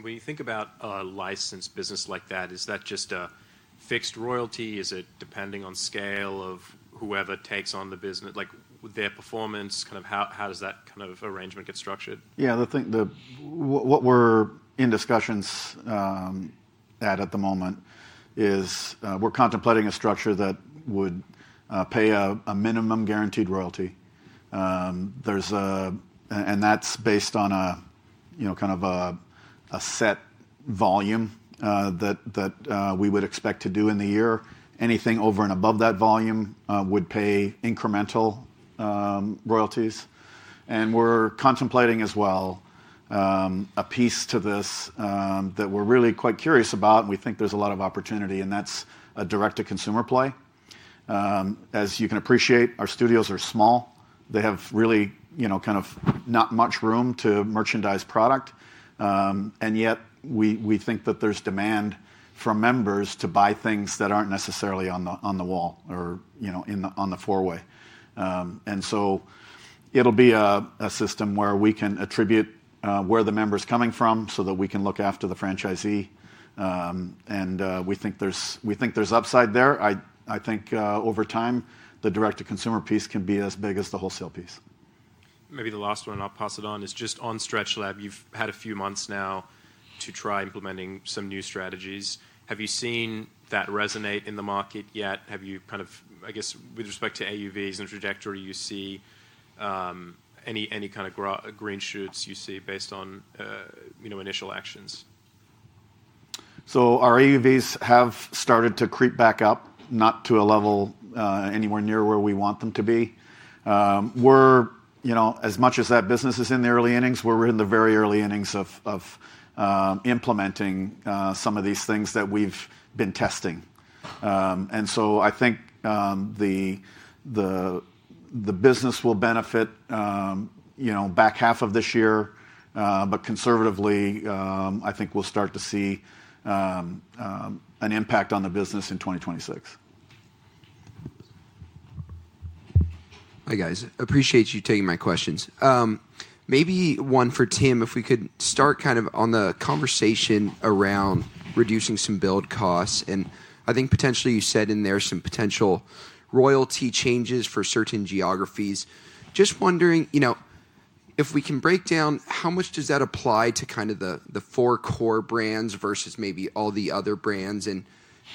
When you think about a licensed business like that, is that just a fixed royalty? Is it depending on scale of whoever takes on the business, like their performance, kind of how does that kind of arrangement get structured? Yeah, the thing that what we're in discussions at the moment is we're contemplating a structure that would pay a minimum guaranteed royalty. There's a, and that's based on a, you know, kind of a set volume that we would expect to do in the year. Anything over and above that volume would pay incremental royalties. We're contemplating as well a piece to this that we're really quite curious about and we think there's a lot of opportunity and that's a direct-to-consumer play. As you can appreciate, our studios are small. They have really, you know, kind of not much room to merchandise product. Yet we think that there's demand fr om members to buy things that aren't necessarily on the wall or, you know, on the fourway. It will be a system where we can attribute where the member's coming from so that we can look after the franchisee. We think there's upside there. I think over time the direct-to-consumer piece can be as big as the wholesale piece. Maybe the last one I'll pass it on is just on StretchLab. You've had a few months now to try implementing some new strategies. Have you seen that resonate in the market yet? Have you kind of, I guess with respect to AUVs and trajectory, you see any kind of green shoots you see based on, you know, initial actions? Our AUVs have started to creep back up, not to a level anywhere near where we want them to be. We're, you know, as much as that business is in the early innings, we're in the very early innings of implementing some of these things that we've been testing. I think the business will benefit, you know, back half of this year, but conservatively, I think we'll start to see an impact on th e business in 2026. Hi guys, appreciate you taking my questions. Maybe one for Tim, if we could start kind of on the conversation around reducing some build costs. I think potentially you said in there some potential royalty changes for certain geographies. Just wondering, you know, if we can break down how much does that apply to kind of the four core brands versus maybe all the other brands and,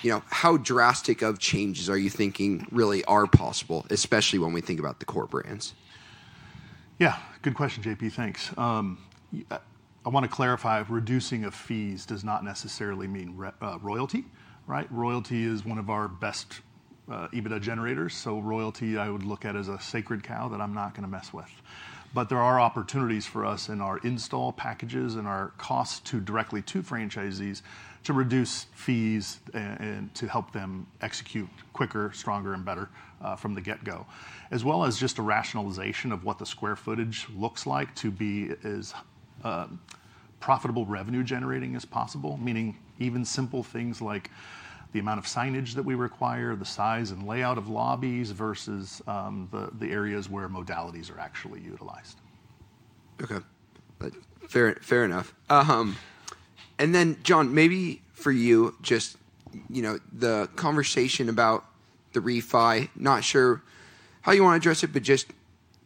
you know, how drastic of changes are you thinking really are possible, especially when we think about the core brands? Yeah, good question, JP. Thanks. I want to clarify reducing of fees does not necessarily mean royalty, right? Royalty is one of our best EBITDA generators. So royalty I would look at as a sacred cow that I'm not going to mess with. But there are opportunities for us in our install packages and our costs to directly to franchisees to reduce fees and to help them execute quicker, stronger, and better from the get-go, as well as just a rationalization of what the square footage looks like to be as profitable revenue generating as possible, meaning even simple things like the amount of signage that we require, the size and layout of lobbies versus the areas where modalities are actually utilized. Okay, fair enough. John, maybe for you just, you know, the conversation about the refi, not sure how you want to address it, but just,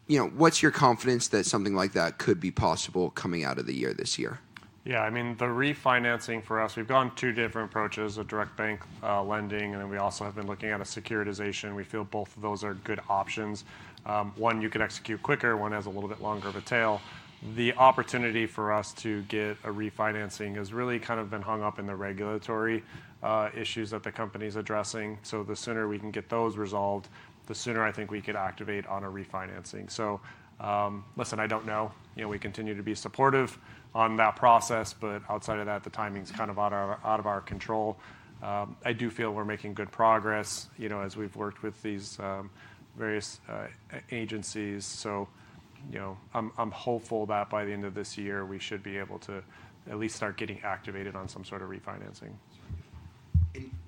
you know, what's your confidence that something like that could be possible coming out of the year this year? Yeah, I mean the refinancing for us, we've gone two different approaches, a direct bank lending and then we also have been looking at a securitization. We feel both of those are good options. One, you could execute quicker. One has a little bit longer of a tail. The opportunity for us to get a refinancing has really kind of been hung up in the regulatory issues that the company's addressing. The sooner we can get those resolved, the sooner I think we could activate on a refinancing. Listen, I don't know, you know, we continue to be supportive on that process, but outside of that, the timing's kind of out of our control. I do feel we're making good progress, you know, as we've worked with these various agencies. You know, I'm hopeful that by the end of this year we should be able to at least start getting activated on some sort of refinancing.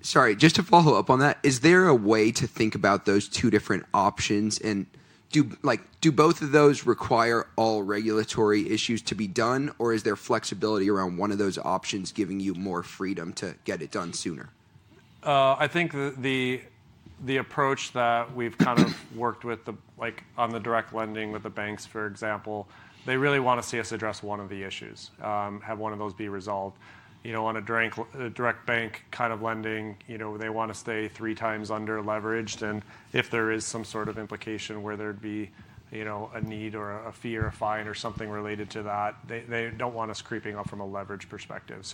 Sorry, just to follow up on that, is there a way to think about those two different options and do both of those require all regulatory issues to be done or is there flexibility around one of those options giving you more freedom to get it done sooner? I think the approach that we've kind of worked with, like on the direct lending with the banks, for example, they really want to see us address one of the issues, have one of those be resolved. You know, on a direct bank kind of lending, you know, they want to stay three times under leveraged and if there is some sort of implication where there'd be, you know, a need or a fear of fine or something related to that, they don't want us creeping up from a leverage perspective.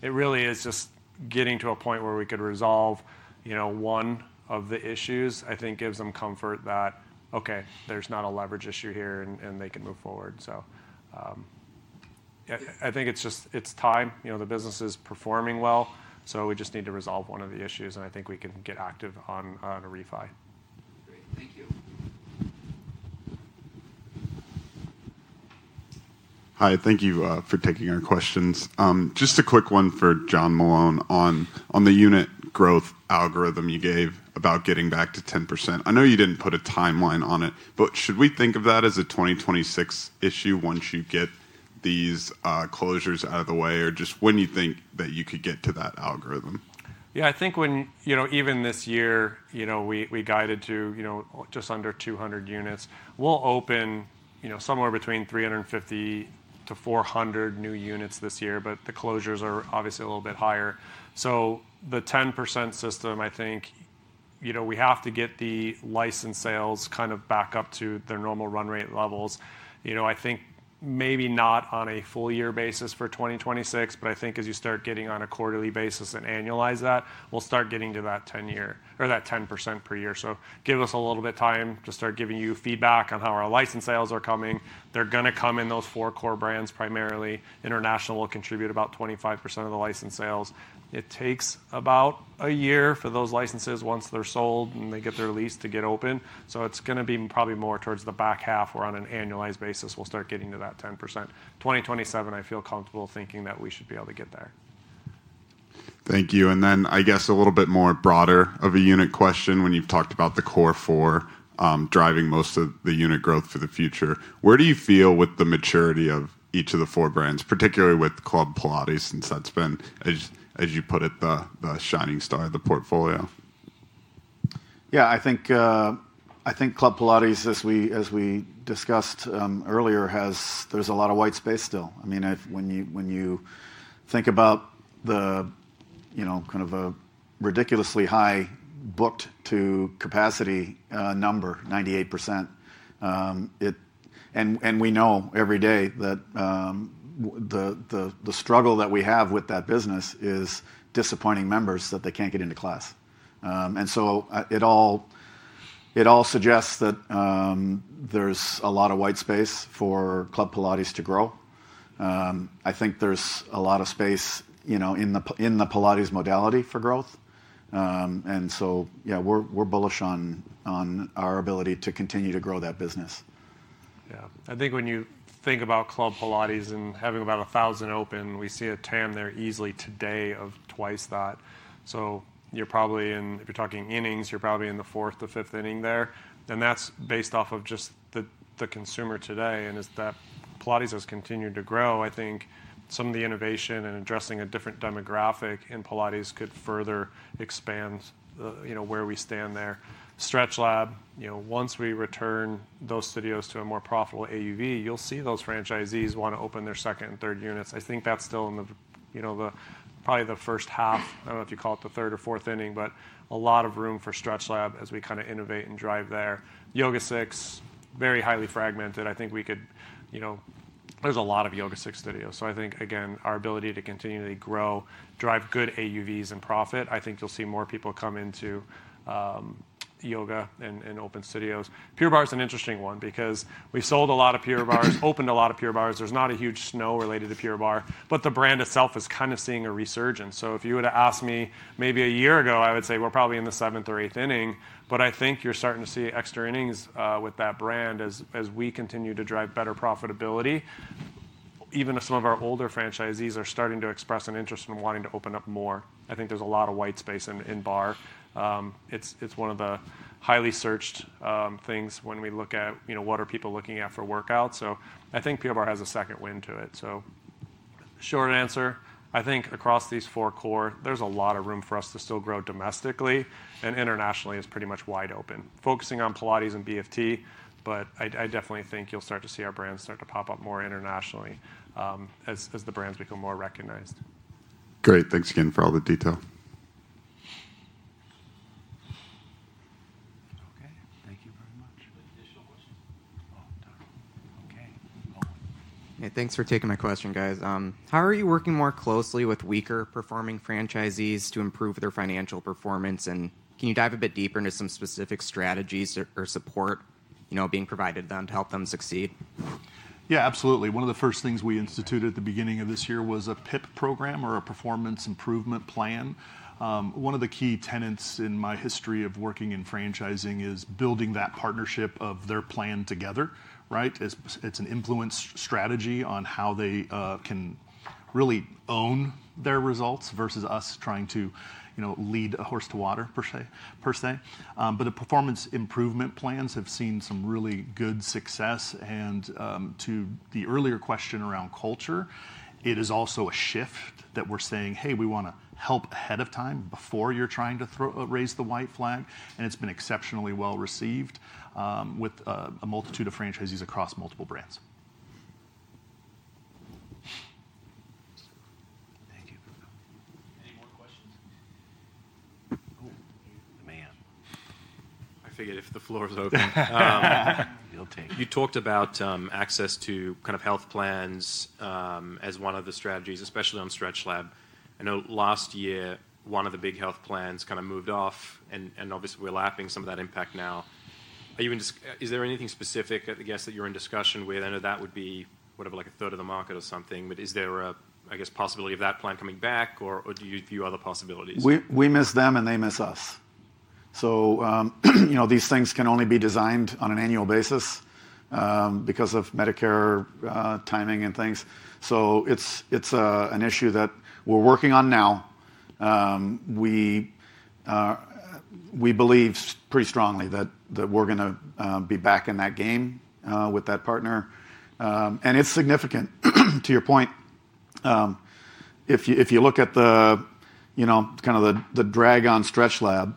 It really is just getting to a point where we could resolve, you know, one of the issues. I think gives them comfort that, okay, there's not a leverage issue here and they can move forward. I think it's just, it's time, you know, the business is performing well. We just need to resolve one of the issues and I think we can get active on a refi. Great, thank you. Hi, thank you for taking our questions. Just a quick one for John Meloun on the unit growth algorithm you gave about getting back to 10%. I know you did not put a timeline on it, but should we think of that as a 2026 issue once you get these closures out of the way or just when you think that you could get to that algorithm? Yeah, I think when, you know, even this year, you know, we guided to, you know, just under 200 units. We will open, you know, somewhere between 350-400 new units this year, but the closures are obviously a little bit higher. The 10% system, I think, you know, we have to get the license sales kind of back up to their normal run rate levels. You know, I think maybe not on a full year basis for 2026, but I think as you start getting on a quarterly basis and annualize that, we'll start getting to that 10% per year. Give us a little bit of time to start giving you feedback on how our license sales are coming. They're going to come in those four core brands primarily. International will contribute about 25% of the license sales. It takes about a year for those licenses once they're sold and they get their lease to get open. It's going to be probably more towards the back half or on an annualized basis. We'll start getting to that 10%. 2027, I feel comfortable thinking that we should be able to get there. Thank you. I guess a little bit more broader of a unit question when you've talked about the core four driving most of the unit growth for the future. Where do you feel with the maturity of each of the four brands, particularly with Club Pilates since that's been, as you put it, the shining star of the portfolio? I think Club Pilates, as we discussed earlier, has there's a lot of white space still. I mean, when you think about the, you know, kind of a ridiculously high booked to capacity number, 98%, and we know every day that the struggle that we have with that business is disappointing members that they can't get into class. It all suggests that there's a lot of white space for Club Pilates to grow. I think there's a lot of space, you know, in the Pilates modality for growth. And so, yeah, we're bullish on our ability to continue to grow that business. Yeah, I think when you think about Club Pilates and having about 1,000 open, we see a tan there easily today of twice that. So you're probably in, if you're talking innings, you're probably in the fourth, the fifth inning there. And that's based off of just the consumer today. And as that Pilates has continued to grow, I think some of the innovation and addressing a different demographic in Pilates could further expand, you know, where we stand there. StretchLab, you know, once we return those studios to a more profitable AUV, you'll see those franchisees want to open their second and third units. I think that's still in the, you know, the probably the first half. I don't know if you call it the third or fourth inning, but a lot of room for StretchLab as we kind of innovate and drive there. YogaSix, very highly fragmented. I think we could, you know, there's a lot of YogaSix studios. I think, again, our ability to continually grow, drive good AUVs and profit, I think you'll see more people come into yoga and open studios. Pure Barre is an interesting one because we've sold a lot of Pure Barres, opened a lot of Pure Barres. There's not a huge snow related to Pure Barre, but the brand itself is kind of seeing a resurgence. If you were to ask me maybe a year ago, I would say we're probably in the seventh or eighth inning, but I think you're starting to see extra innings with that brand as we continue to drive better profitability. Even if some of our older franchisees are starting to express an interest in wanting to open up more, I think there's a lot of white space in barre. It's one of the highly searched things when we look at, you know, what are people looking at for workouts. I think Pure Barre has a second wind to it. Short answer, I think across these four core, there's a lot of room for us to still grow domestically and internationally is pretty much wide open, focusing on Pilates and BFT, but I definitely think you'll start to see our brands start to pop up more internationally as the brands become more recognized. Great, thanks again for all the detail. Okay, thank you very much. Any additional questions? Okay, cool. Hey, thanks for taking my question, guys. How are you working more closely with weaker performing franchisees to improve their financial performance? And can you dive a bit deeper into some specific strategies or support, you know, being provided to them to help them succeed? Yeah, absolutely. One of the first things we instituted at the beginning of this year was a PIP program or a performance improvement plan. One of the key tenets in my history of working in franchising is building that partnership of their plan together, right? It's an influence strategy on how they can really own their results versus us trying to, you know, lead a horse to water per se. But the performance improvement plans have seen some really good success. And to the earlier question around culture, it is also a shift that we're saying, hey, we want to help ahead of time before you're trying to raise the white flag. And it's been exceptionally well received with a multitude of franchisees across multiple brands. Thank you. Any more questions? Oh, man. I figured if the floor is open, you'll take it. You talked about access to kind of health plans as one of the strategies, especially on StretchLab. I know last year one of the big health plans kind of moved off and obviously we're lapping some of that impact now. Are you in, is there anything specific, I guess, that you're in discussion with? I know that would be whatever, like a third of the market or something, but is there a, I guess, possibility of that plan coming back or do you view other possibilities? We miss them and they miss us. You know, these things can only be designed on an annual basis because of Medicare timing and things. It is an issue that we're working on now. We believe pretty strongly that we're going to be back in that game with that partner. And it's significant to your point. If you look at the, you know, kind of the drag on StretchLab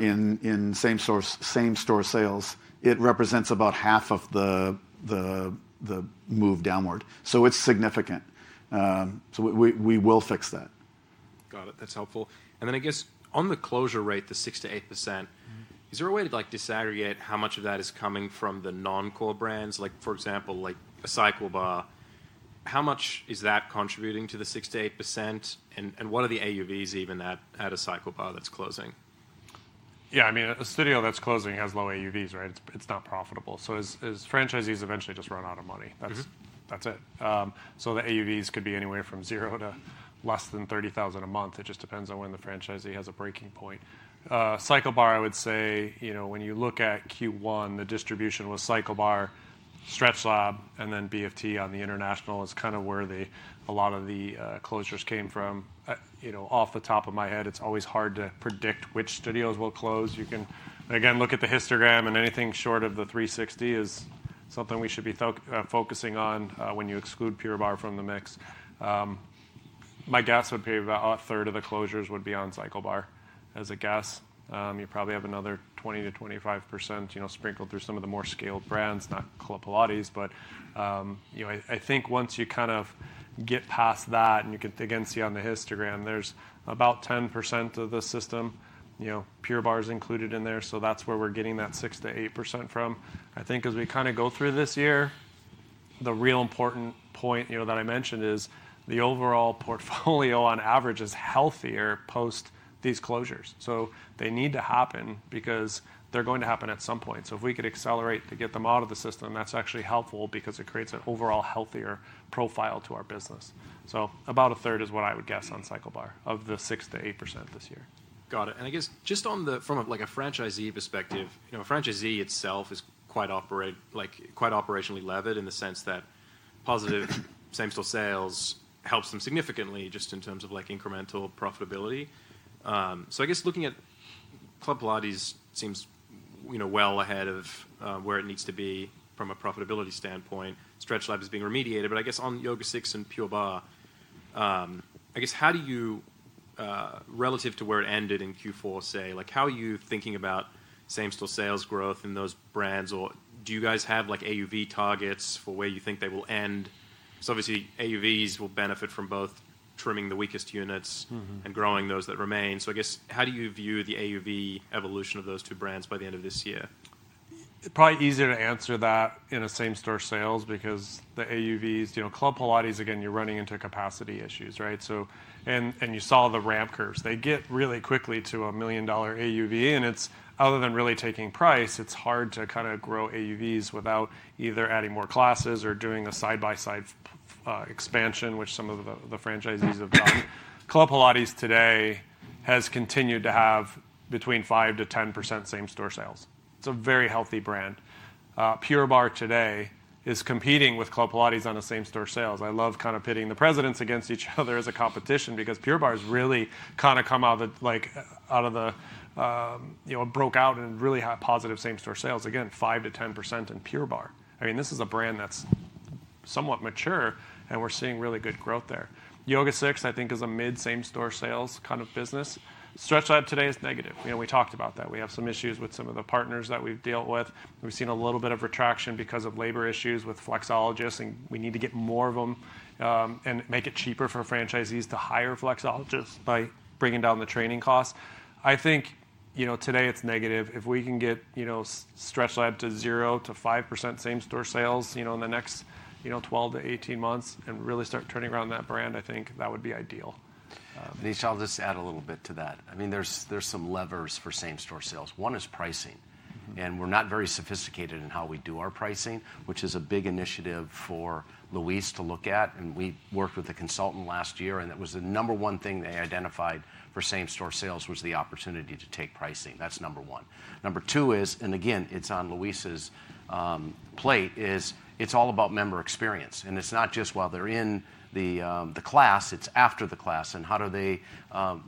in same store sales, it represents about half of the move downward. So it's significant. So we will fix that. Got it. That's helpful. And then I guess on the closure rate, the 6-8%, is there a way to like disaggregate how much of that is coming from the non-core brands? Like for example, like a CycleBar, how much is that contributing to the 6-8%? And what are the AUVs even at a CycleBar that's closing? Yeah, I mean a studio that's closing has low AUVs, right? It's not profitable. So as franchisees eventually just run out of money. That's it. So the AUVs could be anywhere from zero to less than $30,000 a month. It just depends on when the franchisee has a breaking point. CycleBar, I would say, you know, when you look at Q1, the distribution was CycleBar, StretchLab, and then BFT on the international is kind of where a lot of the closures came from. You know, off the top of my head, it's always hard to predict which studios will close. You can again look at the histogram and anything short of the 360 is something we should be focusing on when you exclude Pure Barre from the mix. My guess would be about a third of the closures would be on CycleBar as a guess. You probably have another 20-25%, you know, sprinkled through some of the more scaled brands, not Pilates, but you know, I think once you kind of get past that and you can again see on the histogram, there's about 10% of the system, you know, Pure Barre is included in there. That's where we're getting that 6-8% from. I think as we kind of go through this year, the real important point, you know, that I mentioned is the overall portfolio on average is healthier post these closures. They need to happen because they're going to happen at some point. If we could accelerate to get them out of the system, that's actually helpful because it creates an overall healthier profile to our business. About a third is what I would guess on CycleBar of the 6-8% this year. Got it. I guess just on the from like a franchisee perspective, you know, a franchisee itself is quite operate, like quite operationally levered in the sense that positive same store sales helps them significantly just in terms of like incremental profitability. I guess looking at Club Pilates seems, you know, well ahead of where it needs to be from a profitability standpoint. StretchLab is being remediated, but I guess on YogaSix and Pure Barre, I guess how do you, relative to where it ended in Q4, say, like how are you thinking about same store sales growth in those brands? Do you guys have like AUV targets for where you think they will end? Obviously AUVs will benefit from both trimming the weakest units and growing those that remain. I guess how do you view the AUV evolution of those two brands by the end of this year? Probably easier to answer that in a same store sales because the AUVs, you know, Club Pilates, again, you're running into capacity issues, right? You saw the ramp curves. They get really quickly to a million dollar AUV and it's, other than really taking price, it's hard to kind of grow AUVs without either adding more classes or doing a side-by-side expansion, which some of the franchisees have done. Club Pilates today has continued to have between 5-10% same store sales. It's a very healthy brand. Pure Barre today is competing with Club Pilates on the same store sales. I love kind of pitting the presidents against each other as a competition because Pure Barre has really kind of come out of the, like out of the, you know, broke out and really had positive same store sales. Again, 5-10% in Pure Barre. I mean, this is a brand that's somewhat mature and we're seeing really good growth there. YogaSix, I think, is a mid-same store sales kind of business. StretchLab today is negative. You know, we talked about that. We have some issues with some of the partners that we've dealt with. We've seen a little bit of retraction because of labor issues with flexologists and we need to get more of them and make it cheaper for franchisees to hire flexologists by bringing down the training costs. I think, you know, today it's negative. If we can get, you know, StretchLab to zero to 5% same store sales, you know, in the next, you know, 12 to 18 months and really start turning around that brand, I think that would be ideal. Each of us add a little bit to that. I mean, there are some levers for same store sales. One is pricing and we're not very sophisticated in how we do our pricing, which is a big initiative for Luis to look at. We worked with a consultant last year and that was the number one thing they identified for same store sales was the opportunity to take pricing. That's number one. Number two is, and again, it's on Luis's plate, it's all about member experience. It's not just while they're in the class, it's after the class and how do they,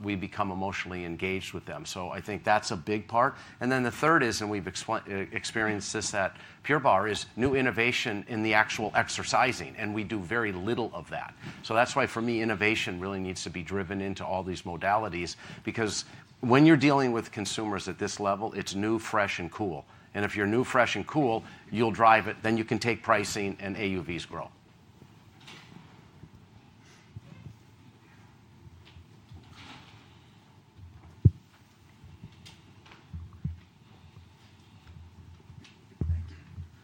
we become emotionally engaged with them. I think that's a big part. The third is, and we've experienced this at Pure Barre, is new innovation in the actual exercising. We do very little of that. That's why for me, innovation really needs to be driven into all these modalities because when you're dealing with consumers at this level, it's new, fresh, and cool. If you're new, fresh, and cool, you'll drive it, then you can take pricing and AUVs grow.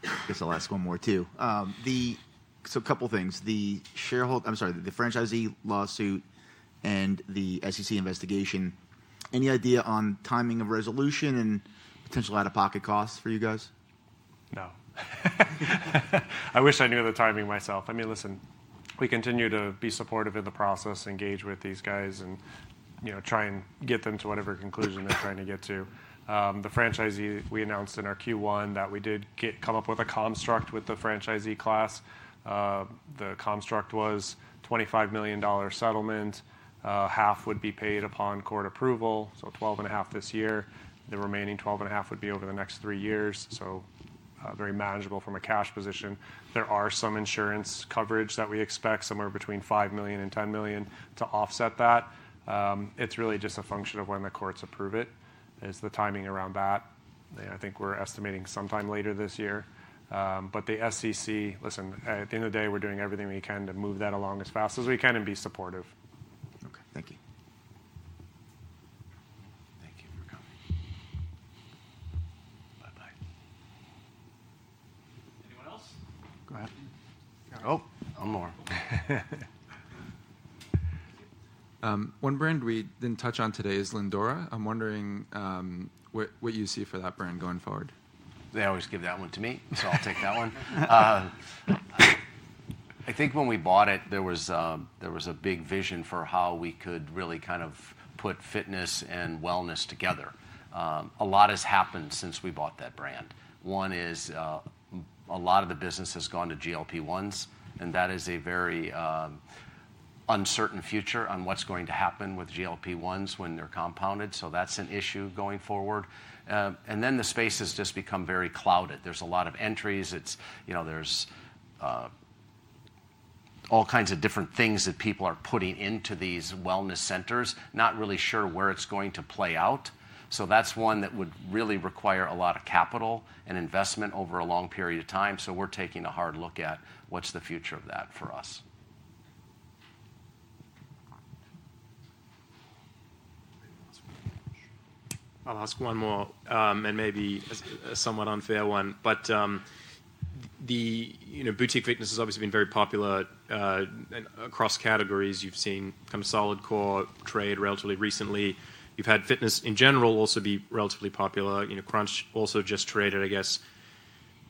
I guess I'll ask one more too. A couple of things. The franchisee lawsuit and the SEC investigation. Any idea on timing of resolution and potential out-of-pocket costs for you guys? No. I wish I knew the timing myself. I mean, listen, we continue to be supportive of the process, engage with these guys and, you know, try and get them to whatever conclusion they're trying to get to. The franchisee, we announced in our Q1 that we did come up with a construct with the franchisee class. The construct was $25 million settlement. Half would be paid upon court approval. So $12.5 million this year. The remaining $12.5 million would be over the next three years. So very manageable from a cash position. There are some insurance coverage that we expect somewhere between $5 million-$10 million to offset that. It's really just a function of when the courts approve it. It's the timing around that. I think we're estimating sometime later this year. But the SEC, listen, at the end of the day, we're doing everything we can to move that along as fast as we can and be supportive. Okay, thank you. Thank you for coming. Bye-bye. Anyone else? Go ahead. Oh, one more. One brand we didn't touch on today is Lindora. I'm wondering what you see for that brand going forward. They always give that one to me, so I'll take that one. I think when we bought it, there was a big vision for how we could really kind of put fitness and wellness together. A lot has happened since we bought that brand. One is a lot of the business has gone to GLP-1s and that is a very uncertain future on what's going to happen with GLP-1s when they're compounded. That is an issue going forward. The space has just become very clouded. There's a lot of entries. It's, you know, there's all kinds of different things that people are putting into these wellness centers, not really sure where it's going to play out. That's one that would really require a lot of capital and investment over a long period of time. We're taking a hard look at what's the future of that for us. I'll ask one more and maybe a somewhat unfair one, but, you know, boutique fitness has obviously been very popular across categories. You've seen kind of Solidcore trade relatively recently. You've had fitness in general also be relatively popular. You know, Crunch also just traded, I guess.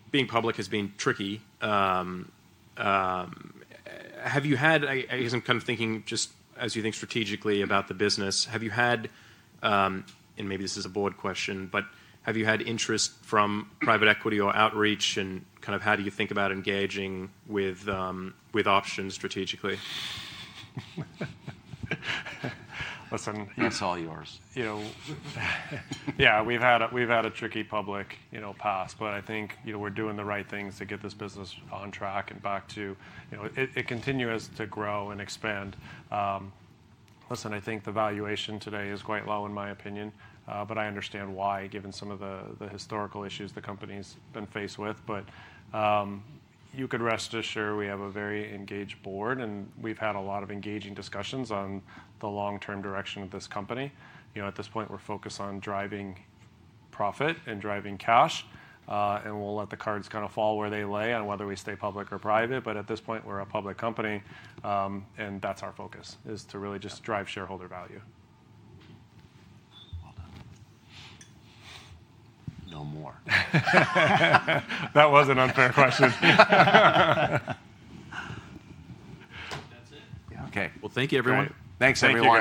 Being public has been tricky. Have you had, I guess I'm kind of thinking just as you think strategically about the business, have you had, and maybe this is a board question, but have you had interest from private equity or outreach and kind of how do you think about engaging with options strategically? Listen, it's all yours. You know, yeah, we've had a tricky public, you know, past, but I think, you know, we're doing the right things to get this business on track and back to, you know, it continues to grow and expand. Listen, I think the valuation today is quite low in my opinion, but I understand why given some of the historical issues the company's been faced with. You could rest assured we have a very engaged board and we've had a lot of engaging discussions on the long-term direction of this company. You know, at this point we're focused on driving profit and driving cash, and we'll let the cards kind of fall where they lay on whether we stay public or private. At this point we're a public company and that's our focus is to really just drive shareholder value. Well done. No more. That was an unfair question. That's it. Yeah. Okay. Thank you everyone. Thanks everyone.